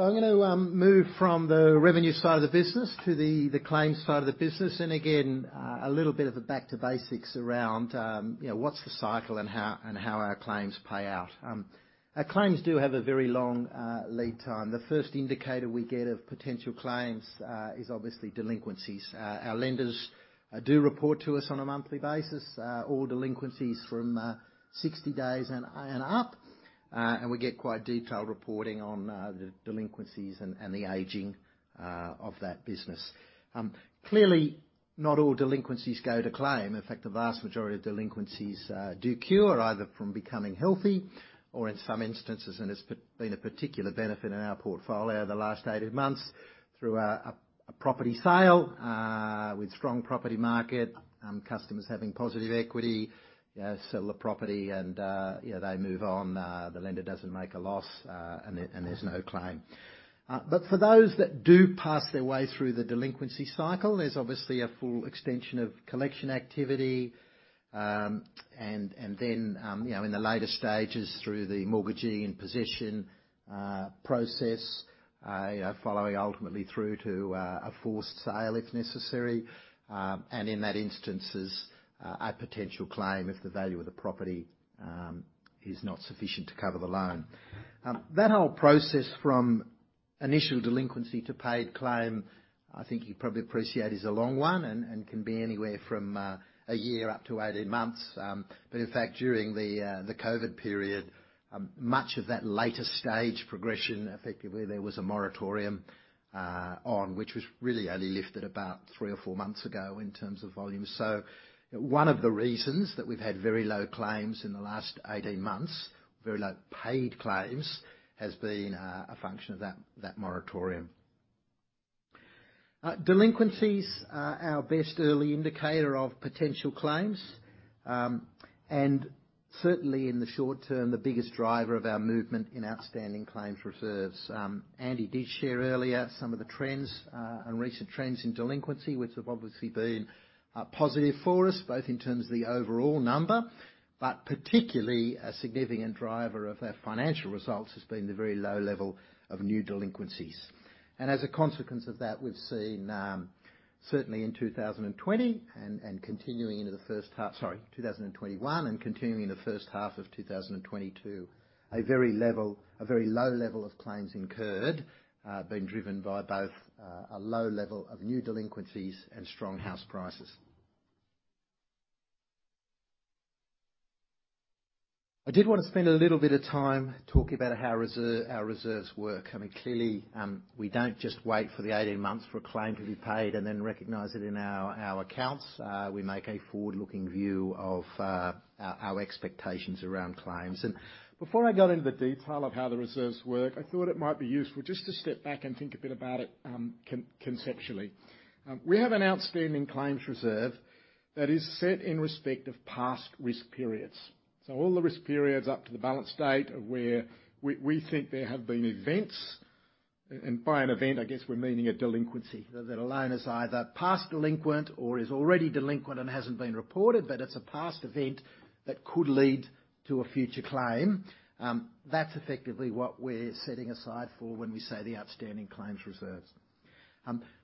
I'm gonna move from the revenue side of the business to the claims side of the business. Again, a little bit of a back to basics around, you know, what's the cycle and how our claims pay out. Our claims do have a very long lead time. The first indicator we get of potential claims is obviously delinquencies. Our lenders do report to us on a monthly basis all delinquencies from 60 days and up, and we get quite detailed reporting on the delinquencies and the aging of that business. Clearly, not all delinquencies go to claim. In fact, the vast majority of delinquencies do cure either from becoming healthy or in some instances, and it's been a particular benefit in our portfolio the last 18 months, through a property sale, with strong property market, customers having positive equity, sell the property and, you know, they move on, the lender doesn't make a loss, and there's no claim. But for those that do pass their way through the delinquency cycle, there's obviously a full extension of collection activity, and then, you know, in the later stages through the mortgagee in possession process, you know, following ultimately through to a forced sale if necessary. And in those instances, a potential claim if the value of the property is not sufficient to cover the loan. That whole process from initial delinquency to paid claim, I think you probably appreciate is a long one and can be anywhere from a year up to 18 months. In fact, during the COVID period, much of that later stage progression, effectively there was a moratorium on which was really only lifted about 3 or 4 months ago in terms of volumes. One of the reasons that we've had very low claims in the last 18 months, very low paid claims, has been a function of that moratorium. Delinquencies are our best early indicator of potential claims, and certainly in the short term, the biggest driver of our movement in outstanding claims reserves. Andy did share earlier some of the trends and recent trends in delinquency, which have obviously been positive for us, both in terms of the overall number, but particularly a significant driver of our financial results has been the very low level of new delinquencies. As a consequence of that, we've seen certainly in 2020 and continuing into the first half. Sorry, 2021 and continuing in the first half of 2022, a very low level of claims incurred, being driven by both a low level of new delinquencies and strong house prices. I did wanna spend a little bit of time talking about how our reserves work. I mean, clearly, we don't just wait for the 18 months for a claim to be paid and then recognize it in our accounts. We make a forward-looking view of our expectations around claims. Before I got into the detail of how the reserves work, I thought it might be useful just to step back and think a bit about it conceptually. We have an outstanding claims reserve that is set in respect of past risk periods. So all the risk periods up to the balance date where we think there have been events. By an event, I guess we're meaning a delinquency. That a loan is either past due or is already delinquent and hasn't been reported, but it's a past event that could lead to a future claim. That's effectively what we're setting aside for when we say the outstanding claims reserves.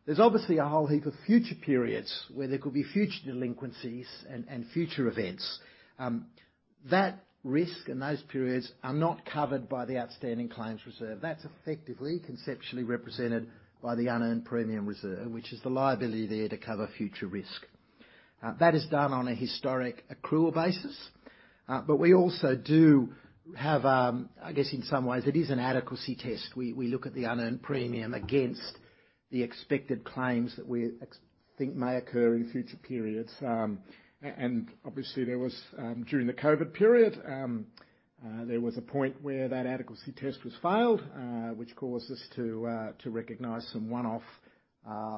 There's obviously a whole heap of future periods where there could be future delinquencies and future events. That risk and those periods are not covered by the outstanding claims reserve. That's effectively conceptually represented by the unearned premium reserve, which is the liability there to cover future risk. That is done on a historic accrual basis. We also do have, I guess in some ways it is an adequacy test. We look at the unearned premium against the expected claims that we expect may occur in future periods. Obviously, during the COVID period, there was a point where that adequacy test was failed, which caused us to recognize some one-off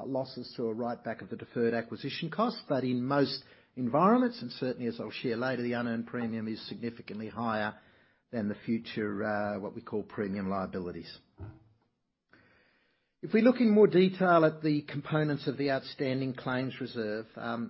losses to a write-back of the deferred acquisition cost. In most environments, and certainly as I'll share later, the unearned premium is significantly higher than the future what we call premium liabilities. If we look in more detail at the components of the outstanding claims reserve, the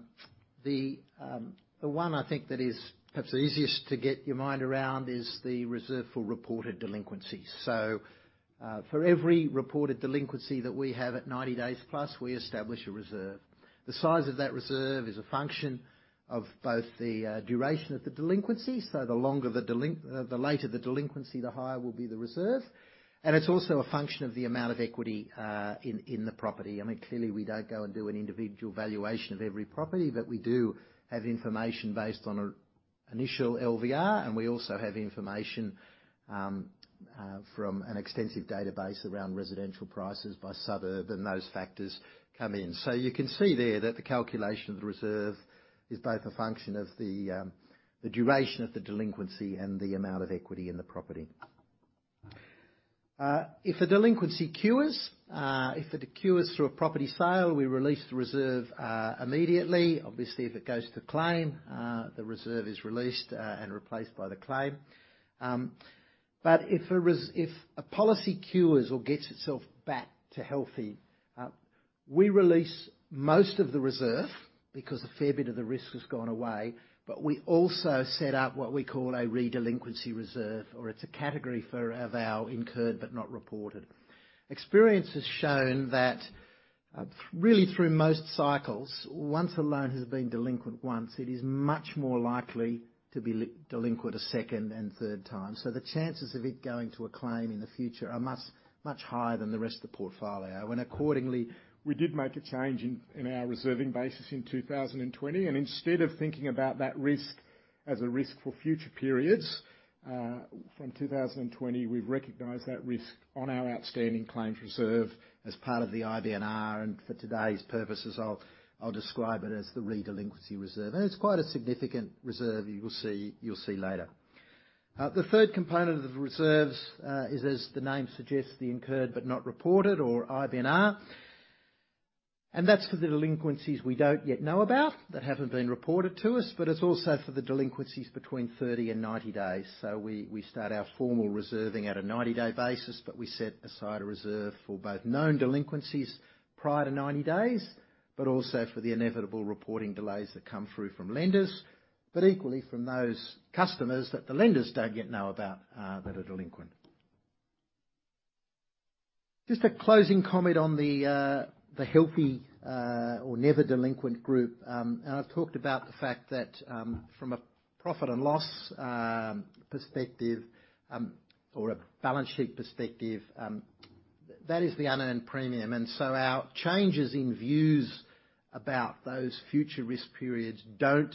one I think that is perhaps the easiest to get your mind around is the reserve for reported delinquencies. For every reported delinquency that we have at 90-days-plus, we establish a reserve. The size of that reserve is a function of both the duration of the delinquency, so the longer the later the delinquency, the higher will be the reserve. It's also a function of the amount of equity in the property. I mean, clearly, we don't go and do an individual valuation of every property, but we do have information based on an initial LVR, and we also have information from an extensive database around residential prices by suburb, and those factors come in. You can see there that the calculation of the reserve is both a function of the duration of the delinquency and the amount of equity in the property. If a delinquency cures through a property sale, we release the reserve immediately. Obviously, if it goes to claim, the reserve is released, and replaced by the claim. If a policy cures or gets itself back to healthy, we release most of the reserve because a fair bit of the risk has gone away, but we also set up what we call a re-delinquency reserve, or it's a category for our incurred but not reported. Experience has shown that, really through most cycles, once a loan has been delinquent once, it is much more likely to be delinquent a second and third time. The chances of it going to a claim in the future are much, much higher than the rest of the portfolio. Accordingly, we did make a change in our reserving basis in 2020, and instead of thinking about that risk as a risk for future periods, from 2020, we've recognized that risk on our outstanding claims reserve as part of the IBNR, and for today's purposes, I'll describe it as the re-delinquency reserve. It's quite a significant reserve, you will see, you'll see later. The third component of the reserves is, as the name suggests, the incurred but not reported, or IBNR. That's for the delinquencies we don't yet know about, that haven't been reported to us, but it's also for the delinquencies between 30 and 90 days. We start our formal reserving at a 90-day basis, but we set aside a reserve for both known delinquencies prior to 90 days, but also for the inevitable reporting delays that come through from lenders, but equally from those customers that the lenders don't yet know about, that are delinquent. Just a closing comment on the healthy, or never delinquent group. I've talked about the fact that, from a profit and loss perspective, or a balance sheet perspective, that is the unearned premium. Our changes in views about those future risk periods don't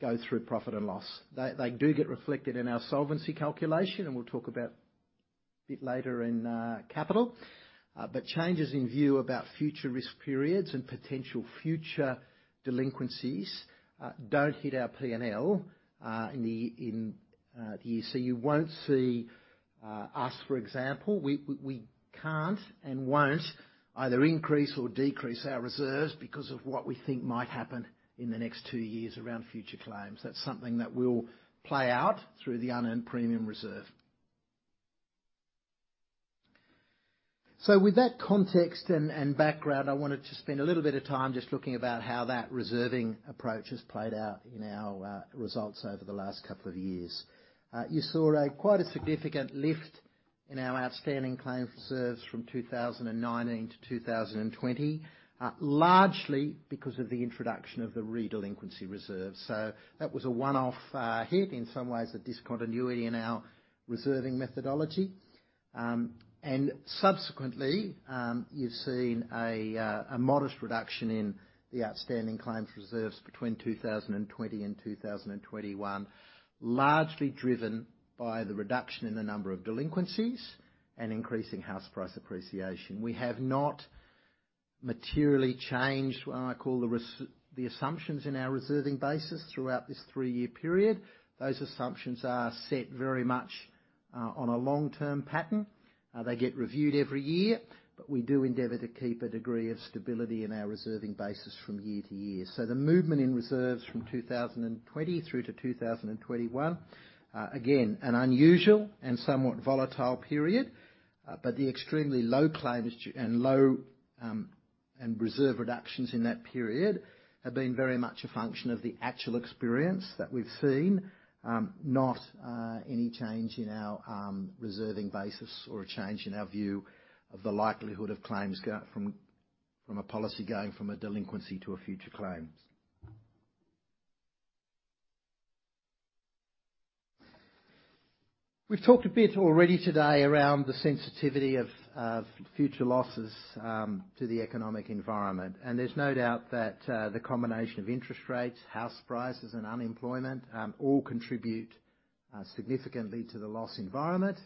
go through profit and loss. They do get reflected in our solvency calculation, and we'll talk about a bit later in capital. Changes in view about future risk periods and potential future delinquencies don't hit our P&L in the year. You won't see us, for example, we can't and won't either increase or decrease our reserves because of what we think might happen in the next two years around future claims. That's something that will play out through the unearned premium reserve. With that context and background, I want to just spend a little bit of time just looking about how that reserving approach has played out in our results over the last couple of years. You saw quite a significant lift in our outstanding claims reserves from 2019-2020, largely because of the introduction of the re-delinquency reserve. That was a one-off hit, in some ways a discontinuity in our reserving methodology. Subsequently, you've seen a modest reduction in the outstanding claims reserves between 2020 and 2021. Largely driven by the reduction in the number of delinquencies and increasing house price appreciation. We have not materially changed what I call the assumptions in our reserving basis throughout this three-year period. Those assumptions are set very much on a long-term pattern. They get reviewed every year. We do endeavor to keep a degree of stability in our reserving basis from year to year. The movement in reserves from 2020 through to 2021, again, an unusual and somewhat volatile period, but the extremely low claims and low reserve reductions in that period have been very much a function of the actual experience that we've seen, not any change in our reserving basis or a change in our view of the likelihood of claims from a policy going from a delinquency to a future claim. We've talked a bit already today around the sensitivity of future losses to the economic environment. There's no doubt that the combination of interest rates, house prices, and unemployment all contribute significantly to the loss environment.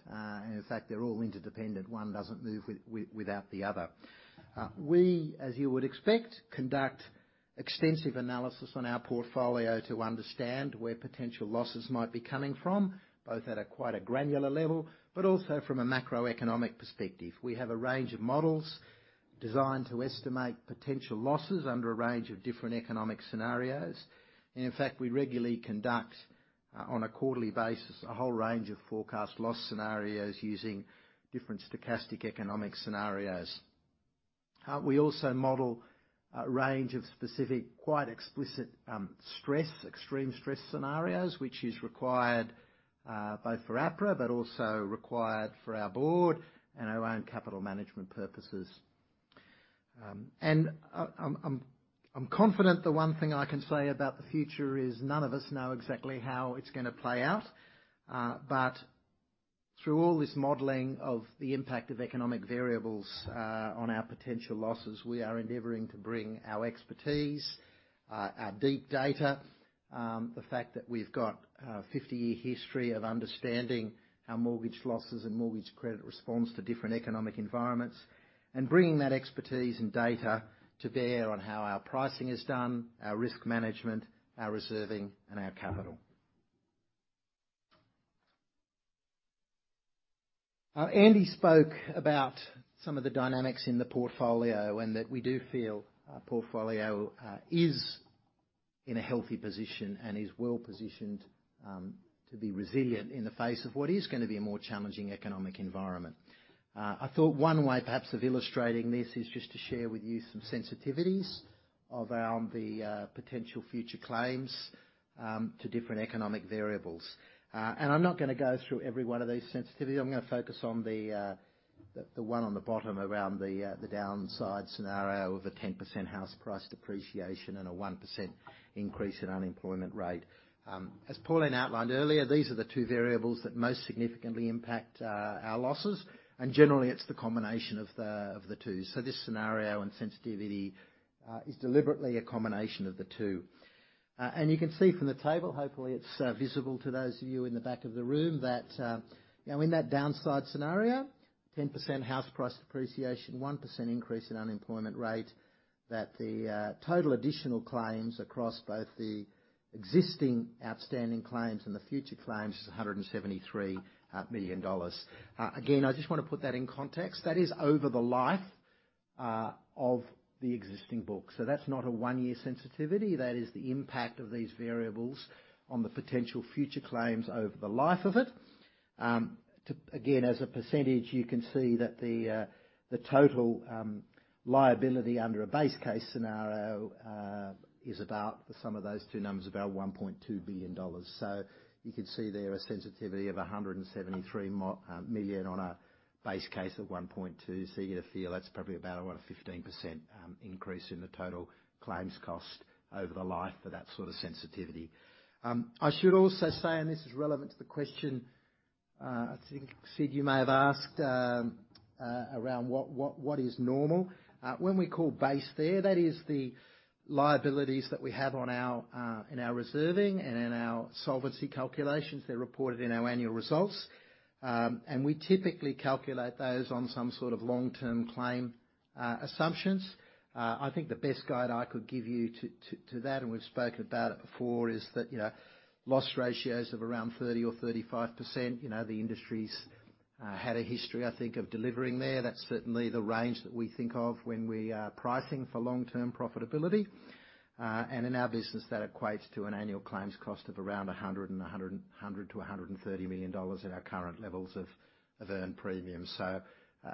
In fact, they're all interdependent. One doesn't move without the other. We, as you would expect, conduct extensive analysis on our portfolio to understand where potential losses might be coming from, both at a quite granular level, but also from a macroeconomic perspective. We have a range of models designed to estimate potential losses under a range of different economic scenarios. In fact, we regularly conduct, on a quarterly basis, a whole range of forecast loss scenarios using different stochastic economic scenarios. We also model a range of specific, quite explicit extreme stress scenarios, which is required, both for APRA and for our board and our own capital management purposes. I'm confident the one thing I can say about the future is none of us know exactly how it's gonna play out. Through all this modeling of the impact of economic variables on our potential losses, we are endeavoring to bring our expertise, our deep data, the fact that we've got a 50-year history of understanding how mortgage losses and mortgage credit responds to different economic environments, and bringing that expertise and data to bear on how our pricing is done, our risk management, our reserving, and our capital. Andy spoke about some of the dynamics in the portfolio, and that we do feel our portfolio is in a healthy position and is well positioned to be resilient in the face of what is gonna be a more challenging economic environment. I thought one way perhaps of illustrating this is just to share with you some sensitivities around the potential future claims to different economic variables. I'm not gonna go through every one of these sensitivities. I'm gonna focus on the one on the bottom around the downside scenario of a 10% house price depreciation and a 1% increase in unemployment rate. As Pauline outlined earlier, these are the two variables that most significantly impact our losses, and generally, it's the combination of the two. This scenario and sensitivity is deliberately a combination of the two. You can see from the table, hopefully it's visible to those of you in the back of the room that you know, in that downside scenario, 10% house price depreciation, 1% increase in unemployment rate, that the total additional claims across both the existing outstanding claims and the future claims is 173 million dollars. Again, I just wanna put that in context. That is over the life of the existing book. That's not a one-year sensitivity. That is the impact of these variables on the potential future claims over the life of it. Again, as a percentage, you can see that the total liability under a base case scenario is about the sum of those two numbers, about 1.2 billion dollars. You could see there a sensitivity of 173 million on a base case at 1.2%. You get a feel that's probably about a 15% increase in the total claims cost over the life for that sort of sensitivity. I should also say, and this is relevant to the question, I think, Sid, you may have asked, around what is normal. When we call base case there, that is the liabilities that we have in our reserving and in our solvency calculations. They're reported in our annual results. We typically calculate those on some sort of long-term claim assumptions. I think the best guide I could give you to that, and we've spoken about it before, is that, you know, loss ratios of around 30% or 35%, you know, the industry's had a history, I think, of delivering there. That's certainly the range that we think of when we are pricing for long-term profitability. In our business, that equates to an annual claims cost of around 100 million-130 million dollars in our current levels of earned premium. So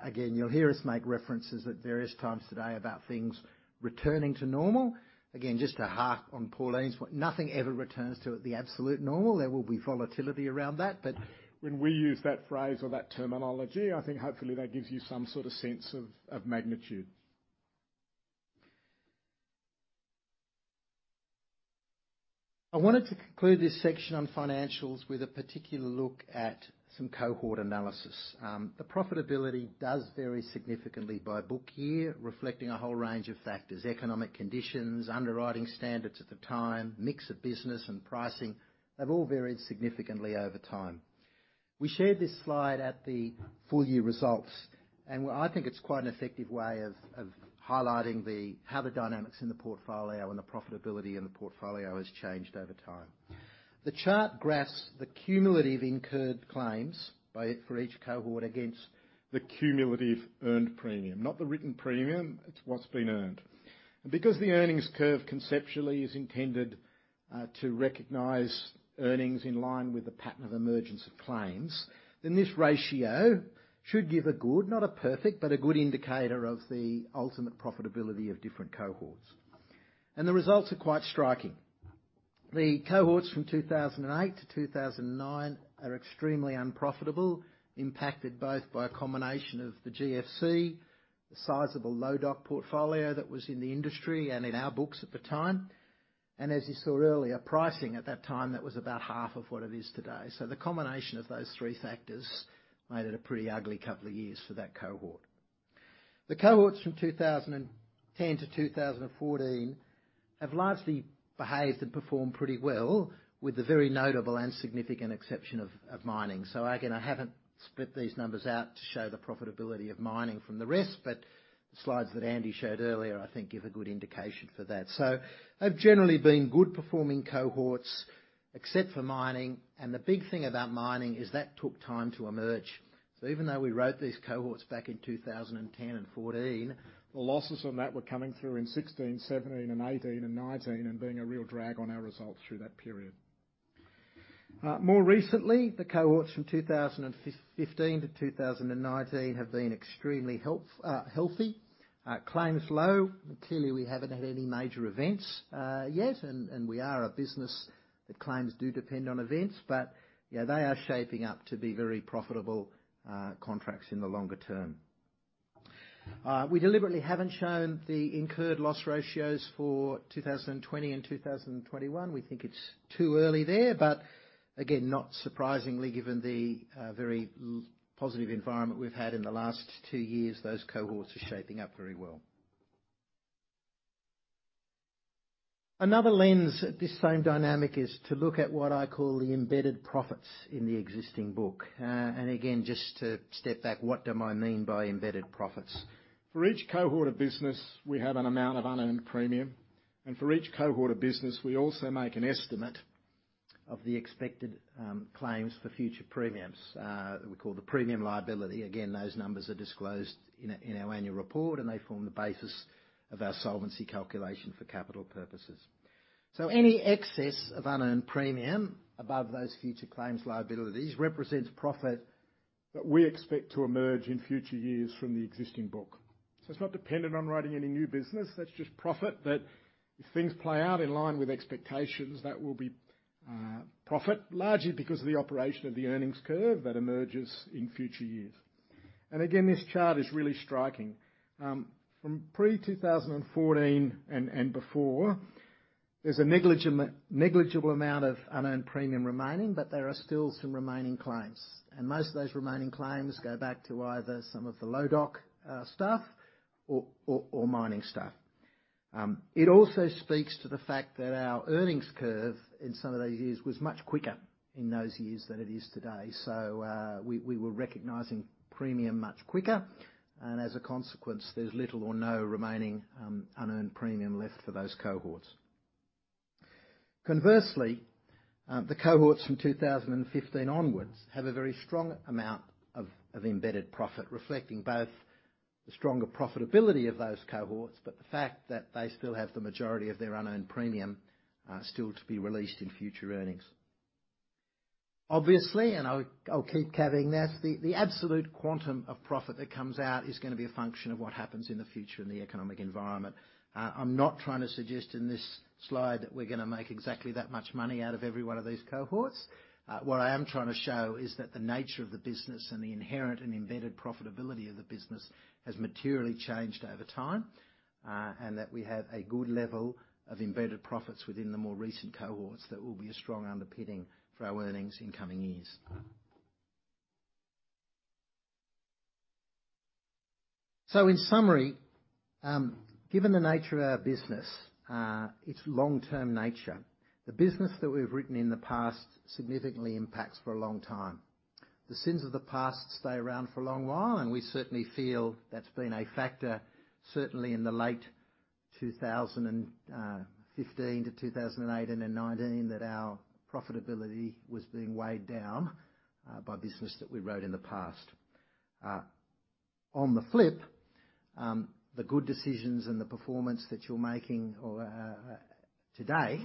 again, you'll hear us make references at various times today about things returning to normal. Again, just to hark on Pauline's point, nothing ever returns to the absolute normal. There will be volatility around that, but. When we use that phrase or that terminology, I think hopefully that gives you some sort of sense of magnitude. I wanted to conclude this section on financials with a particular look at some cohort analysis. The profitability does vary significantly by book year, reflecting a whole range of factors, economic conditions, underwriting standards at the time, mix of business and pricing. They've all varied significantly over time. We shared this slide at the full year results, and I think it's quite an effective way of highlighting the how the dynamics in the portfolio and the profitability in the portfolio has changed over time. The chart graphs the cumulative incurred claims by for each cohort against the cumulative earned premium, not the written premium, it's what's been earned. Because the earnings curve conceptually is intended to recognize earnings in line with the pattern of emergence of claims, then this ratio should give a good, not a perfect, but a good indicator of the ultimate profitability of different cohorts. The results are quite striking. The cohorts from 2008-2009 are extremely unprofitable, impacted both by a combination of the GFC, the sizable low doc portfolio that was in the industry and in our books at the time, and as you saw earlier, pricing at that time, that was about half of what it is today. The combination of those three factors made it a pretty ugly couple of years for that cohort. The cohorts from 2010-2014 have largely behaved and performed pretty well with the very notable and significant exception of mining. Again, I haven't split these numbers out to show the profitability of mining from the rest, but the slides that Andy showed earlier I think give a good indication for that. They've generally been good performing cohorts except for mining, and the big thing about mining is that took time to emerge. Even though we wrote these cohorts back in 2010 and 2014, the losses on that were coming through in 2016, 2017, and 2018, and 2019, and being a real drag on our results through that period. More recently, the cohorts from 2015-2019 have been extremely healthy, claims low, and clearly we haven't had any major events yet, and we are a business that claims do depend on events, but yeah, they are shaping up to be very profitable contracts in the longer term. We deliberately haven't shown the incurred loss ratios for 2020 and 2021. We think it's too early there, but again, not surprisingly, given the very positive environment we've had in the last two years, those cohorts are shaping up very well. Another lens at this same dynamic is to look at what I call the embedded profits in the existing book. Again, just to step back, what do I mean by embedded profits? For each cohort of business, we have an amount of unearned premium, and for each cohort of business, we also make an estimate of the expected claims for future premiums that we call the premium liability. Again, those numbers are disclosed in our annual report, and they form the basis of our solvency calculation for capital purposes. Any excess of unearned premium above those future claims liabilities represents profit that we expect to emerge in future years from the existing book. It's not dependent on writing any new business, that's just profit that if things play out in line with expectations, that will be profit largely because of the operation of the earnings curve that emerges in future years. Again, this chart is really striking. From pre-2014 and before, there's a negligible amount of unearned premium remaining, but there are still some remaining claims. Most of those remaining claims go back to either some of the low doc stuff or mining stuff. It also speaks to the fact that our earnings curve in some of those years was much quicker in those years than it is today. We were recognizing premium much quicker, and as a consequence, there's little or no remaining unearned premium left for those cohorts. Conversely, the cohorts from 2015 onwards have a very strong amount of embedded profit, reflecting both the stronger profitability of those cohorts, but the fact that they still have the majority of their unearned premium still to be released in future earnings. Obviously, I'll keep caveating this, the absolute quantum of profit that comes out is gonna be a function of what happens in the future in the economic environment. I'm not trying to suggest in this slide that we're gonna make exactly that much money out of every one of these cohorts. What I am trying to show is that the nature of the business and the inherent and embedded profitability of the business has materially changed over time, and that we have a good level of embedded profits within the more recent cohorts that will be a strong underpinning for our earnings in coming years. In summary, given the nature of our business, its long-term nature, the business that we've written in the past significantly impacts for a long time. The sins of the past stay around for a long while, and we certainly feel that's been a factor, certainly in the late 2015-2018 and 2019, that our profitability was being weighed down by business that we wrote in the past. On the flip, the good decisions and the performance that you're making today,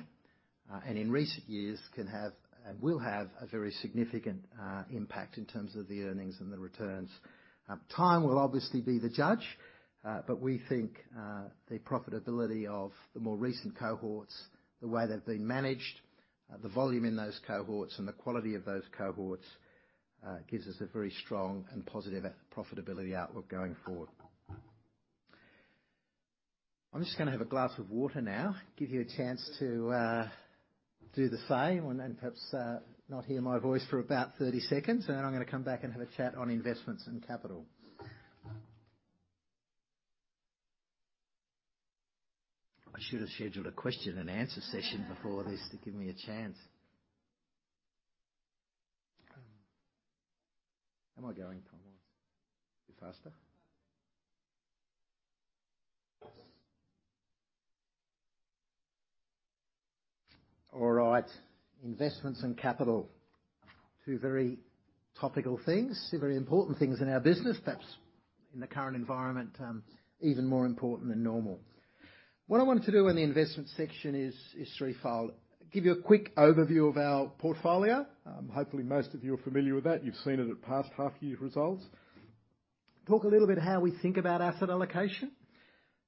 and in recent years can have and will have a very significant impact in terms of the earnings and the returns. Time will obviously be the judge, but we think the profitability of the more recent cohorts, the way they've been managed, the volume in those cohorts, and the quality of those cohorts gives us a very strong and positive profitability outlook going forward. I'm just gonna have a glass of water now, give you a chance to do the same and then perhaps not hear my voice for about 30 seconds, and then I'm gonna come back and have a chat on investments and capital. I should have scheduled a question and answer session before this to give me a chance. Am I going forwards? Faster? All right. Investments and capital. Two very topical things, two very important things in our business, perhaps in the current environment, even more important than normal. What I wanted to do in the investment section is threefold. Give you a quick overview of our portfolio. Hopefully most of you are familiar with that. You've seen it at past half year results. Talk a little bit about how we think about asset allocation.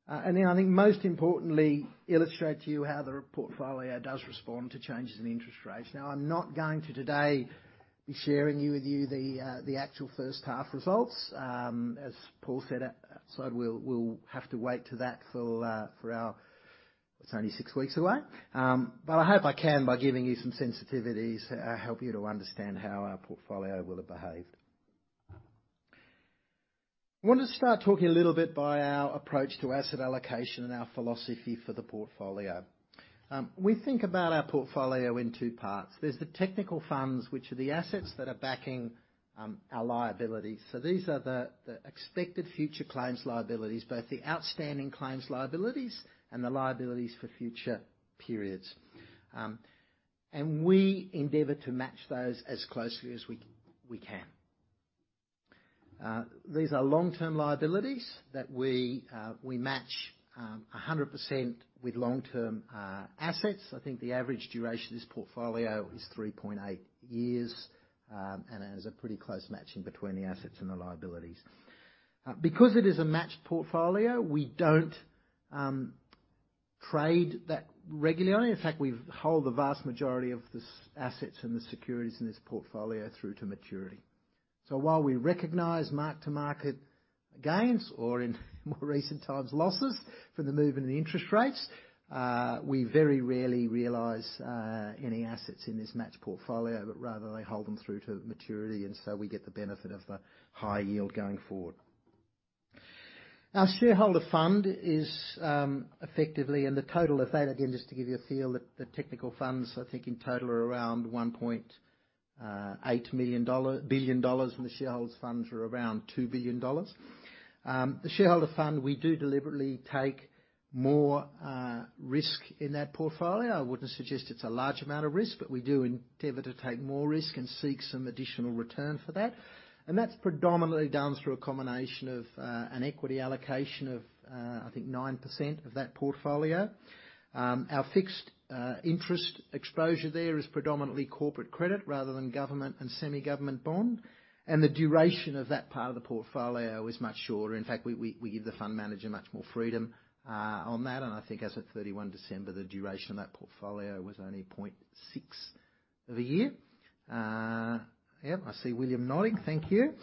Then I think most importantly, illustrate to you how the portfolio does respond to changes in interest rates. Now, I'm not going to today be sharing with you the actual first half results. As Paul said outside, we'll have to wait for that till. It's only six weeks away. I hope I can, by giving you some sensitivities, help you to understand how our portfolio will have behaved. I wanted to start talking a little bit about our approach to asset allocation and our philosophy for the portfolio. We think about our portfolio in two parts. There's the technical funds, which are the assets that are backing our liabilities. These are the expected future claims liabilities, both the outstanding claims liabilities and the liabilities for future periods. We endeavor to match those as closely as we can. These are long-term liabilities that we match 100% with long-term assets. I think the average duration of this portfolio is 3.8 years, and it has a pretty close matching between the assets and the liabilities. Because it is a matched portfolio, we don't trade that regularly. In fact, we hold the vast majority of the assets and the securities in this portfolio through to maturity. While we recognize mark-to-market gains, or in more recent times, losses, from the move in interest rates, we very rarely realize any assets in this matched portfolio, but rather they hold them through to maturity, and we get the benefit of the high yield going forward. Our shareholder fund is effectively, and the total of that, again, just to give you a feel that the technical funds, I think, in total are around 1.8 billion dollars, and the shareholders funds are around 2 billion dollars. The shareholder fund, we do deliberately take more risk in that portfolio. I wouldn't suggest it's a large amount of risk, but we do endeavor to take more risk and seek some additional return for that. That's predominantly done through a combination of an equity allocation of, I think, 9% of that portfolio. Our fixed interest exposure there is predominantly corporate credit rather than government and semi-government bond. The duration of that part of the portfolio is much shorter. In fact, we give the fund manager much more freedom on that. I think as of 31 December, the duration of that portfolio was only 0.6% of a year. Yeah, I see William nodding. Thank you.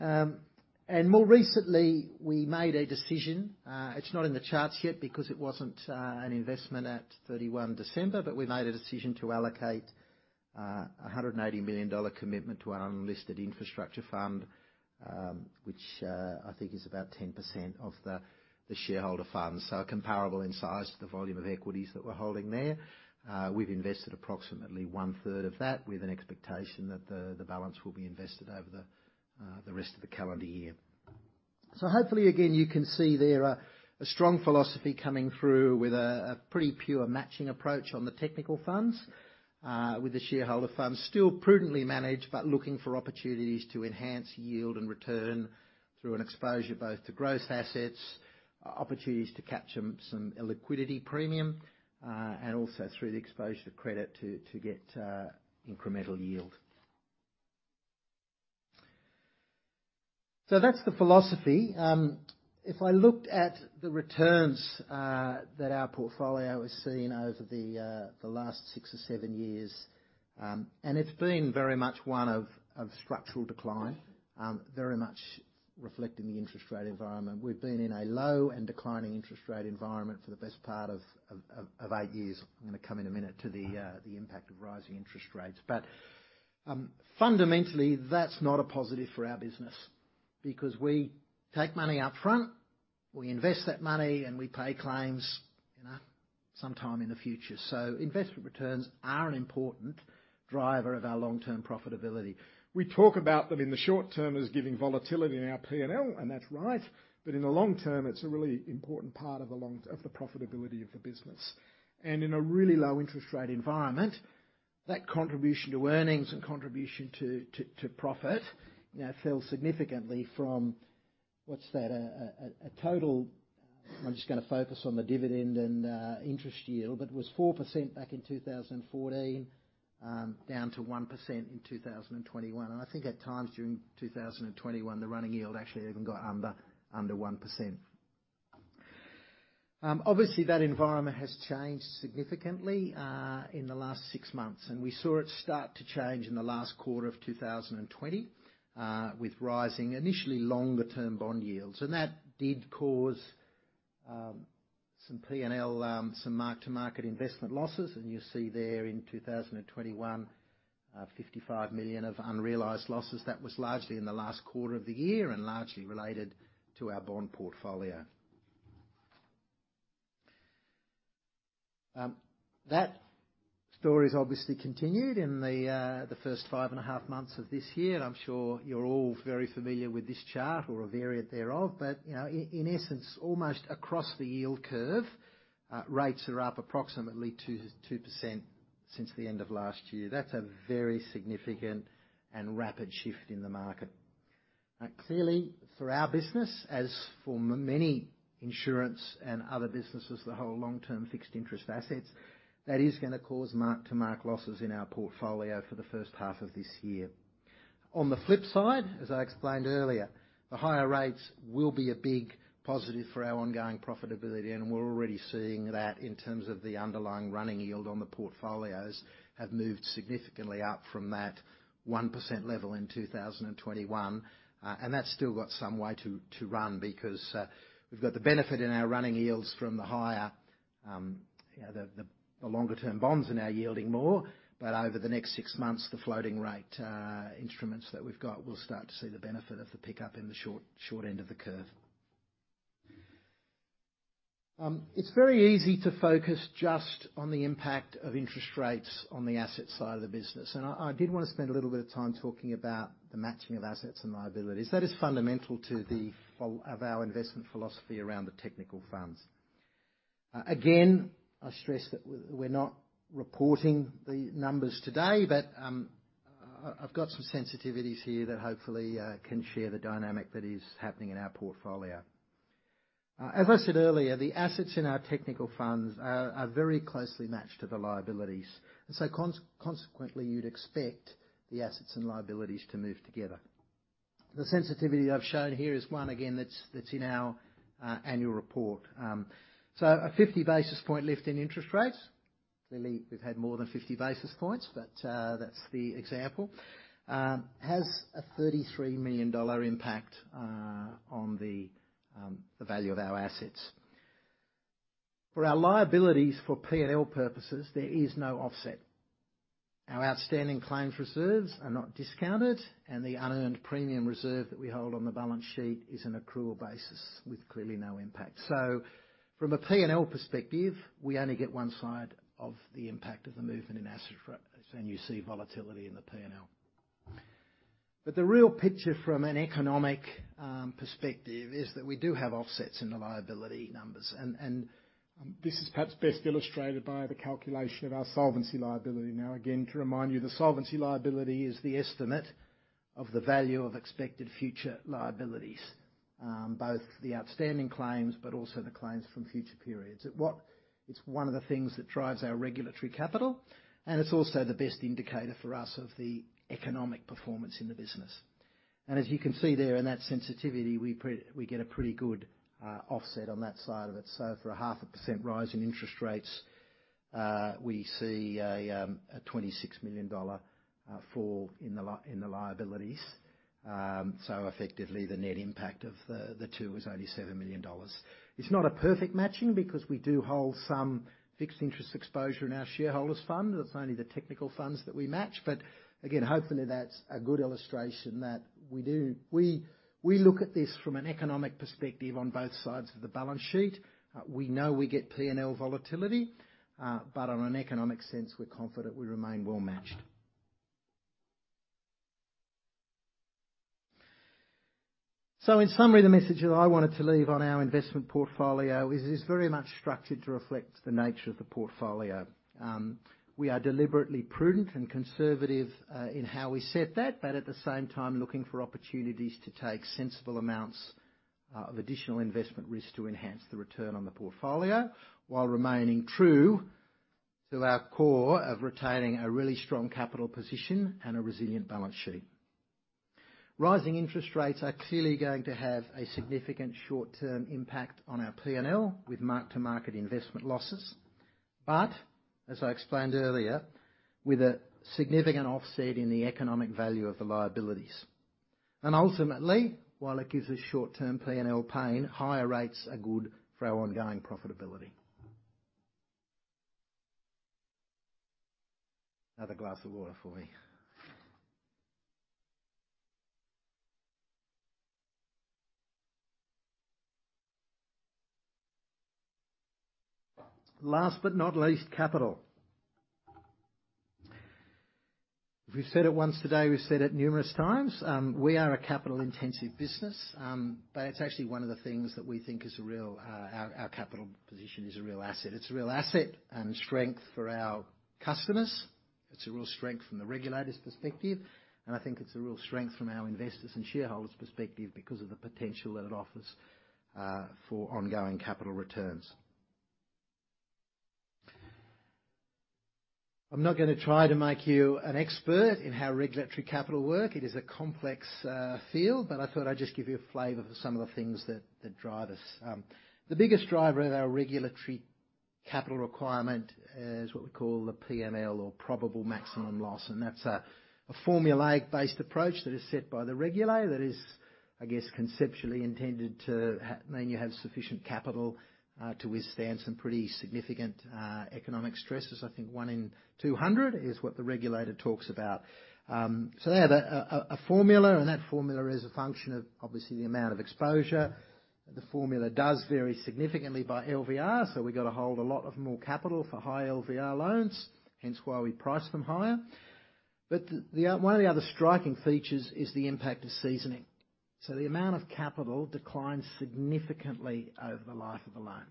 More recently, we made a decision. It's not in the charts yet because it wasn't an investment at 31 December, but we made a decision to allocate 180 million dollar commitment to our unlisted infrastructure fund, which I think is about 10% of the shareholder fund. Comparable in size to the volume of equities that we're holding there. We've invested approximately one-third of that with an expectation that the balance will be invested over the rest of the calendar year. Hopefully, again, you can see there a strong philosophy coming through with a pretty pure matching approach on the technical funds, with the shareholder fund still prudently managed, but looking for opportunities to enhance yield and return through an exposure both to growth assets, opportunities to capture some liquidity premium, and also through the exposure to credit to get incremental yield. That's the philosophy. If I looked at the returns that our portfolio has seen over the last six or seven years, and it's been very much one of structural decline, very much reflecting the interest rate environment. We've been in a low and declining interest rate environment for the best part of eight years. I'm gonna come in a minute to the impact of rising interest rates. Fundamentally, that's not a positive for our business because we take money up front, we invest that money, and we pay claims sometime in the future. Investment returns are an important driver of our long-term profitability. We talk about them in the short term as giving volatility in our P&L, and that's right. In the long term, it's a really important part of the profitability of the business. In a really low interest rate environment, that contribution to earnings and contribution to profit, you know, fell significantly from, what's that, a total. I'm just gonna focus on the dividend and interest yield. It was 4% back in 2014, down to 1% in 2021. I think at times during 2021, the running yield actually even got under one percent. Obviously that environment has changed significantly in the last six months, and we saw it start to change in the last quarter of 2020 with rising initially longer term bond yields. That did cause some P&L some mark-to-market investment losses. You see there in 2021, 55 million of unrealized losses, that was largely in the last quarter of the year and largely related to our bond portfolio. That story's obviously continued in the first five and a half months of this year, and I'm sure you're all very familiar with this chart or a variant thereof. You know, in essence, almost across the yield curve, rates are up approximately 2% since the end of last year. That's a very significant and rapid shift in the market. Clearly for our business, as for many insurance and other businesses that hold long-term fixed interest assets, that is gonna cause mark-to-market losses in our portfolio for the first half of this year. On the flip side, as I explained earlier, the higher rates will be a big positive for our ongoing profitability, and we're already seeing that in terms of the underlying running yield on the portfolios have moved significantly up from that 1% level in 2021. That's still got some way to run because we've got the benefit in our running yields from the higher, you know, the longer-term bonds are now yielding more. Over the next six months, the floating rate instruments that we've got will start to see the benefit of the pickup in the short end of the curve. It's very easy to focus just on the impact of interest rates on the asset side of the business, and I did wanna spend a little bit of time talking about the matching of assets and liabilities. That is fundamental to the form of our investment philosophy around the technical funds. Again, I stress that we're not reporting the numbers today, but I've got some sensitivities here that hopefully can share the dynamic that is happening in our portfolio. As I said earlier, the assets in our technical funds are very closely matched to the liabilities, and so consequently, you'd expect the assets and liabilities to move together. The sensitivity I've shown here is one, again, that's in our annual report. A 50 basis point lift in interest rates, clearly we've had more than 50 basis points, but that's the example, has a 33 million dollar impact on the value of our assets. For our liabilities for P&L purposes, there is no offset. Our outstanding claims reserves are not discounted, and the unearned premium reserve that we hold on the balance sheet is an accrual basis with clearly no impact. From a P&L perspective, we only get one side of the impact of the movement in assets, and you see volatility in the P&L. The real picture from an economic perspective is that we do have offsets in the liability numbers, and this is perhaps best illustrated by the calculation of our solvency liability. Now, again, to remind you, the solvency liability is the estimate of the value of expected future liabilities, both the outstanding claims but also the claims from future periods. It's one of the things that drives our regulatory capital, and it's also the best indicator for us of the economic performance in the business. And as you can see there in that sensitivity, we get a pretty good offset on that side of it. For a 0.5% rise in interest rates, we see an AUD 26 million fall in the liabilities. Effectively, the net impact of the two is only 7 million dollars. It's not a perfect matching because we do hold some fixed interest exposure in our shareholders fund. It's only the technical funds that we match. Hopefully, that's a good illustration that we do. We look at this from an economic perspective on both sides of the balance sheet. We know we get P&L volatility, but on an economic sense, we're confident we remain well matched. In summary, the message that I wanted to leave on our investment portfolio is it's very much structured to reflect the nature of the portfolio. We are deliberately prudent and conservative in how we set that, but at the same time looking for opportunities to take sensible amounts of additional investment risk to enhance the return on the portfolio, while remaining true to our core of retaining a really strong capital position and a resilient balance sheet. Rising interest rates are clearly going to have a significant short-term impact on our P&L with mark-to-market investment losses. As I explained earlier, with a significant offset in the economic value of the liabilities. Ultimately, while it gives us short-term P&L pain, higher rates are good for our ongoing profitability. Another glass of water for me. Last but not least, capital. If we've said it once today, we've said it numerous times, we are a capital-intensive business, but it's actually one of the things that we think our capital position is a real asset. It's a real asset and strength for our customers. It's a real strength from the regulator's perspective, and I think it's a real strength from our investors' and shareholders' perspective because of the potential that it offers for ongoing capital returns. I'm not gonna try to make you an expert in how regulatory capital work. It is a complex field, but I thought I'd just give you a flavor for some of the things that drive us. The biggest driver of our regulatory capital requirement is what we call the PML or probable maximum loss, and that's a formulaic-based approach that is set by the regulator that is, I guess, conceptually intended to mean you have sufficient capital to withstand some pretty significant economic stresses. I think one in 200 is what the regulator talks about. They have a formula, and that formula is a function of obviously the amount of exposure. The formula does vary significantly by LVR, so we've got to hold a lot more capital for high LVR loans, hence why we price them higher. One of the other striking features is the impact of seasoning. The amount of capital declines significantly over the life of the loan.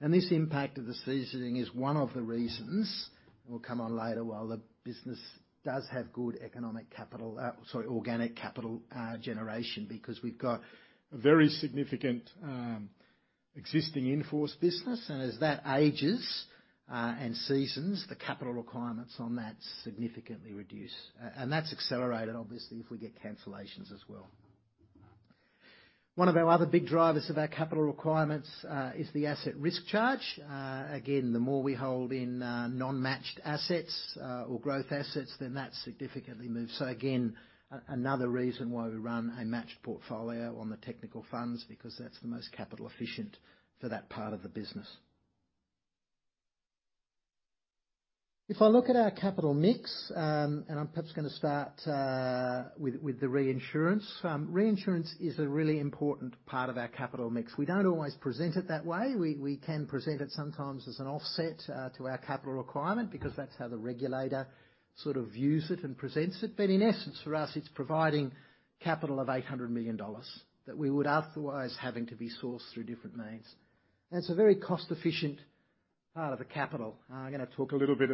This impact of the seasoning is one of the reasons we'll come on later while the business does have good organic capital generation, because we've got a very significant existing in-force business, and as that ages and seasons, the capital requirements on that significantly reduce. That's accelerated obviously if we get cancellations as well. One of our other big drivers of our capital requirements is the asset risk charge. Again, the more we hold in non-matched assets or growth assets, then that significantly moves. Again, another reason why we run a matched portfolio on the technical funds, because that's the most capital efficient for that part of the business. If I look at our capital mix and I'm perhaps gonna start with the reinsurance. Reinsurance is a really important part of our capital mix. We don't always present it that way. We can present it sometimes as an offset to our capital requirement because that's how the regulator sort of views it and presents it. In essence, for us, it's providing capital of 800 million dollars that we would otherwise having to be sourced through different means. It's a very cost-efficient part of the capital. I'm gonna talk a little bit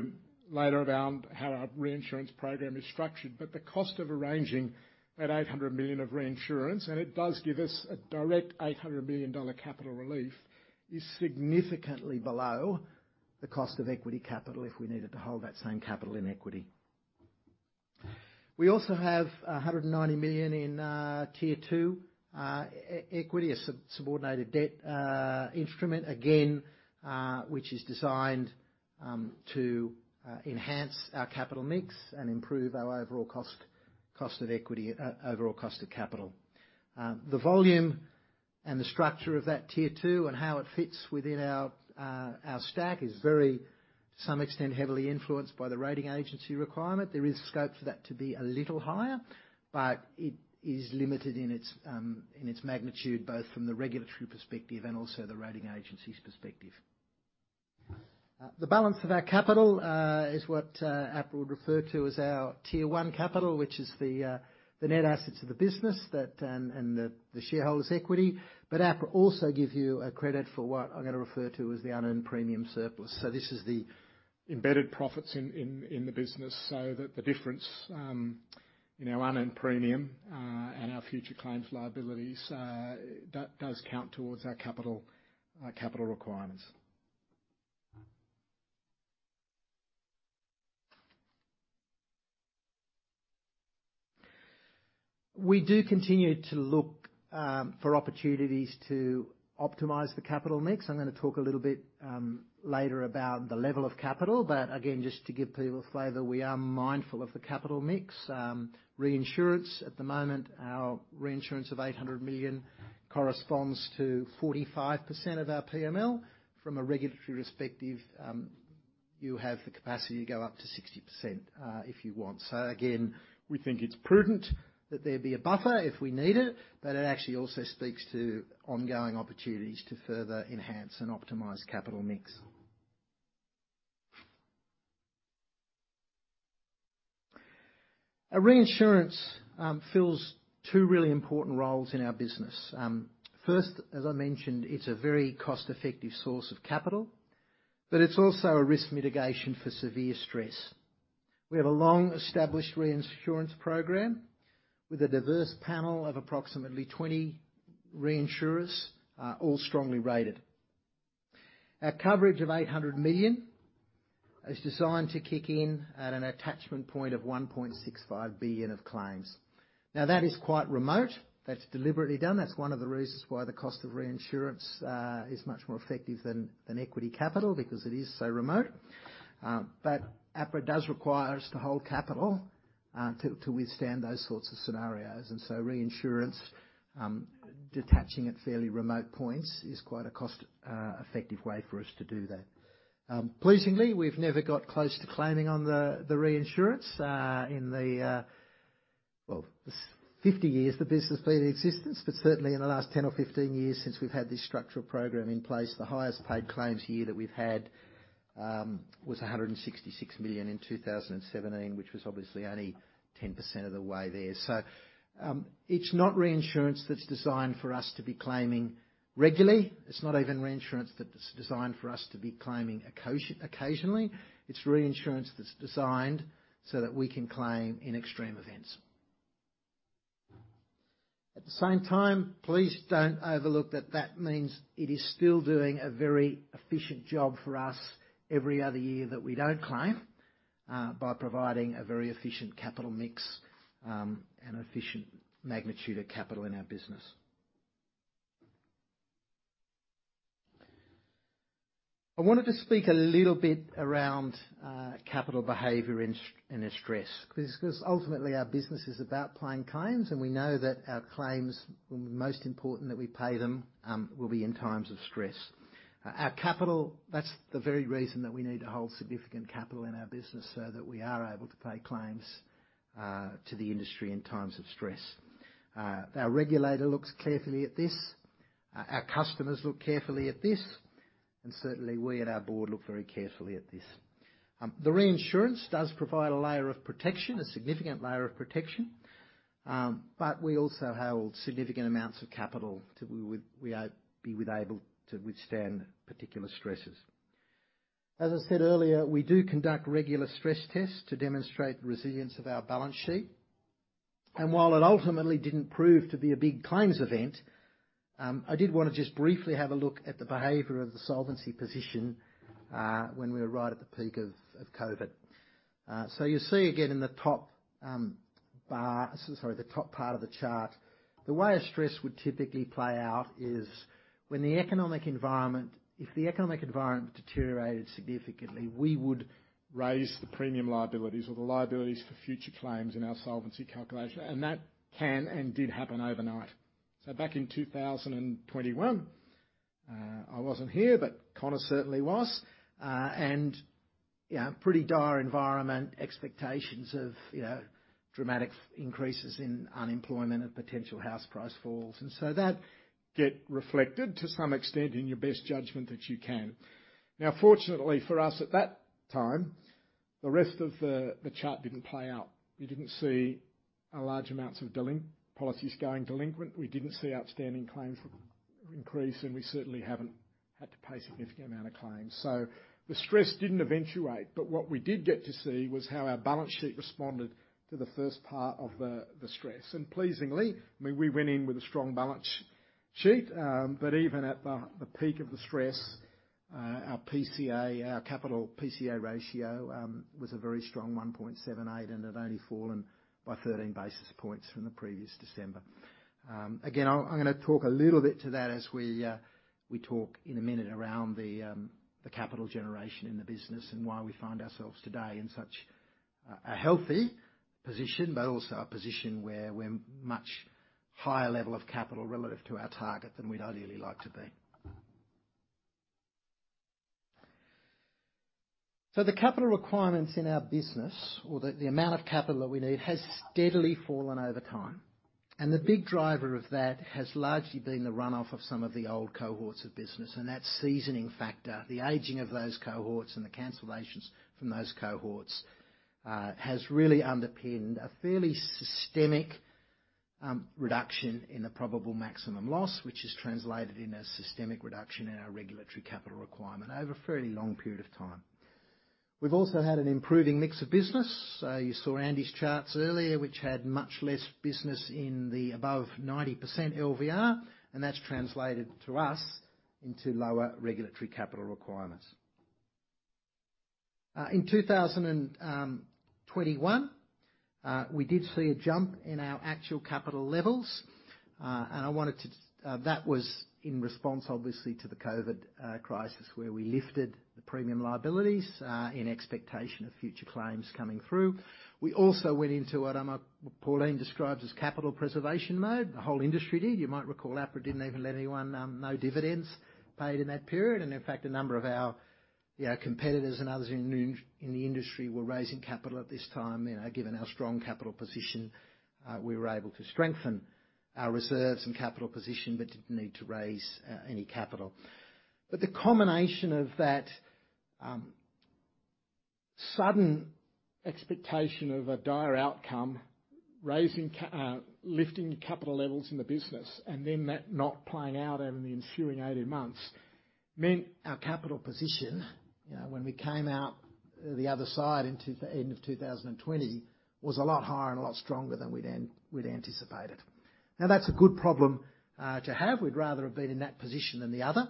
later about how our reinsurance program is structured, but the cost of arranging that 800 million of reinsurance, and it does give us a direct 800 million dollar capital relief, is significantly below the cost of equity capital if we needed to hold that same capital in equity. We also have 190 million in Tier 2 equity, a subordinated debt instrument, again, which is designed to enhance our capital mix and improve our overall cost of equity, overall cost of capital. The volume and the structure of that Tier 2 and how it fits within our stack is, to some extent, heavily influenced by the rating agency requirement. There is scope for that to be a little higher, but it is limited in its magnitude, both from the regulatory perspective and also the rating agency's perspective. The balance of our capital is what APRA would refer to as our Tier 1 capital, which is the net assets of the business and the shareholders' equity. APRA also give you a credit for what I'm gonna refer to as the unearned premium surplus. This is the embedded profits in the business, so that the difference in our unearned premium and our future claims liabilities that does count towards our capital requirements. We do continue to look for opportunities to optimize the capital mix. I'm gonna talk a little bit later about the level of capital, but again, just to give people a flavor, we are mindful of the capital mix. Reinsurance at the moment, our reinsurance of 800 million corresponds to 45% of our PML. From a regulatory perspective, you have the capacity to go up to 60% if you want. Again, we think it's prudent that there be a buffer if we need it, but it actually also speaks to ongoing opportunities to further enhance and optimize capital mix. Reinsurance fills two really important roles in our business. First, as I mentioned, it's a very cost-effective source of capital, but it's also a risk mitigation for severe stress. We have a long-established reinsurance program with a diverse panel of approximately 20 reinsurers, all strongly rated. Our coverage of 800 million is designed to kick in at an attachment point of 1.65 billion of claims. Now, that is quite remote. That's deliberately done. That's one of the reasons why the cost of reinsurance is much more effective than equity capital because it is so remote. APRA does require us to hold capital to withstand those sorts of scenarios. Reinsurance attaching at fairly remote points is quite a cost effective way for us to do that. Pleasingly, we've never got close to claiming on the reinsurance in the well, 50 years the business been in existence, but certainly in the last 10 or 15 years since we've had this structural program in place, the highest paid claims year that we've had was 166 million in 2017, which was obviously only 10% of the way there. It's not reinsurance that's designed for us to be claiming regularly. It's not even reinsurance that's designed for us to be claiming occasionally. It's reinsurance that's designed so that we can claim in extreme events. At the same time, please don't overlook that means it is still doing a very efficient job for us every other year that we don't claim, by providing a very efficient capital mix, and efficient magnitude of capital in our business. I wanted to speak a little bit around capital behavior in a stress, because ultimately our business is about paying claims, and we know that our claims, most important that we pay them, will be in times of stress. Our capital, that's the very reason that we need to hold significant capital in our business so that we are able to pay claims to the industry in times of stress. Our regulator looks carefully at this, our customers look carefully at this, and certainly we at our board look very carefully at this. The reinsurance does provide a layer of protection, a significant layer of protection, but we also have significant amounts of capital to be able to withstand particular stresses. As I said earlier, we do conduct regular stress tests to demonstrate the resilience of our balance sheet. While it ultimately didn't prove to be a big claims event, I did wanna just briefly have a look at the behavior of the solvency position when we were right at the peak of COVID. You see again in the top bar, so sorry, the top part of the chart, the way a stress would typically play out is when the economic environment, if the economic environment deteriorated significantly, we would raise the premium liabilities or the liabilities for future claims in our solvency calculation, and that can and did happen overnight. Back in 2021, I wasn't here, but Connor certainly was, and you know, pretty dire environment, expectations of you know, dramatic increases in unemployment and potential house price falls. That get reflected to some extent in your best judgment that you can. Now, fortunately for us at that time, the rest of the chart didn't play out. We didn't see large amounts of policies going delinquent. We didn't see outstanding claims increase, and we certainly haven't had to pay significant amount of claims. The stress didn't eventuate, but what we did get to see was how our balance sheet responded to the first part of the stress. Pleasingly, I mean, we went in with a strong balance sheet, but even at the peak of the stress, our PCA, our capital PCA ratio, was a very strong 1.78%, and had only fallen by 13 basis points from the previous December. Again, I'm gonna talk a little bit to that as we talk in a minute around the capital generation in the business and why we find ourselves today in such a healthy position, but also a position where we're much higher level of capital relative to our target than we'd ideally like to be. The capital requirements in our business or the amount of capital that we need has steadily fallen over time. The big driver of that has largely been the runoff of some of the old cohorts of business, and that seasoning factor, the aging of those cohorts and the cancellations from those cohorts has really underpinned a fairly systematic reduction in the probable maximum loss, which has translated in a systematic reduction in our regulatory capital requirement over a fairly long period of time. We've also had an improving mix of business. You saw Andy's charts earlier, which had much less business in the above 90% LVR, and that's translated to us into lower regulatory capital requirements. In 2021, we did see a jump in our actual capital levels. That was in response obviously to the COVID crisis, where we lifted the premium liabilities, in expectation of future claims coming through. We also went into what Pauline describes as capital preservation mode. The whole industry did. You might recall APRA didn't even let anyone, no dividends paid in that period. In fact, a number of our, you know, competitors and others in the industry were raising capital at this time. You know, given our strong capital position, we were able to strengthen our reserves and capital position, but didn't need to raise any capital. The combination of that sudden expectation of a dire outcome, lifting capital levels in the business, and then that not playing out over the ensuing 18 months, meant our capital position, you know, when we came out the other side into the end of 2020, was a lot higher and a lot stronger than we'd anticipated. Now that's a good problem to have. We'd rather have been in that position than the other.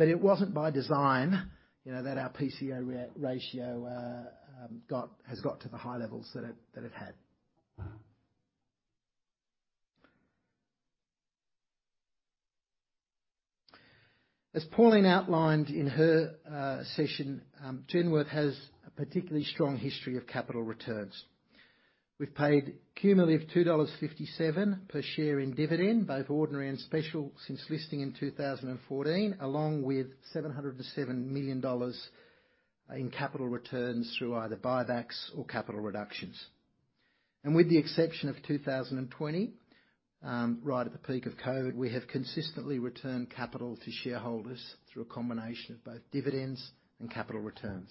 It wasn't by design, you know, that our PCA ratio has got to the high levels that it had. As Pauline outlined in her session, Genworth has a particularly strong history of capital returns. We've paid cumulative 2.57 dollars per share in dividend, both ordinary and special, since listing in 2014, along with 707 million dollars in capital returns through either buybacks or capital reductions. With the exception of 2020, right at the peak of COVID, we have consistently returned capital to shareholders through a combination of both dividends and capital returns.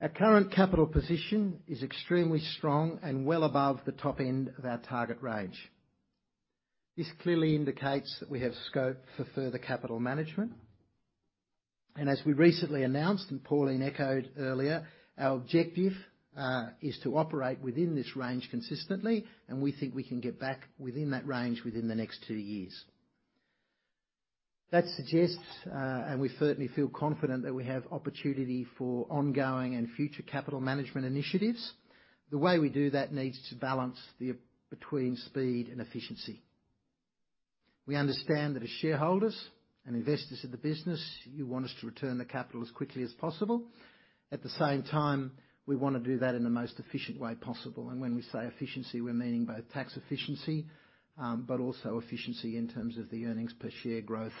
Our current capital position is extremely strong and well above the top end of our target range. This clearly indicates that we have scope for further capital management. As we recently announced, and Pauline echoed earlier, our objective is to operate within this range consistently, and we think we can get back within that range within the next two years. That suggests, and we certainly feel confident that we have opportunity for ongoing and future capital management initiatives. The way we do that needs to balance between speed and efficiency. We understand that as shareholders and investors in the business, you want us to return the capital as quickly as possible. At the same time, we wanna do that in the most efficient way possible. When we say efficiency, we're meaning both tax efficiency, but also efficiency in terms of the earnings per share growth,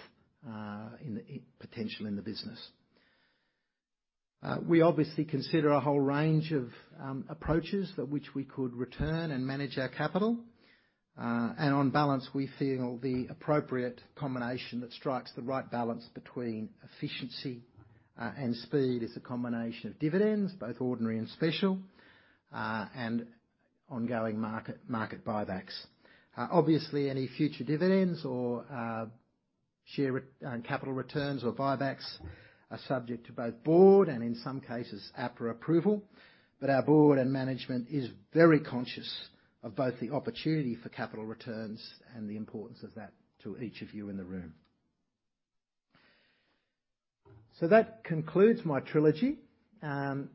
in potential in the business. We obviously consider a whole range of approaches that which we could return and manage our capital. On balance, we feel the appropriate combination that strikes the right balance between efficiency and speed is a combination of dividends, both ordinary and special, and ongoing market buybacks. Obviously, any future dividends or share capital returns or buybacks are subject to both board and in some cases APRA approval. Our board and management is very conscious of both the opportunity for capital returns and the importance of that to each of you in the room. That concludes my trilogy. I'm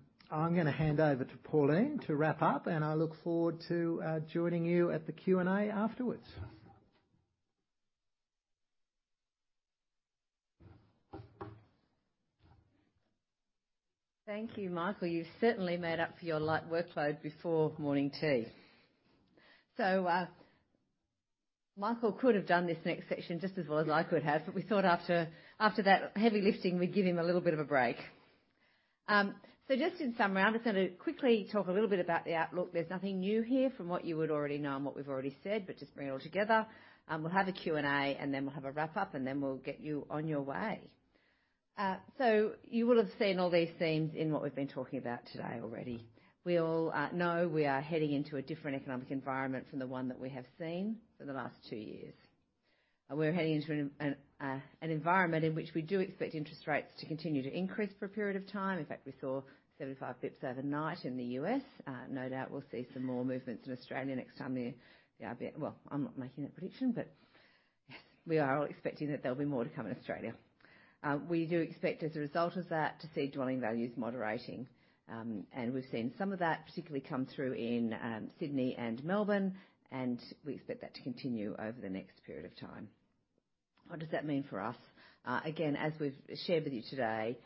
gonna hand over to Pauline to wrap up, and I look forward to joining you at the Q&A afterwards. Thank you, Michael. You certainly made up for your light workload before morning tea. Michael could have done this next section just as well as I could have, but we thought after that heavy lifting, we'd give him a little bit of a break. Just in summary, I'm just gonna quickly talk a little bit about the outlook. There's nothing new here from what you would already know and what we've already said, but just bring it all together. We'll have a Q&A, and then we'll have a wrap up, and then we'll get you on your way. You will have seen all these themes in what we've been talking about today already. We all know we are heading into a different economic environment from the one that we have seen for the last two years. We're heading into an environment in which we do expect interest rates to continue to increase for a period of time. In fact, we saw 75 basis points overnight in the U.S.. No doubt we'll see some more movements in Australia next time there. Yeah, I bet. Well, I'm not making a prediction, but yes, we are all expecting that there'll be more to come in Australia. We do expect, as a result of that, to see dwelling values moderating. We've seen some of that particularly come through in Sydney and Melbourne, and we expect that to continue over the next period of time. What does that mean for us? Again, as we've shared with you today,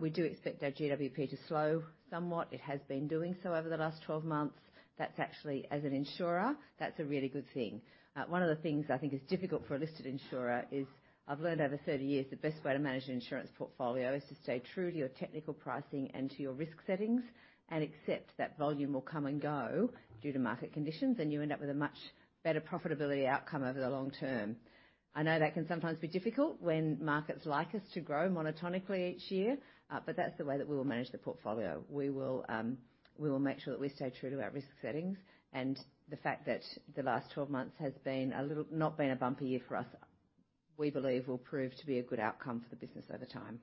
we do expect our GWP to slow somewhat. It has been doing so over the last 12 months. That's actually, as an insurer, that's a really good thing. One of the things I think is difficult for a listed insurer is I've learned over 30 years, the best way to manage an insurance portfolio is to stay true to your technical pricing and to your risk settings and accept that volume will come and go due to market conditions, and you end up with a much better profitability outcome over the long term. I know that can sometimes be difficult when markets like us to grow monotonically each year, but that's the way that we will manage the portfolio. We will make sure that we stay true to our risk settings and the fact that the last 12 months has been a little. not been a bumpy year for us, we believe will prove to be a good outcome for the business over time.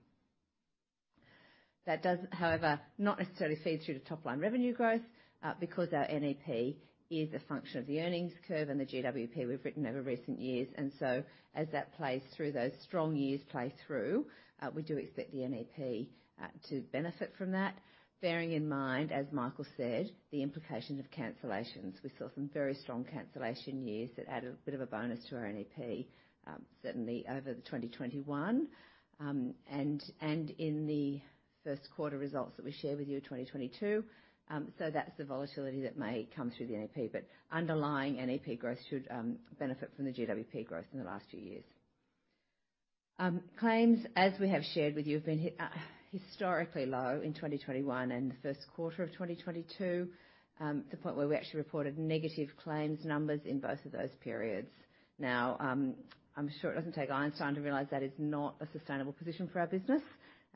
That does, however, not necessarily feed through to top-line revenue growth, because our NEP is a function of the earnings curve and the GWP we've written over recent years. As that plays through, those strong years play through, we do expect the NEP to benefit from that. Bearing in mind, as Michael said, the implication of cancellations. We saw some very strong cancellation years that added a bit of a bonus to our NEP, certainly over the 2021, and in the first quarter results that we shared with you in 2022. That's the volatility that may come through the NEP, but underlying NEP growth should benefit from the GWP growth in the last two years. Claims, as we have shared with you, have been historically low in 2021 and the first quarter of 2022, to the point where we actually reported negative claims numbers in both of those periods. Now, I'm sure it doesn't take Einstein to realize that is not a sustainable position for our business,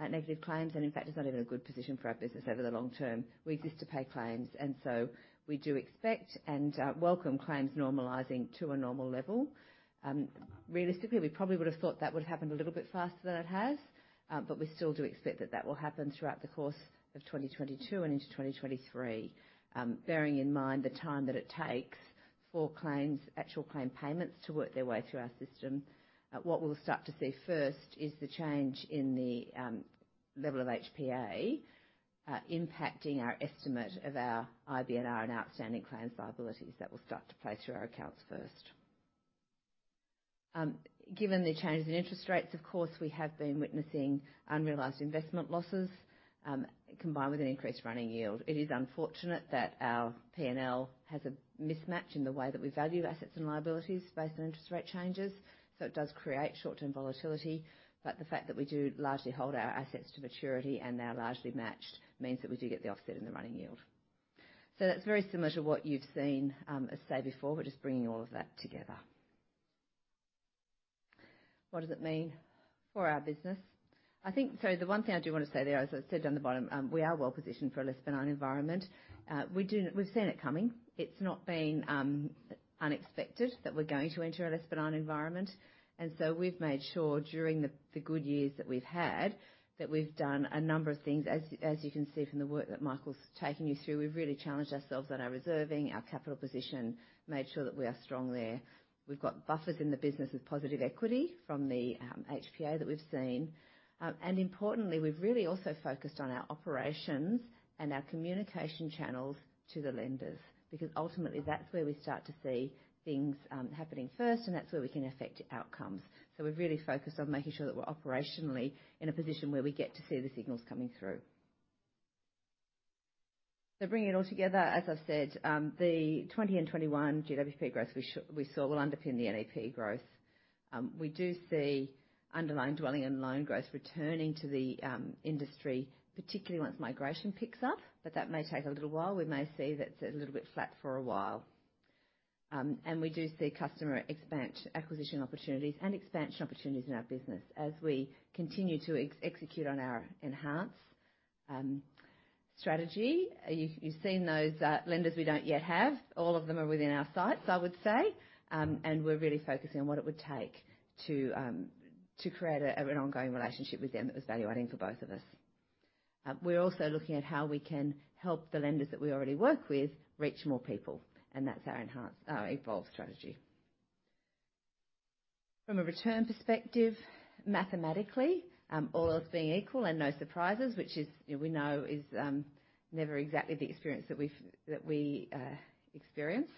negative claims. In fact, it's not even a good position for our business over the long term. We exist to pay claims, and so we do expect and welcome claims normalizing to a normal level. Realistically, we probably would have thought that would happen a little bit faster than it has, but we still do expect that that will happen throughout the course of 2022 and into 2023. Bearing in mind the time that it takes for claims, actual claim payments to work their way through our system, what we'll start to see first is the change in the level of HPA impacting our estimate of our IBNR and outstanding claims liabilities that will start to play through our accounts first. Given the changes in interest rates, of course, we have been witnessing unrealized investment losses combined with an increased running yield. It is unfortunate that our P&L has a mismatch in the way that we value assets and liabilities based on interest rate changes, so it does create short-term volatility. But the fact that we do largely hold our assets to maturity and they are largely matched means that we do get the offset in the running yield. That's very similar to what you've seen us say before. We're just bringing all of that together. What does it mean for our business? I think the one thing I do want to say there, as I said down the bottom, we are well positioned for a less benign environment. We've seen it coming. It's not been unexpected that we're going to enter a less benign environment. We've made sure during the good years that we've had that we've done a number of things. As you can see from the work that Michael's taken you through, we've really challenged ourselves on our reserving, our capital position, made sure that we are strong there. We've got buffers in the business with positive equity from the HPA that we've seen. Importantly, we've really also focused on our operations and our communication channels to the lenders, because ultimately that's where we start to see things happening first, and that's where we can affect outcomes. We've really focused on making sure that we're operationally in a position where we get to see the signals coming through. Bringing it all together, as I've said, the 2020 and 2021 GWP growth we saw will underpin the NEP growth. We do see underlying dwelling and loan growth returning to the industry, particularly once migration picks up, but that may take a little while. We may see that it's a little bit flat for a while. We do see customer acquisition opportunities and expansion opportunities in our business as we continue to execute on our enhanced strategy. You've seen those lenders we don't yet have. All of them are within our sights, I would say. We're really focusing on what it would take to create an ongoing relationship with them that was value-adding for both of us. We're also looking at how we can help the lenders that we already work with reach more people, and that's our evolve strategy. From a return perspective, mathematically, all else being equal and no surprises, which we know is never exactly the experience that we've experience,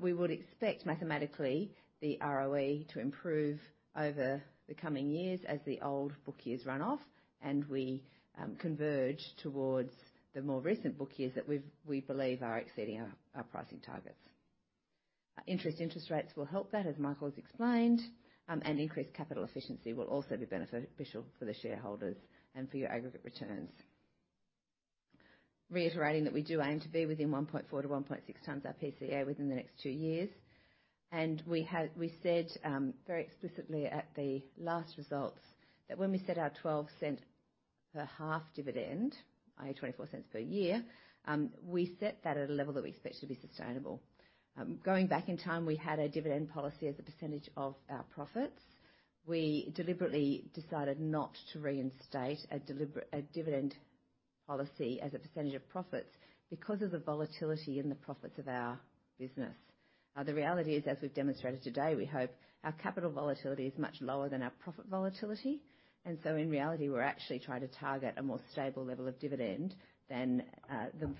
we would expect mathematically the ROE to improve over the coming years as the old book years run off and we converge towards the more recent book years that we believe are exceeding our pricing targets. Interest rates will help that, as Michael has explained, and increased capital efficiency will also be beneficial for the shareholders and for your aggregate returns. Reiterating that we do aim to be within 1.4-1.6x. our PCA within the next two years. We said very explicitly at the last results that when we set our 0.12 per half dividend, i.e. 0.24 per year, we set that at a level that we expect to be sustainable. Going back in time, we had a dividend policy as a percentage of our profits. We deliberately decided not to reinstate a dividend policy as a percentage of profits because of the volatility in the profits of our business. The reality is, as we've demonstrated today, we hope our capital volatility is much lower than our profit volatility. In reality, we're actually trying to target a more stable level of dividend than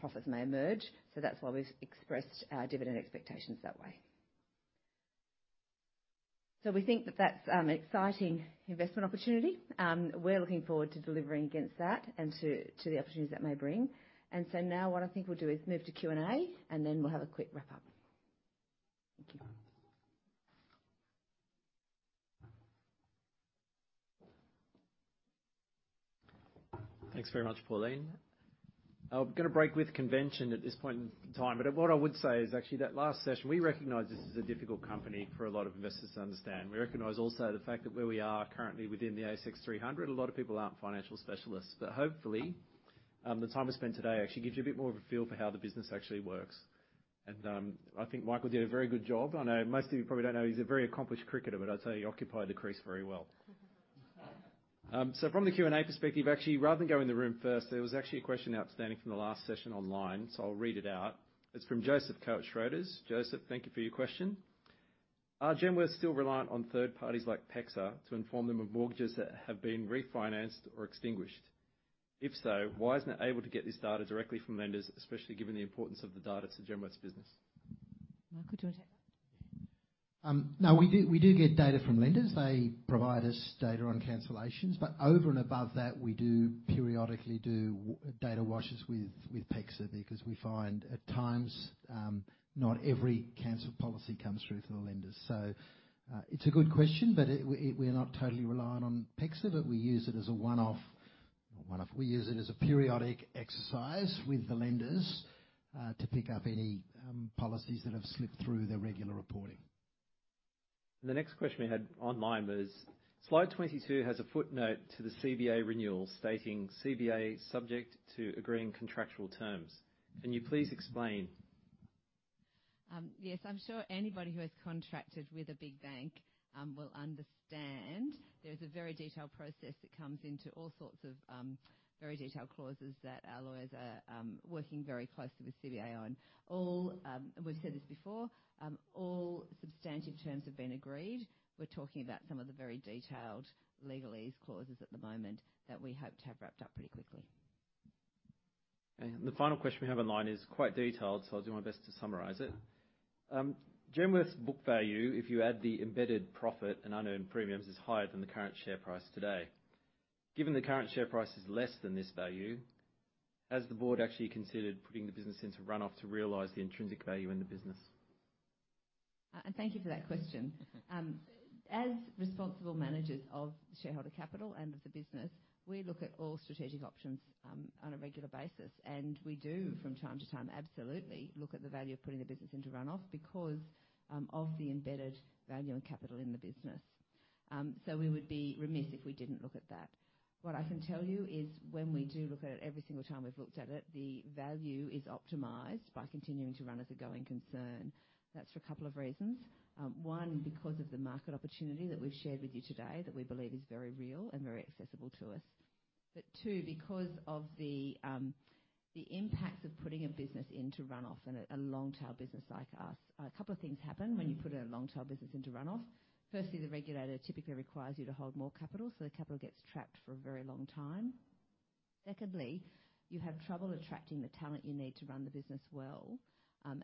profits may emerge. That's why we've expressed our dividend expectations that way. We think that that's an exciting investment opportunity. We're looking forward to delivering against that and to the opportunities that may bring. Now what I think we'll do is move to Q&A, and then we'll have a quick wrap-up. Thank you. Thanks very much, Pauline. I'm gonna break with convention at this point in time, but what I would say is actually that last session, we recognize this is a difficult company for a lot of investors to understand. We recognize also the fact that where we are currently within the ASX 300, a lot of people aren't financial specialists, but hopefully, the time we spent today actually gives you a bit more of a feel for how the business actually works. I think Michael did a very good job. I know most of you probably don't know he's a very accomplished cricketer, but I'd say he occupied the crease very well. So from the Q&A perspective, actually, rather than go in the room first, there was actually a question outstanding from the last session online, so I'll read it out. It's from Joseph Koh, Schroders. Joseph Koh, thank you for your question. Is Helia still reliant on third parties like PEXA to inform them of mortgages that have been refinanced or extinguished? If so, why isn't it able to get this data directly from lenders, especially given the importance of the data to Helia's business? Michael, do you want to take that? No, we do get data from lenders. They provide us data on cancellations, but over and above that, we do periodically do data washes with PEXA because we find at times, not every cancel policy comes through for the lenders. It's a good question, but we're not totally reliant on PEXA, but we use it as a one-off. Not one-off. We use it as a periodic exercise with the lenders, to pick up any policies that have slipped through their regular reporting. The next question we had online was, slide 22 has a footnote to the CBA renewal stating CBA subject to agreeing contractual terms. Can you please explain? Yes, I'm sure anybody who has contracted with a big bank will understand there's a very detailed process that comes into all sorts of very detailed clauses that our lawyers are working very closely with CBA on. All, we've said this before, all substantive terms have been agreed. We're talking about some of the very detailed legalese clauses at the moment that we hope to have wrapped up pretty quickly. The final question we have online is quite detailed, so I'll do my best to summarize it. Helia's book value, if you add the embedded profit and unearned premiums, is higher than the current share price today. Given the current share price is less than this value, has the board actually considered putting the business into run-off to realize the intrinsic value in the business? Thank you for that question. As responsible managers of shareholder capital and of the business, we look at all strategic options on a regular basis, and we do from time to time, absolutely, look at the value of putting the business into run-off because of the embedded value and capital in the business. We would be remiss if we didn't look at that. What I can tell you is when we do look at it, every single time we've looked at it, the value is optimized by continuing to run as a going concern. That's for a couple of reasons. One, because of the market opportunity that we've shared with you today that we believe is very real and very accessible to us. Two, because of the impacts of putting a business into runoff and a long-tail business like us. A couple of things happen when you put a long-tail business into runoff. Firstly, the regulator typically requires you to hold more capital, so the capital gets trapped for a very long time. Secondly, you have trouble attracting the talent you need to run the business well,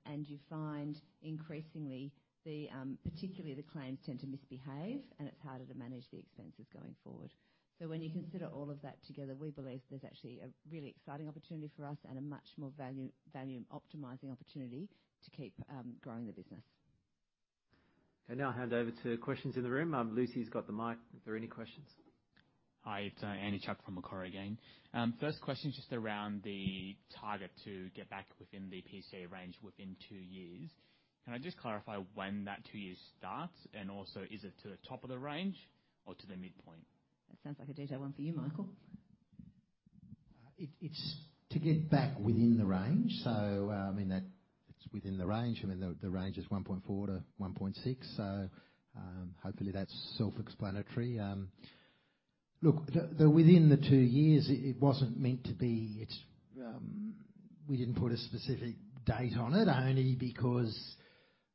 and you find increasingly, particularly the claims tend to misbehave, and it's harder to manage the expenses going forward. When you consider all of that together, we believe there's actually a really exciting opportunity for us and a much more value optimizing opportunity to keep growing the business. Okay, now I'll hand over to questions in the room. Lucy's got the mic. Are there any questions? Hi, it's Andy Chuk from Macquarie again. First question is just around the target to get back within the PCA range within two years. Can I just clarify when that two years starts, and also is it to the top of the range or to the midpoint? That sounds like a detailed one for you, Michael. It's to get back within the range. I mean, that's within the range. I mean, the range is 1.4-1.6. Hopefully that's self-explanatory. Look, the within the two years it wasn't meant to be. We didn't put a specific date on it only because,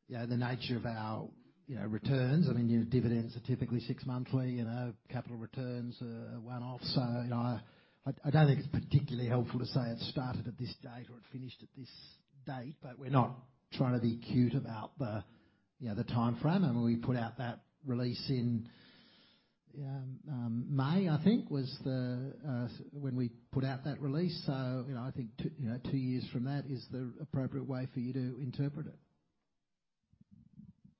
you know, the nature of our, you know, returns. I mean, you know, dividends are typically six monthly, you know, capital returns are one-off. I don't think it's particularly helpful to say it started at this date or it finished at this date, but we're not trying to be cute about the, you know, the timeframe. I mean, we put out that release in May, I think, was when we put out that release. You know, I think two, you know, two years from that is the appropriate way for you to interpret it.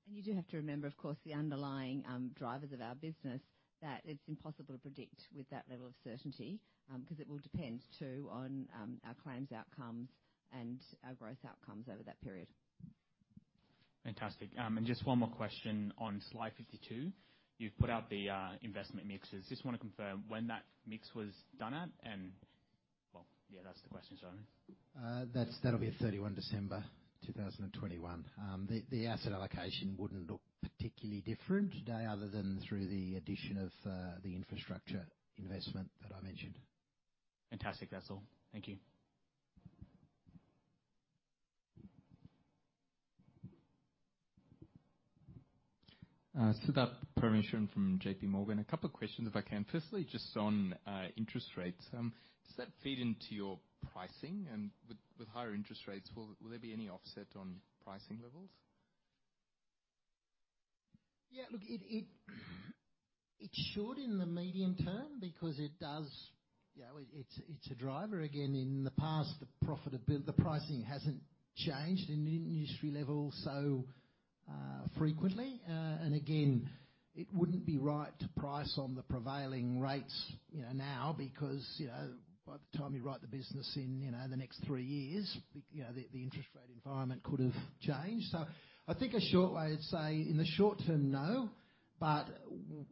You do have to remember, of course, the underlying, drivers of our business, that it's impossible to predict with that level of certainty, 'cause it will depend too on, our claims outcomes and our growth outcomes over that period. Fantastic. Just one more question on slide 52. You've put out the investment mixes. Just wanna confirm when that mix was done at. Well, yeah, that's the question, sorry. That'll be at 31 December 2021. The asset allocation wouldn't look particularly different today other than through the addition of the infrastructure investment that I mentioned. Fantastic. That's all. Thank you. Siddharth Parameswaran from J.P. Morgan. A couple of questions if I can. Firstly, just on interest rates. Does that feed into your pricing? With higher interest rates, will there be any offset on pricing levels? Yeah, look, it should in the medium term because it does. You know, it's a driver. Again, in the past, the profits have been. The pricing hasn't changed in industry level so frequently. And again, it wouldn't be right to price on the prevailing rates, you know, now because, you know, by the time you write the business in, you know, the next three years, you know, the interest rate environment could have changed. I think a short way of saying, in the short term, no. But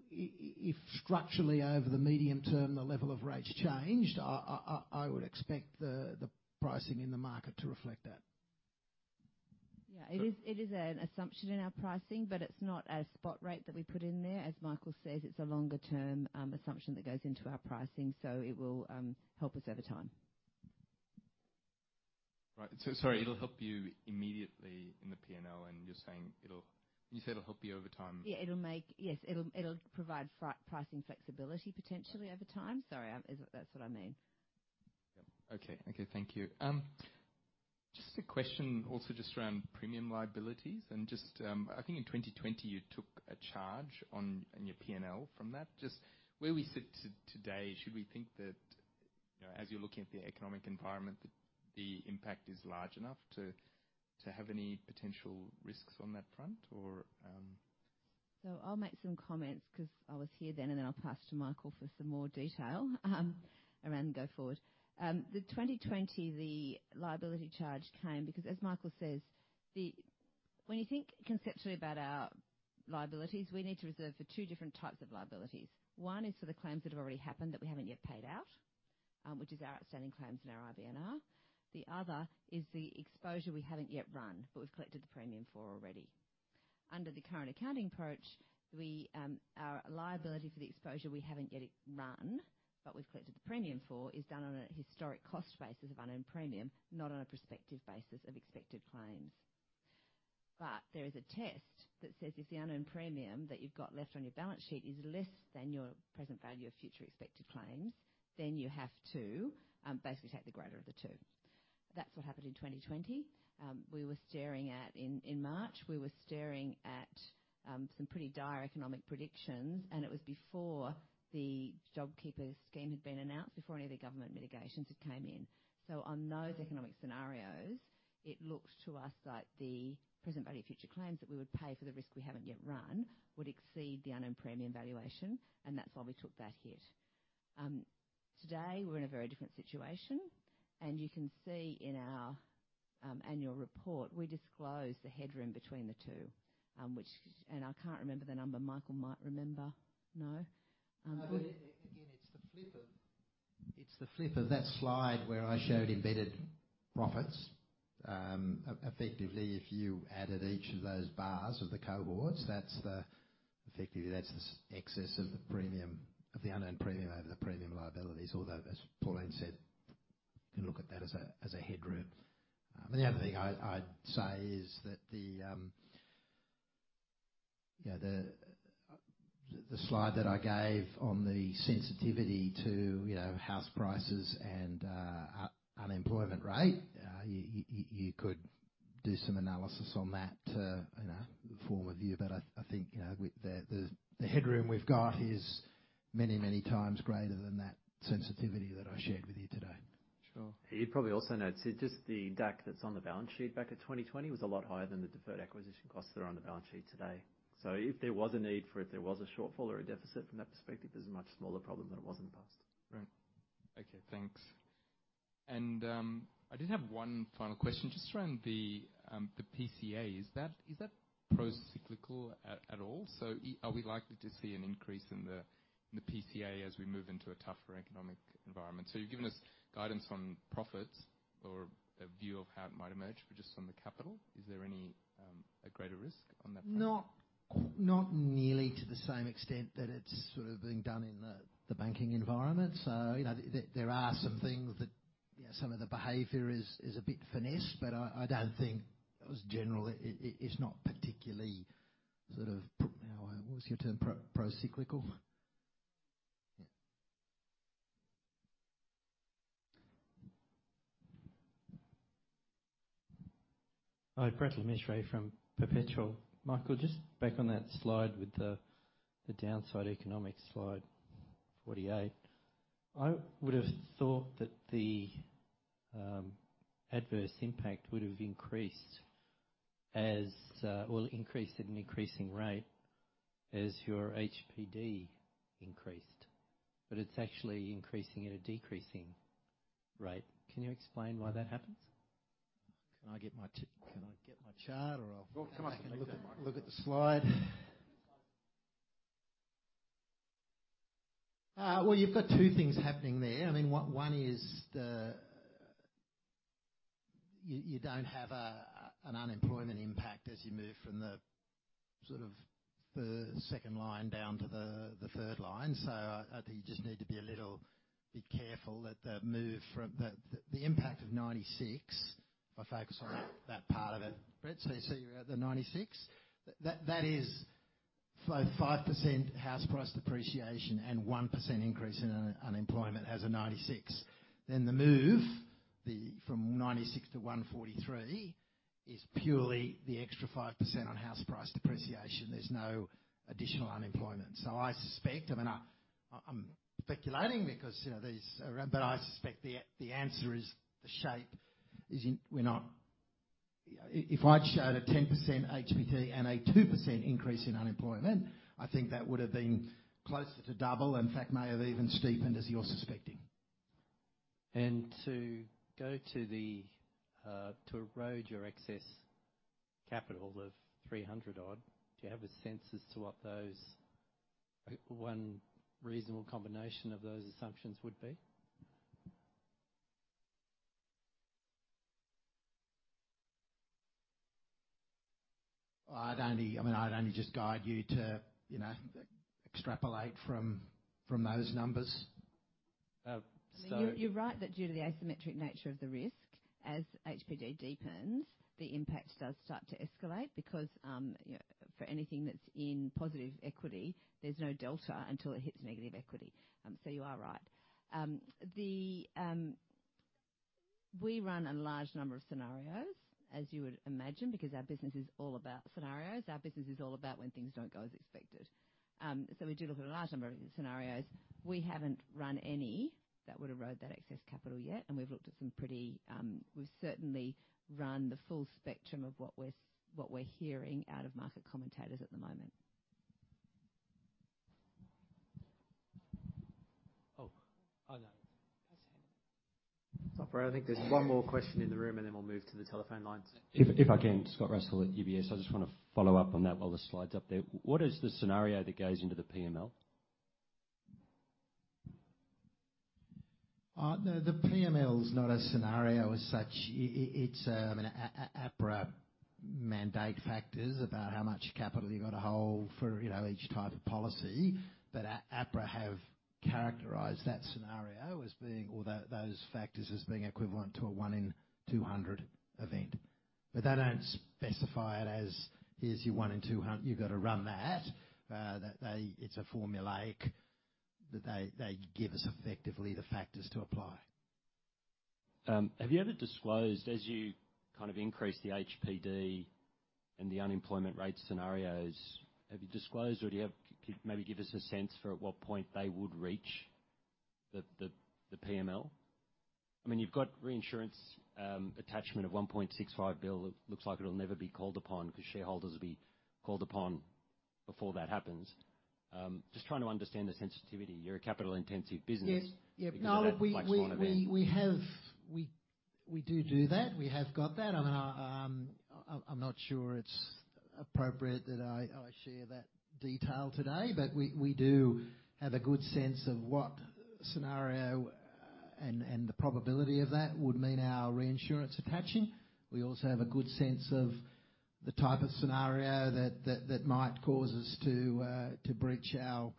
if structurally over the medium term, the level of rates changed, I would expect the pricing in the market to reflect that. Yeah. It is an assumption in our pricing, but it's not a spot rate that we put in there. As Michael says, it's a longer-term assumption that goes into our pricing, so it will help us over time. Right. Sorry, it'll help you immediately in the P&L and you said it'll help you over time. Yes. It'll provide pricing flexibility potentially over time. Sorry, that's what I mean. Yep. Okay. Okay, thank you. Just a question also just around premium liabilities and just, I think in 2020 you took a charge on, in your P&L from that. Just where we sit today, should we think that, you know, as you're looking at the economic environment, the impact is large enough to have any potential risks on that front or I'll make some comments 'cause I was here then, and then I'll pass to Michael for some more detail, around the go forward. The 2020 liability charge came because, as Michael says, when you think conceptually about our liabilities, we need to reserve for two different types of liabilities. One is for the claims that have already happened that we haven't yet paid out, which is our outstanding claims and our IBNR. The other is the exposure we haven't yet run, but we've collected the premium for already. Under the current accounting approach, we, our liability for the exposure we haven't yet run, but we've collected the premium for, is done on a historical cost basis of unearned premium, not on a prospective basis of expected claims. There is a test that says if the unearned premium that you've got left on your balance sheet is less than your present value of future expected claims, then you have to basically take the greater of the two. That's what happened in 2020. We were staring at in March some pretty dire economic predictions, and it was before the JobKeeper scheme had been announced, before any of the government mitigations had came in. On those economic scenarios, it looked to us like the present value of future claims that we would pay for the risk we haven't yet run would exceed the unearned premium valuation, and that's why we took that hit. Today we're in a very different situation, and you can see in our annual report, we disclose the headroom between the two, which. I can't remember the number. Michael might remember. No? Again, it's the flip of that slide where I showed embedded profits. Effectively, if you added each of those bars of the cohorts, that's effectively the excess of the premium, of the unknown premium over the premium liabilities. Although, as Pauline said, you can look at that as a headroom. The other thing I'd say is that the, you know, the slide that I gave on the sensitivity to, you know, house prices and unemployment rate, you could do some analysis on that to, you know, form a view. I think, you know, with the headroom we've got is many, many times greater than that sensitivity that I shared with you today. Sure. You'd probably also note too, just the DAC that's on the balance sheet back in 2020 was a lot higher than the deferred acquisition costs that are on the balance sheet today. If there was a need for it, there was a shortfall or a deficit from that perspective, it's a much smaller problem than it was in the past. Right. Okay, thanks. I did have one final question just around the PCA. Is that procyclical at all? Are we likely to see an increase in the PCA as we move into a tougher economic environment? You've given us guidance on profits or a view of how it might emerge, but just on the capital, is there any greater risk on that front? Not nearly to the same extent that it's sort of been done in the banking environment. You know, there are some things that, you know, some of the behavior is a bit finessed, but I don't think. Because generally it's not particularly sort of, what was your term? Pro-cyclical. Yeah. Hi, Brett Le Mesurier from Perpetual Limited. Michael, just back on that slide with the downside economic slide, 48. I would have thought that the adverse impact would have increased, or increased at an increasing rate as your HPD increased. It's actually increasing at a decreasing rate. Can you explain why that happens? Can I get my chart or I'll look at the slide? Well, can I get the microphone? Well, you've got two things happening there. I mean, one is you don't have an unemployment impact as you move from the sort of the second line down to the third line. I think you just need to be a little bit careful that the move from the impact of 96, if I focus on that part of it. Brett, so you're at the 96. That is 5% house price depreciation and 1% increase in unemployment as of 96. Then the move from 96 to 143 is purely the extra 5% on house price depreciation. There's no additional unemployment. I suspect, I mean, I'm speculating because, you know, these. But I suspect the answer is the shape is in. We're not. If I'd showed a 10% HPD and a 2% increase in unemployment, I think that would have been closer to double. In fact, may have even steepened as you're suspecting. To erode your excess capital of 300-odd, do you have a sense as to what that one reasonable combination of those assumptions would be? I mean, I'd only just guide you to, you know, extrapolate from those numbers. Uh, so- You're right that due to the asymmetric nature of the risk, as HPD deepens, the impact does start to escalate because, you know, for anything that's in positive equity, there's no delta until it hits negative equity. You are right. We run a large number of scenarios, as you would imagine, because our business is all about scenarios. Our business is all about when things don't go as expected. We do look at a large number of scenarios. We haven't run any that would erode that excess capital yet, and we've looked at some pretty. We've certainly run the full spectrum of what we're hearing out of market commentators at the moment. Oh. Oh, no. That's him. Sorry, I think there's one more question in the room, and then we'll move to the telephone lines. If I can, Scott Russell at UBS. I just want to follow up on that while the slide's up there. What is the scenario that goes into the PML? The PML is not a scenario as such. It's an APRA mandated factors about how much capital you gotta hold for, you know, each type of policy. APRA have characterized that scenario as being all those factors as being equivalent to a one in 200 event. They don't specify it as, "Here's your one in 200. You gotta run that." It's formulaic that they give us effectively the factors to apply. Have you ever disclosed as you kind of increase the HPD and the unemployment rate scenarios, or do you have. Could you maybe give us a sense for at what point they would reach the PML? I mean, you've got reinsurance attachment of 1.65 billion. It looks like it'll never be called upon because shareholders will be called upon before that happens. Just trying to understand the sensitivity. You're a capital-intensive business. Yes. Yeah. No. We do that. We have got that. I mean, I'm not sure it's appropriate that I share that detail today, but we do have a good sense of what scenario and the probability of that would mean our reinsurance attaching. We also have a good sense of the type of scenario that might cause us to breach our,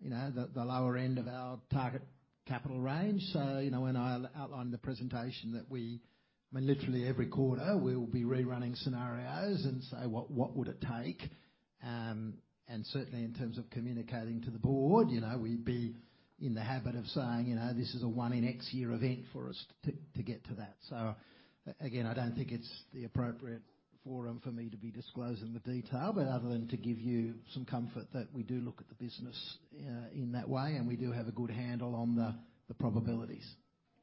you know, the lower end of our target capital range. You know, when I outlined the presentation literally every quarter, we will be rerunning scenarios and say, "Well, what would it take?" And certainly in terms of communicating to the board, you know, we'd be in the habit of saying, you know, "This is a one in X year event for us to get to that." Again, I don't think it's the appropriate forum for me to be disclosing the detail, but other than to give you some comfort that we do look at the business in that way, and we do have a good handle on the probabilities.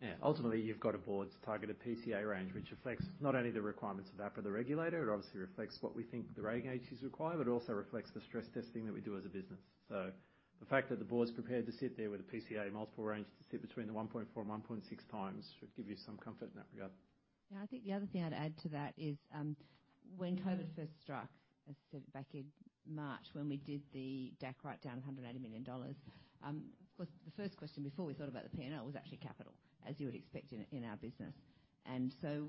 Yeah. Ultimately, you've got a board's targeted PCA range, which affects not only the requirements of APRA, the regulator. It obviously reflects what we think the rating agencies require, but it also reflects the stress testing that we do as a business. The fact that the board is prepared to sit there with a PCA multiple range to sit between 1.4 and 1.6 times should give you some comfort in that regard. Yeah. I think the other thing I'd add to that is, when COVID first struck, as I said, back in March, when we did the DAC write down 180 million dollars, of course, the first question before we thought about the P&L was actually capital, as you would expect in our business.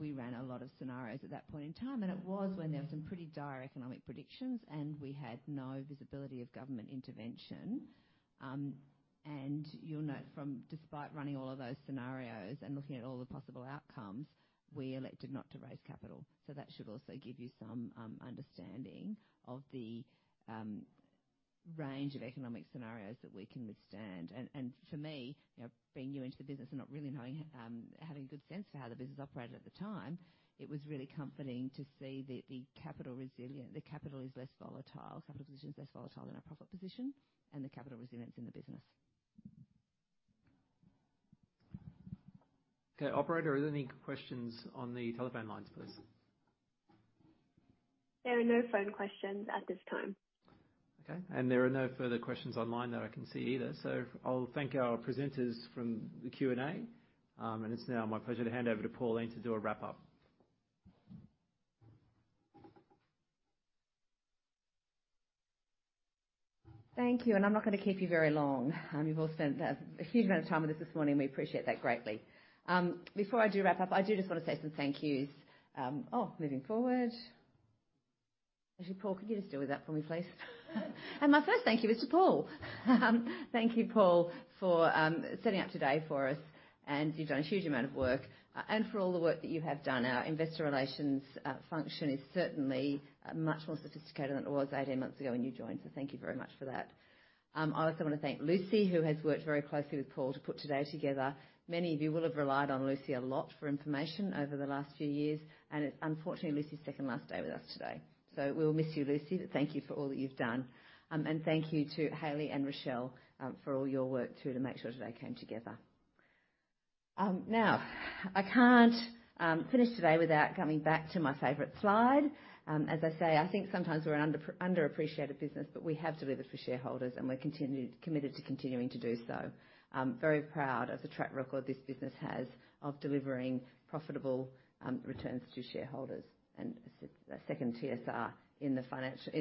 We ran a lot of scenarios at that point in time, and it was when there were some pretty dire economic predictions, and we had no visibility of government intervention. You'll note that despite running all of those scenarios and looking at all the possible outcomes, we elected not to raise capital. That should also give you some understanding of the range of economic scenarios that we can withstand. For me, you know, being new into the business and not really knowing, having a good sense for how the business operated at the time, it was really comforting to see the capital resilience. The capital position is less volatile than our profit position and the capital resilience in the business. Okay. Operator, are there any questions on the telephone lines, please? There are no phone questions at this time. Okay. There are no further questions online that I can see either. I'll thank our presenters from the Q&A. It's now my pleasure to hand over to Pauline to do a wrap-up. Thank you. I'm not gonna keep you very long. You've all spent a huge amount of time with us this morning. We appreciate that greatly. Before I do wrap up, I do just wanna say some thank yous. Actually, Paul, could you just deal with that for me, please? My first thank you is to Paul. Thank you, Paul, for setting up today for us, and you've done a huge amount of work. For all the work that you have done. Our investor relations function is certainly much more sophisticated than it was 18 months ago when you joined. Thank you very much for that. I also wanna thank Lucy, who has worked very closely with Paul to put today together. Many of you will have relied on Lucy a lot for information over the last few years, and it's unfortunately Lucy's second last day with us today. We'll miss you, Lucy, but thank you for all that you've done. Thank you to Hayley and Rochelle for all your work too, to make sure today came together. Now, I can't finish today without coming back to my favorite slide. As I say, I think sometimes we're an underappreciated business, but we have delivered for shareholders, and we're committed to continuing to do so. I'm very proud of the track record this business has of delivering profitable returns to shareholders and second TSR in the financial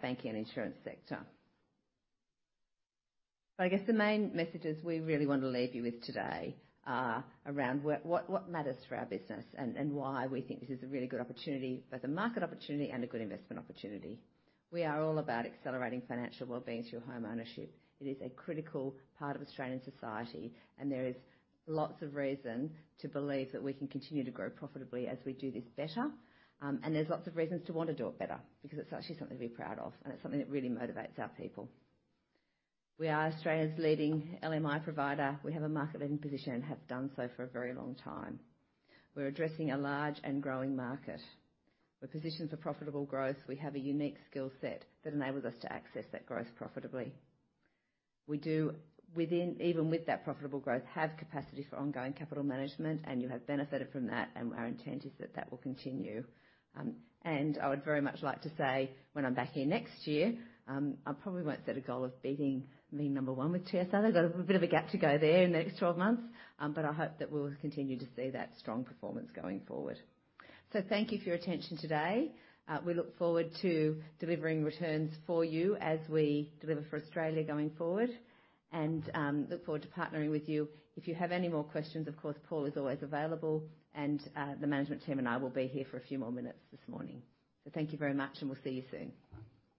banking and insurance sector. I guess the main messages we really want to leave you with today are around what matters for our business and why we think this is a really good opportunity, both a market opportunity and a good investment opportunity. We are all about accelerating financial wellbeing through home ownership. It is a critical part of Australian society, and there is lots of reason to believe that we can continue to grow profitably as we do this better. And there's lots of reasons to want to do it better because it's actually something to be proud of, and it's something that really motivates our people. We are Australia's leading LMI provider. We have a market-leading position and have done so for a very long time. We're addressing a large and growing market. We're positioned for profitable growth. We have a unique skill set that enables us to access that growth profitably. We do, even with that profitable growth, have capacity for ongoing capital management, and you have benefited from that, and our intent is that that will continue. I would very much like to say when I'm back here next year, I probably won't set a goal of beating my number one with TSR. There's a bit of a gap to go there in the next 12 months, but I hope that we'll continue to see that strong performance going forward. Thank you for your attention today. We look forward to delivering returns for you as we deliver for Australia going forward and look forward to partnering with you. If you have any more questions, of course, Paul is always available, and the management team and I will be here for a few more minutes this morning. Thank you very much, and we'll see you soon.